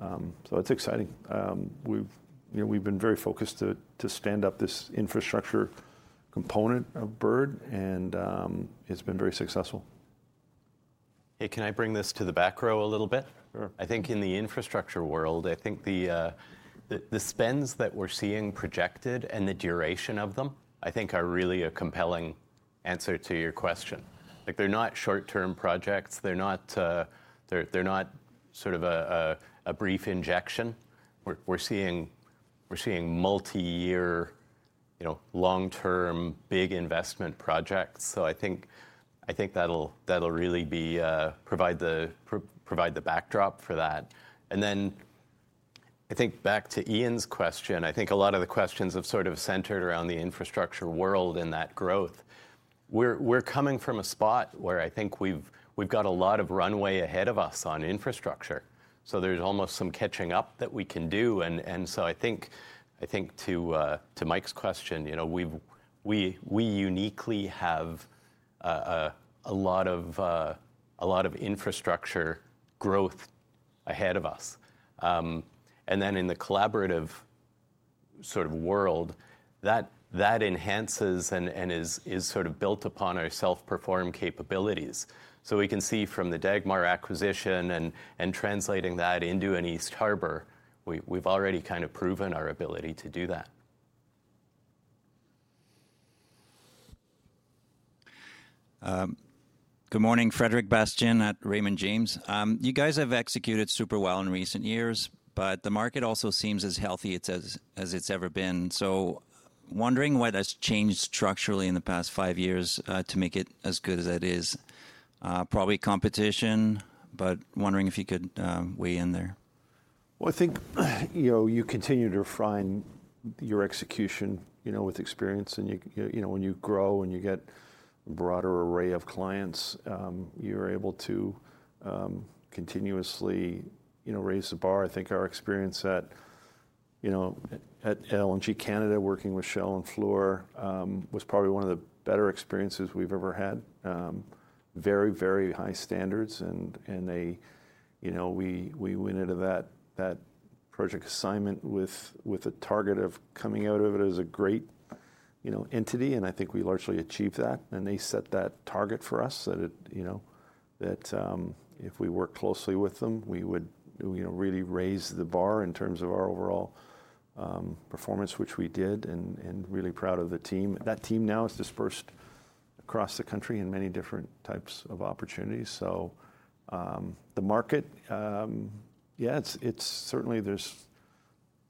Speaker 2: So it's exciting. We've, you know, we've been very focused to stand up this infrastructure component of Bird, and it's been very successful.
Speaker 5: Hey, can I bring this to the back row a little bit?
Speaker 2: Sure.
Speaker 5: I think in the infrastructure world, I think the spends that we're seeing projected and the duration of them, I think are really a compelling answer to your question. Like, they're not short-term projects, they're not sort of a brief injection. We're seeing multi-year, you know, long-term, big investment projects, so I think that'll really provide the backdrop for that. And then I think back to Ian's question, I think a lot of the questions have sort of centered around the infrastructure world and that growth. We're coming from a spot where I think we've got a lot of runway ahead of us on infrastructure, so there's almost some catching up that we can do, and so I think to Mike's question, you know, we uniquely have a lot of infrastructure growth ahead of us. And then in the collaborative sort of world, that enhances and is sort of built upon our self-perform capabilities. So we can see from the Dagmar acquisition and translating that into an East Harbour, we've already kind of proven our ability to do that.
Speaker 15: Good morning, Frederic Bastien at Raymond James. You guys have executed super well in recent years, but the market also seems as healthy as it's ever been. So wondering what has changed structurally in the past five years, to make it as good as it is? Probably competition, but wondering if you could weigh in there.
Speaker 2: I think, you know, you continue to refine your execution, you know, with experience, and you know, when you grow, and you get a broader array of clients, you're able to, continuously, you know, raise the bar. I think our experience at, you know, at, at LNG Canada, working with Shell and Fluor, was probably one of the better experiences we've ever had. Very, very high standards and, and they, you know, we, we went into that, that project assignment with, with a target of coming out of it as a great, you know, entity, and I think we largely achieved that. And they set that target for us, you know, if we worked closely with them, we would, you know, really raise the bar in terms of our overall performance, which we did, and really proud of the team. That team now is dispersed across the country in many different types of opportunities. So, the market, yeah, it's certainly there's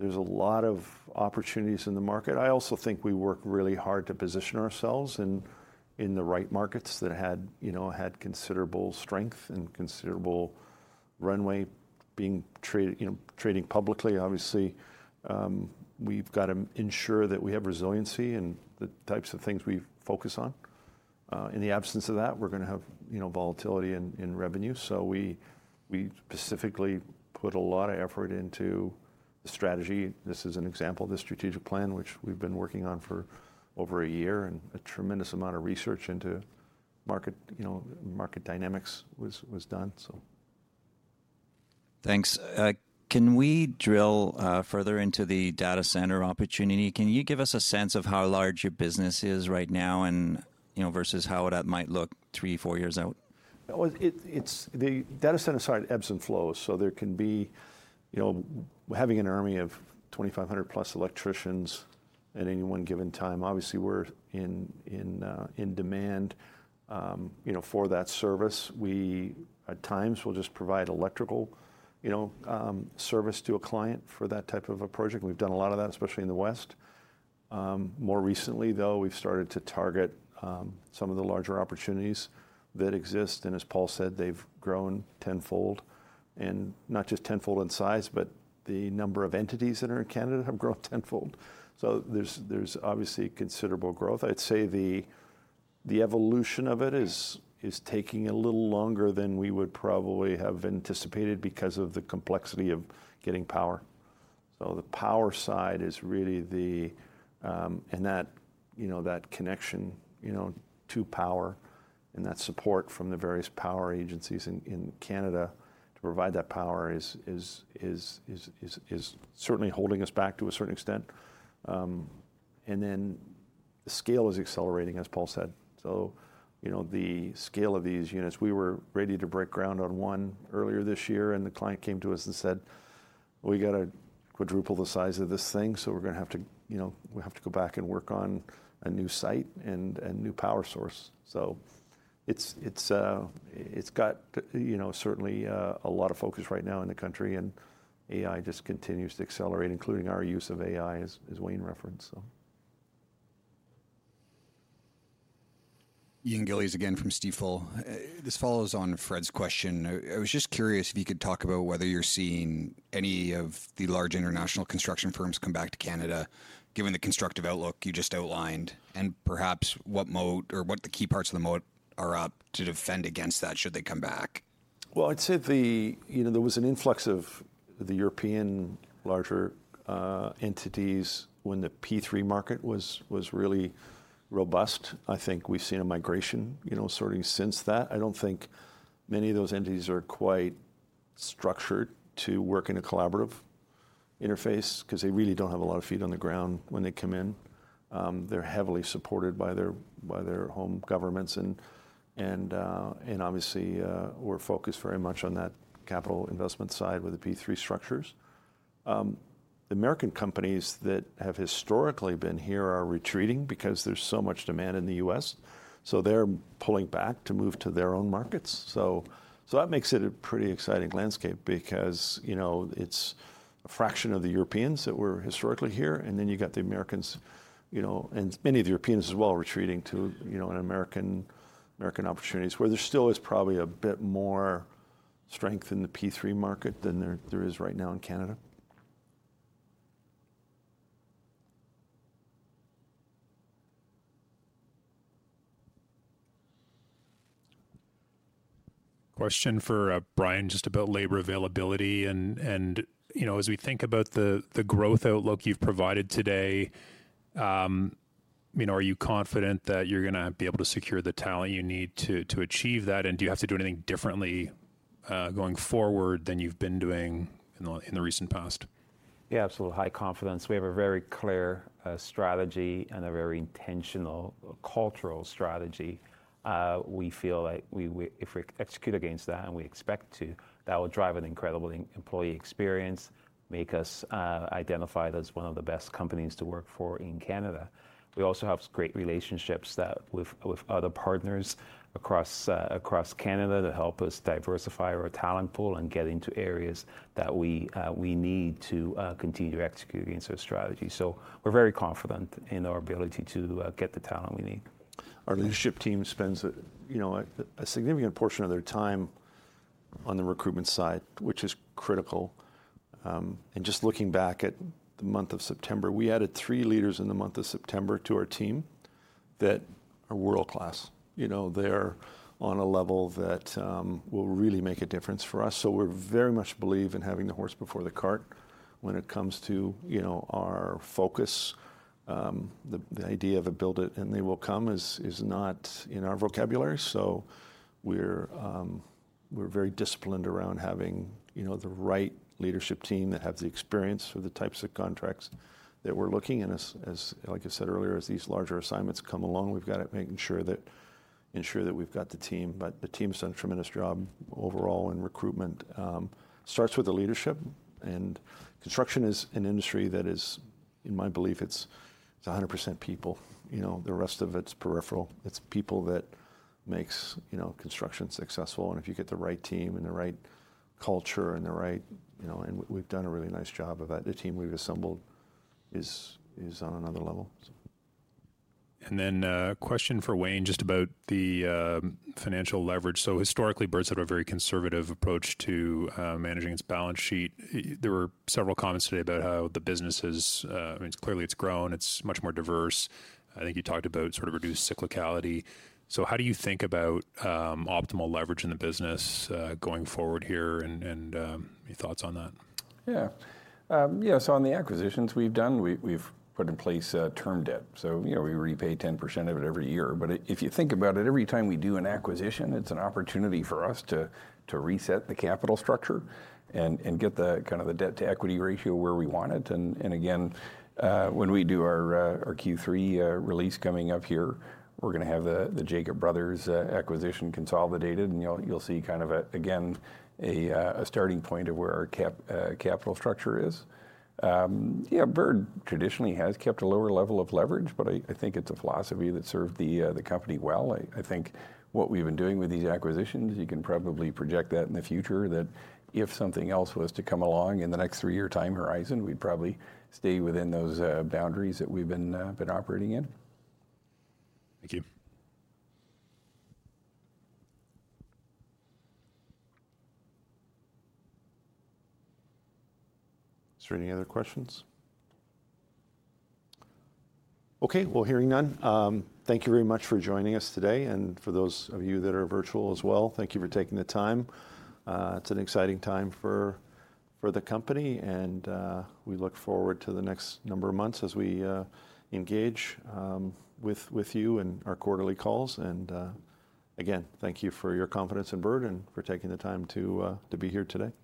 Speaker 2: a lot of opportunities in the market. I also think we work really hard to position ourselves in the right markets that had, you know, considerable strength and considerable runway. Being traded, you know, trading publicly, obviously, we've got to ensure that we have resiliency in the types of things we focus on. In the absence of that, we're gonna have, you know, volatility in revenue, so we specifically put a lot of effort into the strategy. This is an example of the strategic plan, which we've been working on for over a year, and a tremendous amount of research into market, you know, market dynamics was done so...
Speaker 15: Thanks. Can we drill further into the data center opportunity? Can you give us a sense of how large your business is right now and, you know, versus how that might look three, four years out?
Speaker 2: Well, the data center side ebbs and flows, so there can be... You know, having an army of twenty-five hundred plus electricians at any one given time, obviously we're in demand, you know, for that service. We, at times, will just provide electrical, you know, service to a client for that type of a project. We've done a lot of that, especially in the West. More recently, though, we've started to target some of the larger opportunities that exist, and as Paul said, they've grown tenfold. And not just tenfold in size, but the number of entities that are in Canada have grown tenfold. So there's obviously considerable growth. I'd say the evolution of it is taking a little longer than we would probably have anticipated because of the complexity of getting power. So the power side is really the. And that, you know, that connection, you know, to power and that support from the various power agencies in Canada to provide that power is certainly holding us back to a certain extent. And then scale is accelerating, as Paul said. You know, the scale of these units, we were ready to break ground on one earlier this year, and the client came to us and said, "We've got to quadruple the size of this thing, so we're gonna have to, you know, we have to go back and work on a new site and new power source." It's got, you know, certainly a lot of focus right now in the country, and AI just continues to accelerate, including our use of AI, as Wayne referenced....
Speaker 12: Ian Gillies again from Stifel. This follows on Fred's question. I was just curious if you could talk about whether you're seeing any of the large international construction firms come back to Canada, given the constructive outlook you just outlined, and perhaps what moat or what the key parts of the moat are up to defend against that, should they come back?
Speaker 2: I'd say the, you know, there was an influx of the European larger entities when the P3 market was really robust. I think we've seen a migration, you know, sort of since that. I don't think many of those entities are quite structured to work in a collaborative interface, 'cause they really don't have a lot of feet on the ground when they come in. They're heavily supported by their home governments, and obviously, we're focused very much on that capital investment side with the P3 structures. The American companies that have historically been here are retreating because there's so much demand in the US, so they're pulling back to move to their own markets. That makes it a pretty exciting landscape because, you know, it's a fraction of the Europeans that were historically here, and then you got the Americans, you know, and many of the Europeans as well, retreating to, you know, American opportunities, where there still is probably a bit more strength in the P3 market than there is right now in Canada.
Speaker 13: Question for Brian, just about labor availability and, you know, as we think about the growth outlook you've provided today, you know, are you confident that you're gonna be able to secure the talent you need to achieve that? And do you have to do anything differently, going forward than you've been doing in the recent past?
Speaker 3: Yeah, absolute high confidence. We have a very clear strategy and a very intentional cultural strategy. We feel like we... If we execute against that, and we expect to, that will drive an incredible employee experience, make us identified as one of the best companies to work for in Canada. We also have great relationships with other partners across Canada, to help us diversify our talent pool and get into areas that we need to continue to execute against our strategy. So we're very confident in our ability to get the talent we need.
Speaker 2: Our leadership team spends you know a significant portion of their time on the recruitment side, which is critical. And just looking back at the month of September, we added three leaders in the month of September to our team that are world-class. You know, they're on a level that will really make a difference for us. So we very much believe in having the horse before the cart when it comes to you know our focus. The idea of a build it and they will come is not in our vocabulary, so we're very disciplined around having you know the right leadership team that have the experience for the types of contracts that we're looking. And as like I said earlier, as these larger assignments come along, ensure that we've got the team. But the team's done a tremendous job overall in recruitment. Starts with the leadership, and construction is an industry that is, in my belief, it's 100% people. You know, the rest of it's peripheral. It's people that makes, you know, construction successful, and if you get the right team and the right culture and the right... You know, and we've done a really nice job of that. The team we've assembled is on another level, so.
Speaker 13: Then, question for Wayne, just about the financial leverage. Historically, Bird's had a very conservative approach to managing its balance sheet. There were several comments today about how the business is. I mean, clearly it's grown, it's much more diverse. I think you talked about sort of reduced cyclicality. How do you think about optimal leverage in the business going forward here, and any thoughts on that?
Speaker 9: Yeah. Yeah, so on the acquisitions we've done, we've put in place a term debt, so, you know, we repay 10% of it every year. But if you think about it, every time we do an acquisition, it's an opportunity for us to reset the capital structure and get the kind of the debt-to-equity ratio where we want it. And again, when we do our Q3 release coming up here, we're gonna have the Jacob Bros acquisition consolidated, and you'll see kind of a starting point of where our capital structure is. Yeah, Bird traditionally has kept a lower level of leverage, but I think it's a philosophy that served the company well. I think what we've been doing with these acquisitions, you can probably project that in the future, that if something else was to come along in the next three-year time horizon, we'd probably stay within those boundaries that we've been operating in.
Speaker 13: Thank you.
Speaker 2: Is there any other questions? Okay, well, hearing none, thank you very much for joining us today, and for those of you that are virtual as well, thank you for taking the time. It's an exciting time for the company, and we look forward to the next number of months as we engage with you in our quarterly calls. Again, thank you for your confidence in Bird and for taking the time to be here today.